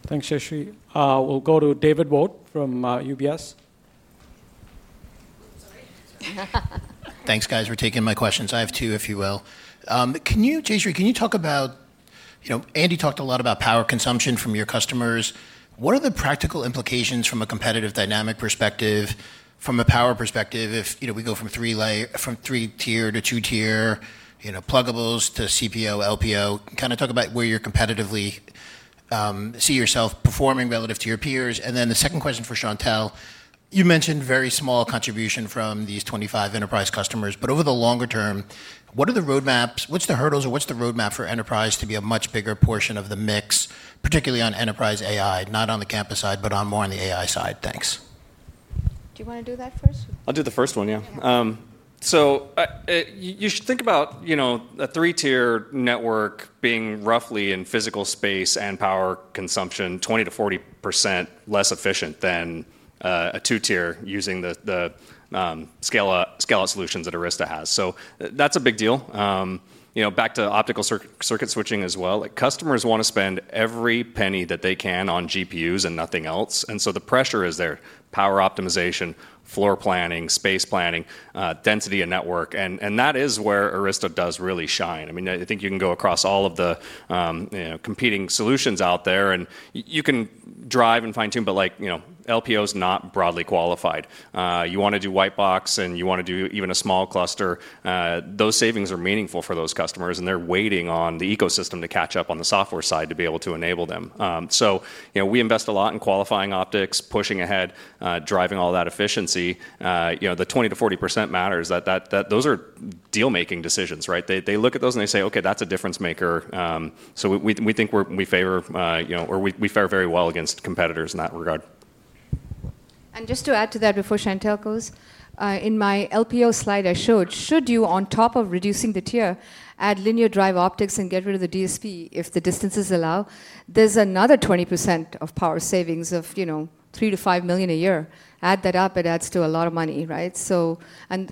Thanks, Jayshree. We'll go to David Vogt from UBS. Thanks, guys, for taking my questions. I have two, if you will. Jayshree, can you talk about, you know, Andy talked a lot about power consumption from your customers. What are the practical implications from a competitive dynamic perspective, from a power perspective, if we go from three-tier to two-tier pluggables to CPO, LPO? Kind of talk about where you're competitively seeing yourself performing relative to your peers. The second question for Chantelle, you mentioned very small contribution from these 25 enterprise customers. Over the longer term, what are the roadmaps? What's the hurdles? What's the roadmap for enterprise to be a much bigger portion of the mix, particularly on enterprise AI, not on the campus side, but more on the AI side? Thanks. Do you want to do that first? I'll do the first one, yeah. You should think about a three-tier network being roughly in physical space and power consumption 20%-40% less efficient than a two-tier using the Scala solutions that Arista has. That's a big deal. Back to optical circuit switching as well, customers want to spend every penny that they can on GPUs and nothing else. The pressure is there, power optimization, floor planning, space planning, density of network. That is where Arista does really shine. I mean, I think you can go across all of the competing solutions out there, and you can drive and fine-tune. LPO is not broadly qualified. You want to do white box, and you want to do even a small cluster. Those savings are meaningful for those customers, and they're waiting on the ecosystem to catch up on the software side to be able to enable them. We invest a lot in qualifying optics, pushing ahead, driving all that efficiency. The 20%-40% matters. Those are deal-making decisions, right? They look at those, and they say, OK, that's a difference maker. We think we favor very well against competitors in that regard. Just to add to that before Chantelle goes, in my LPO slide, I showed you, on top of reducing the tier, add linear drive optics and get rid of the DSP if the distances allow, there's another 20% of power savings of $3 million-$5 million a year. Add that up, it adds to a lot of money, right?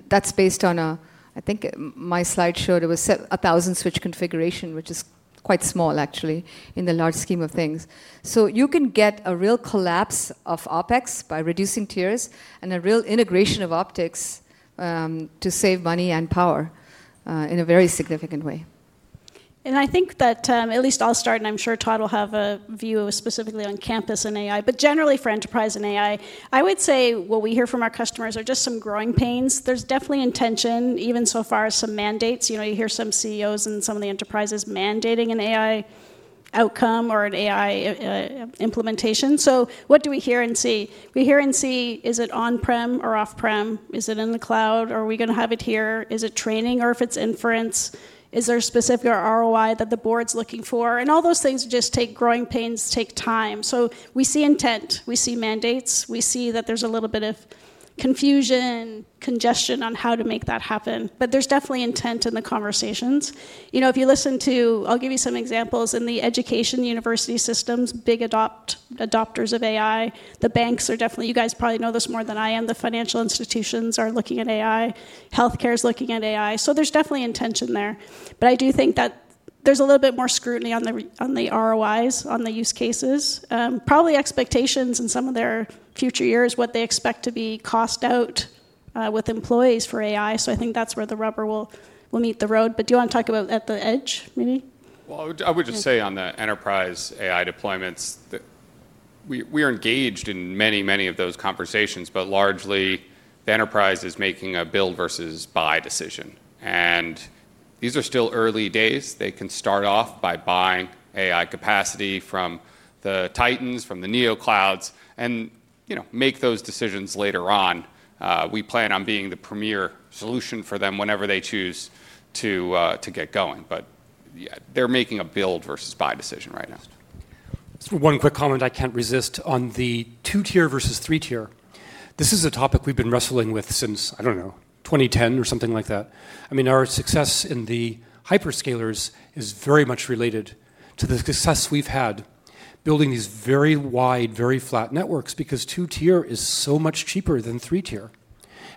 That's based on a, I think my slide showed it was a 1,000 switch configuration, which is quite small, actually, in the large scheme of things. You can get a real collapse of OpEx by reducing tiers and a real integration of optics to save money and power in a very significant way. I think that at least I'll start, and I'm sure Todd will have a view specifically on campus and AI. Generally, for enterprise and AI, I would say what we hear from our customers are just some growing pains. There's definitely intention, even so far, some mandates. You hear some CEOs in some of the enterprises mandating an AI outcome or an AI implementation. What do we hear and see? We hear and see, is it on-prem or off-prem? Is it in the cloud? Are we going to have it here? Is it training? If it's inference, is there specific ROI that the board's looking for? All those things just take growing pains, take time. We see intent. We see mandates. We see that there's a little bit of confusion, congestion on how to make that happen. There's definitely intent in the conversations. If you listen to, I'll give you some examples, in the education university systems, big adopters of AI. The banks are definitely, you guys probably know this more than I am, the financial institutions are looking at AI. Health care is looking at AI. There's definitely intention there. I do think that there's a little bit more scrutiny on the ROIs, on the use cases, probably expectations in some of their future years, what they expect to be cost out with employees for AI. I think that's where the rubber will meet the road. Do you want to talk about at the edge, maybe? On the enterprise AI deployments, we're engaged in many, many of those conversations. Largely, the enterprise is making a build versus buy decision. These are still early days. They can start off by buying AI capacity from the Titans, from the NeoClouds, and make those decisions later on. We plan on being the premier solution for them whenever they choose to get going. They're making a build versus buy decision right now. One quick comment I can't resist on the two-tier versus three-tier. This is a topic we've been wrestling with since, I don't know, 2010 or something like that. I mean, our success in the hyperscalers is very much related to the success we've had building these very wide, very flat networks because two-tier is so much cheaper than three-tier.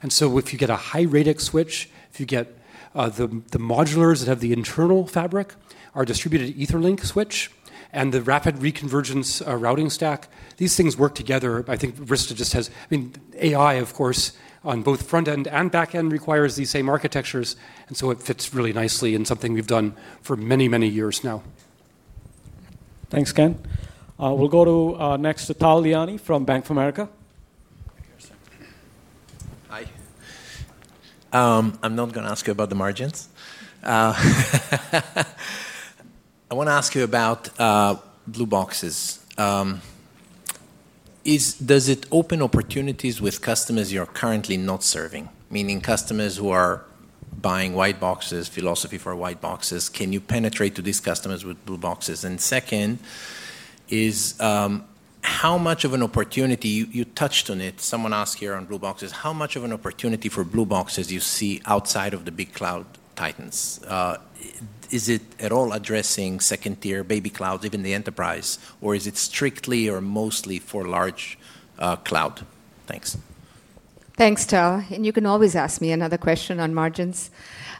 If you get a high-ratex switch, if you get the modulars that have the internal fabric, our distributed Etherlink switch, and the rapid reconvergence routing stack, these things work together. I think Arista just says, I mean, AI, of course, on both front end and back end requires these same architectures. It fits really nicely in something we've done for many, many years now. Thanks, Ken. We'll go next to Tal Liani from Bank of America. Hi. I'm not going to ask you about the margins. I want to ask you about Blue Boxes. Does it open opportunities with customers you're currently not serving, meaning customers who are buying white boxes, philosophy for white boxes? Can you penetrate to these customers with Blue Boxes? Second, how much of an opportunity—you touched on it, someone asked here on Blue Boxes—how much of an opportunity for Blue Boxes do you see outside of the big cloud Titans? Is it at all addressing second-tier baby clouds, even the enterprise? Or is it strictly or mostly for large cloud? Thanks. Thanks, To. You can always ask me another question on margins.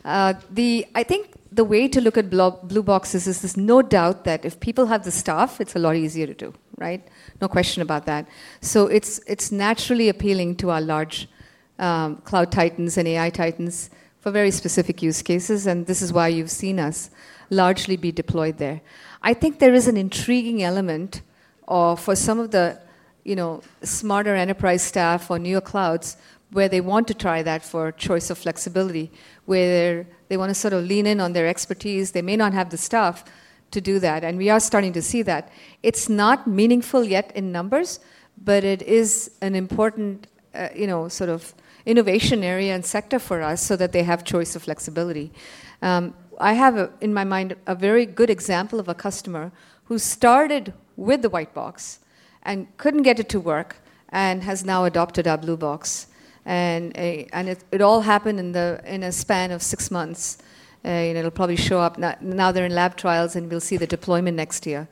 I think the way to look at Blue Boxes is there's no doubt that if people have the staff, it's a lot easier to do, right? No question about that. It is naturally appealing to our large cloud Titans and AI Titans for very specific use cases. This is why you've seen us largely be deployed there. I think there is an intriguing element for some of the smarter enterprise staff or NeoClouds where they want to try that for a choice of flexibility, where they want to sort of lean in on their expertise. They may not have the staff to do that. We are starting to see that. It's not meaningful yet in numbers, but it is an important sort of innovation area and sector for us so that they have choice of flexibility. I have in my mind a very good example of a customer who started with the white box and couldn't get it to work and has now adopted our Blue Box. It all happened in a span of six months. It'll probably show up. Now they're in lab trials, and we'll see the deployment next year.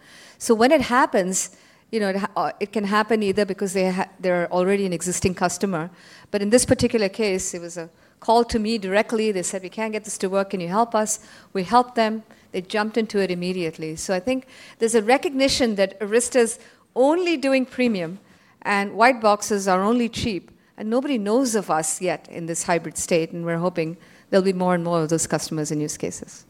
When it happens, it can happen either because they're already an existing customer. In this particular case, it was a call to me directly. They said, we can't get this to work. Can you help us? We helped them. They jumped into it immediately. I think there's a recognition that Arista Networks is only doing premium, and white boxes are only cheap. Nobody knows of us yet in this hybrid state. We're hoping there'll be more and more of those customers and use cases.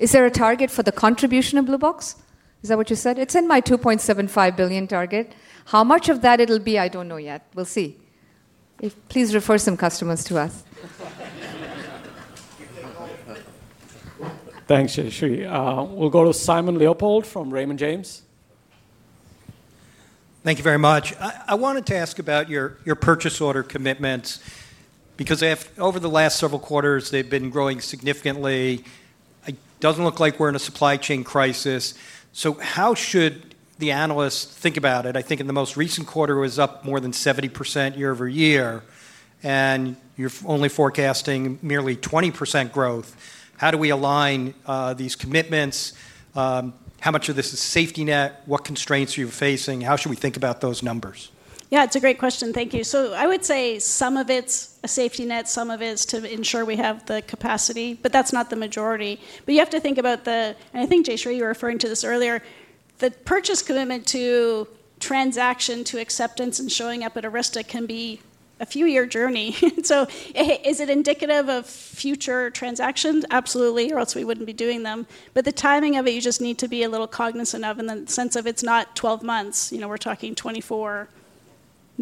Is there a target for the contribution of Blue Box? Is that what you said? It's in my $2.75 billion target. How much of that it'll be, I don't know yet. We'll see. Please refer some customers to us. Thanks, Jayshree. We'll go to Simon Leopold from Raymond James. Thank you very much. I wanted to ask about your purchase commitments because over the last several quarters, they've been growing significantly. It doesn't look like we're in a supply chain crisis. How should the analysts think about it? I think in the most recent quarter, it was up more than 70% year-over-year. You're only forecasting merely 20% growth. How do we align these commitments? How much of this is safety net? What constraints are you facing? How should we think about those numbers? Yeah, it's a great question. Thank you. I would say some of it's a safety net, some of it is to ensure we have the capacity. That's not the majority. You have to think about the, and I think, Jayshree, you were referring to this earlier, the purchase commitment to transaction to acceptance and showing up at Arista can be a few-year journey. Is it indicative of future transactions? Absolutely, or else we wouldn't be doing them. The timing of it, you just need to be a little cognizant of in the sense of it's not 12 months. We're talking 24,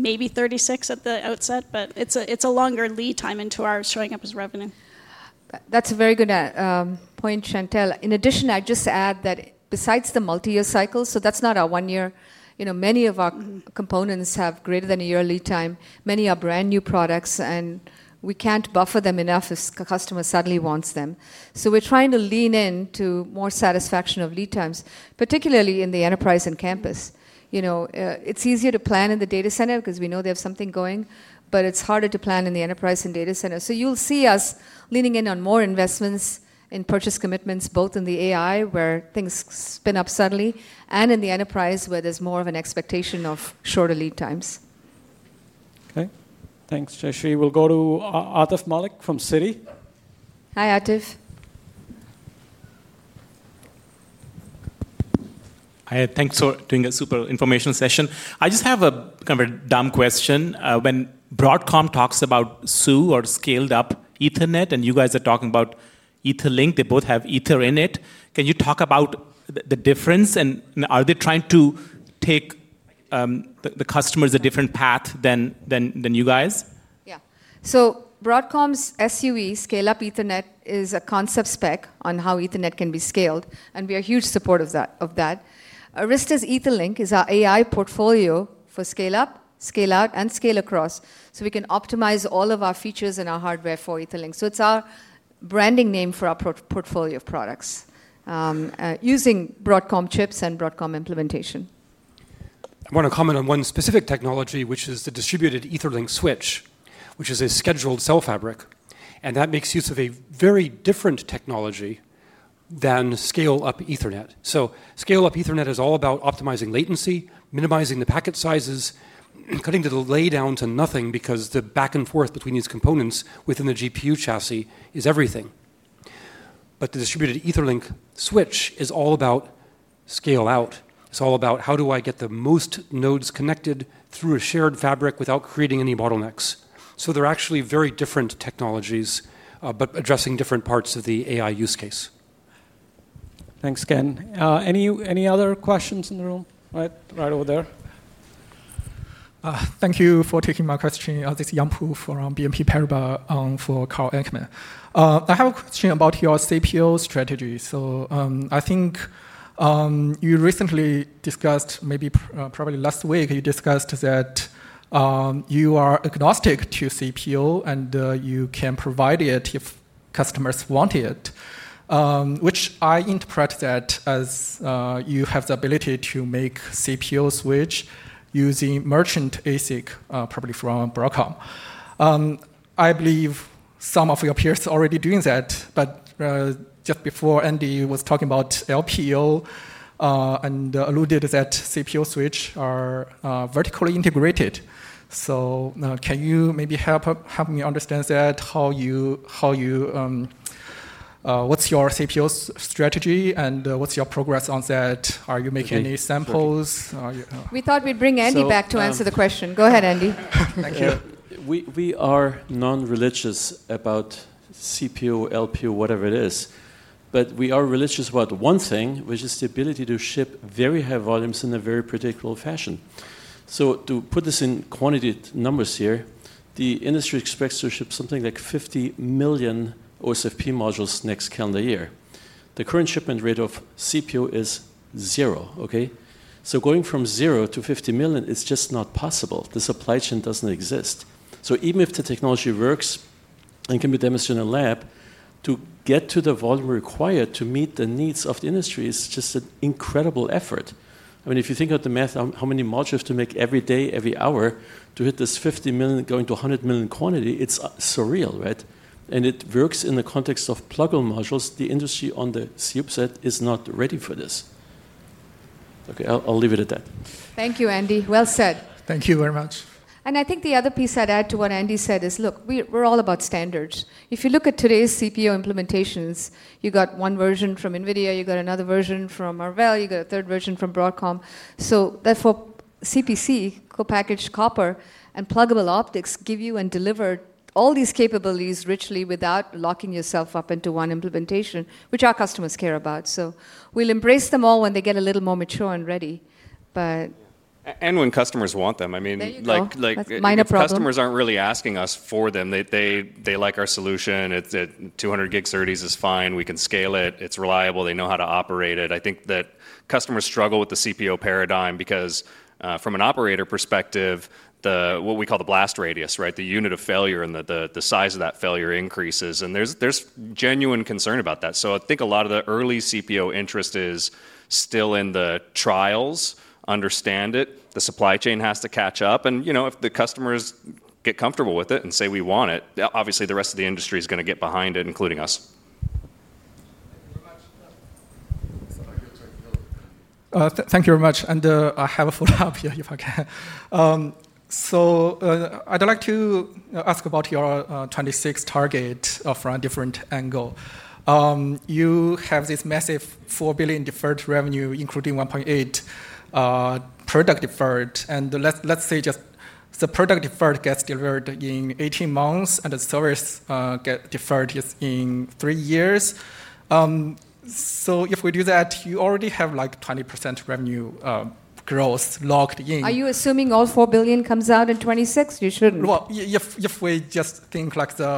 maybe 36 at the outset. It's a longer lead time into our showing up as revenue. That's a very good point, Chantelle. In addition, I'd just add that besides the multi-year cycle, that's not a one-year cycle. Many of our components have greater than a year lead time. Many are brand new products, and we can't buffer them enough if a customer suddenly wants them. We're trying to lean into more satisfaction of lead times, particularly in the enterprise and campus segment. It's easier to plan in the data center because we know they have something going, but it's harder to plan in the enterprise and data center. You'll see us leaning in on more investments in purchase commitments, both in AI, where things spin up suddenly, and in the enterprise, where there's more of an expectation of shorter lead times. OK. Thanks, Jayshree. We'll go to Atif Malik from Citi. Hi, Atif. Hi. Thanks for doing a super information session. I just have a kind of a dumb question. When Broadcom talks about SUE or Scaled-up Ethernet, and you guys are talking about Etherlink, they both have Ether in it. Can you talk about the difference? Are they trying to take the customers a different path than you guys? Yeah. Broadcom's SUE, Scale-Up Ethernet, is a concept spec on how Ethernet can be scaled. We are huge supporters of that. Arista's Etherlink is our AI portfolio for scale-up, scale-out, and scale across. We can optimize all of our features and our hardware for Etherlink. It's our branding name for our portfolio of products using Broadcom chips and Broadcom implementation. I want to comment on one specific technology, which is the distributed Etherlink switch, which is a scheduled cell fabric. That makes use of a very different technology than scale-up Ethernet. Scale-up Ethernet is all about optimizing latency, minimizing the packet sizes, and cutting the delay down to nothing because the back and forth between these components within the GPU chassis is everything. The distributed Etherlink switch is all about scale-out. It's all about how do I get the most nodes connected through a shared fabric without creating any bottlenecks. They're actually very different technologies, but addressing different parts of the AI use case. Thanks, Ken. Any other questions in the room? Right over there. Thank you for taking my question. This is Yung Pu, from BNP Paribas, for Carl Ekman. I have a question about your CPO strategy. I think you recently discussed, maybe probably last week, you discussed that you are agnostic to CPO, and you can provide it if customers want it, which I interpret that as you have the ability to make CPO switch using merchant ASIC, probably from Broadcom. I believe some of your peers are already doing that. Just before, Andy was talking about LPO and alluded that CPO switches are vertically integrated. Can you maybe help me understand that? What's your CPO strategy? What's your progress on that? Are you making any samples? We thought we'd bring Andy Bechtolsheim back to answer the question. Go ahead, Andy. We are non-religious about CPO, LPO, whatever it is. However, we are religious about one thing, which is the ability to ship very high volumes in a very predictable fashion. To put this in quantity numbers here, the industry expects to ship something like 50 million OSFP modules next calendar year. The current shipment rate of CPO is zero, OK? Going from zero to 50 million is just not possible. The supply chain doesn't exist. Even if the technology works and can be demonstrated in a lab, to get to the volume required to meet the needs of the industry is just an incredible effort. If you think of the math, how many modules you have to make every day, every hour, to hit this 50 million going to 100 million quantity, it's surreal, right? It works in the context of pluggable modules. The industry on the CUBESET is not ready for this. OK, I'll leave it at that. Thank you, Andy. Well said. Thank you very much. I think the other piece I'd add to what Andy said is, look, we're all about standards. If you look at today's CPO implementations, you've got one version from NVIDIA, you've got another version from Marvell, you've got a third version from Broadcom. Therefore, CPC, co-packaged copper, and pluggable optics give you and deliver all these capabilities richly without locking yourself up into one implementation, which our customers care about. We'll embrace them all when they get a little more mature and ready. When customers want them, customers aren't really asking us for them. They like our solution. It's 200 gig servers is fine. We can scale it. It's reliable. They know how to operate it. I think that customers struggle with the CPO paradigm because from an operator perspective, what we call the blast radius, the unit of failure, and the size of that failure increases. There's genuine concern about that. I think a lot of the early CPO interest is still in the trials, understand it. The supply chain has to catch up. If the customers get comfortable with it and say, we want it, obviously, the rest of the industry is going to get behind it, including us. Thank you very much. I have a follow-up here, if I can. I'd like to ask about your 2026 target from a different angle. You have this massive $4 billion deferred revenue, including $1.8 billion product deferred. Let's say just the product deferred gets delivered in 18 months, and the service gets deferred just in three years. If we do that, you already have like 20% revenue growth locked in. Are you assuming all $4 billion comes out in 2026? You shouldn't. If we just think like the.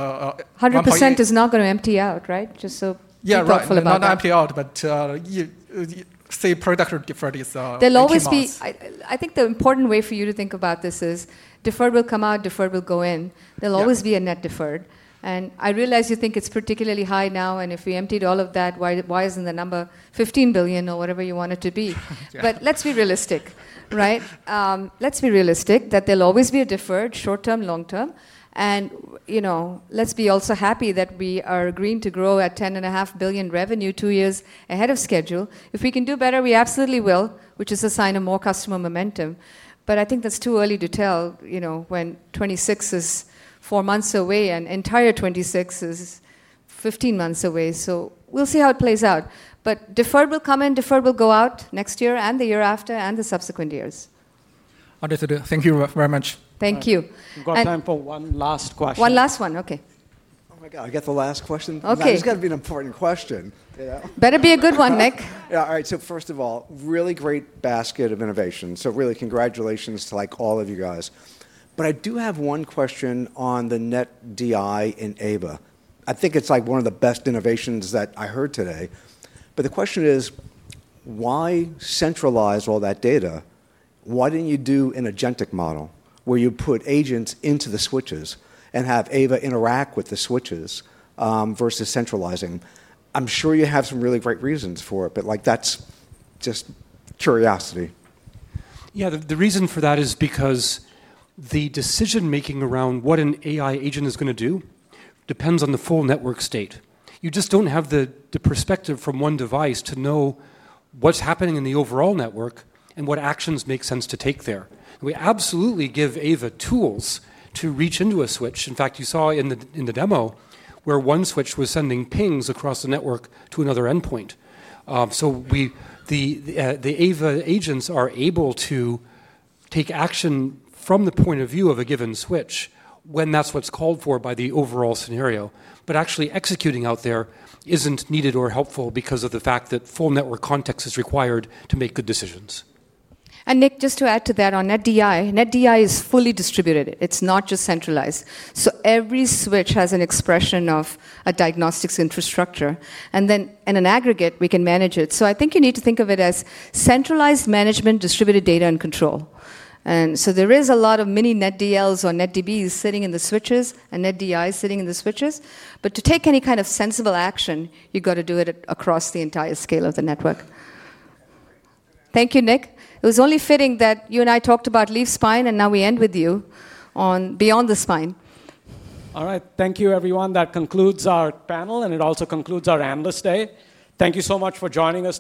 100% is not going to empty out, right? Just so we're thoughtful about that. Yeah, not empty out, but say product deferred is. I think the important way for you to think about this is deferred will come out, deferred will go in. There'll always be a net deferred. I realize you think it's particularly high now. If we emptied all of that, why isn't the number $15 billion or whatever you want it to be? Let's be realistic, right? Let's be realistic that there'll always be a deferred short term, long term. Let's be also happy that we are agreeing to grow at $10.5 billion revenue two years ahead of schedule. If we can do better, we absolutely will, which is a sign of more customer momentum. I think that's too early to tell when 2026 is four months away and the entire 2026 is 15 months away. We'll see how it plays out. Deferred will come in, deferred will go out next year and the year after and the subsequent years. Understood. Thank you very much. Thank you. We've got time for one last question. One last one, OK. Oh my god, I got the last question? OK. It's got to be an important question. Better be a good one, Nick. All right, first of all, really great basket of innovation. Really, congratulations to all of you guys. I do have one question on the NetDI in AVA. I think it's one of the best innovations that I heard today. The question is, why centralize all that data? Why didn't you do an agentic model where you put agents into the switches and have AVA interact with the switches versus centralizing? I'm sure you have some really great reasons for it. That's just curiosity. Yeah, the reason for that is because the decision-making around what an AI Agent is going to do depends on the full network state. You just don't have the perspective from one device to know what's happening in the overall network and what actions make sense to take there. We absolutely give AVA tools to reach into a switch. In fact, you saw in the demo where one switch was sending pings across the network to another endpoint. The AVA agents are able to take action from the point of view of a given switch when that's what's called for by the overall scenario. Actually executing out there isn't needed or helpful because of the fact that full network context is required to make good decisions. Nick, just to add to that on NetDI, NetDI is fully distributed. It's not just centralized. Every switch has an expression of a diagnostics infrastructure, and then in aggregate, we can manage it. I think you need to think of it as centralized management, distributed data, and control. There is a lot of mini NetDLs or NetDBs sitting in the switches and NetDIs sitting in the switches. To take any kind of sensible action, you've got to do it across the entire scale of the network. Thank you, Nick. It was only fitting that you and I talked about leaf spine, and now we end with you on beyond the spine. All right, thank you, everyone. That concludes our panel. It also concludes our Analyst Day. Thank you so much for joining us.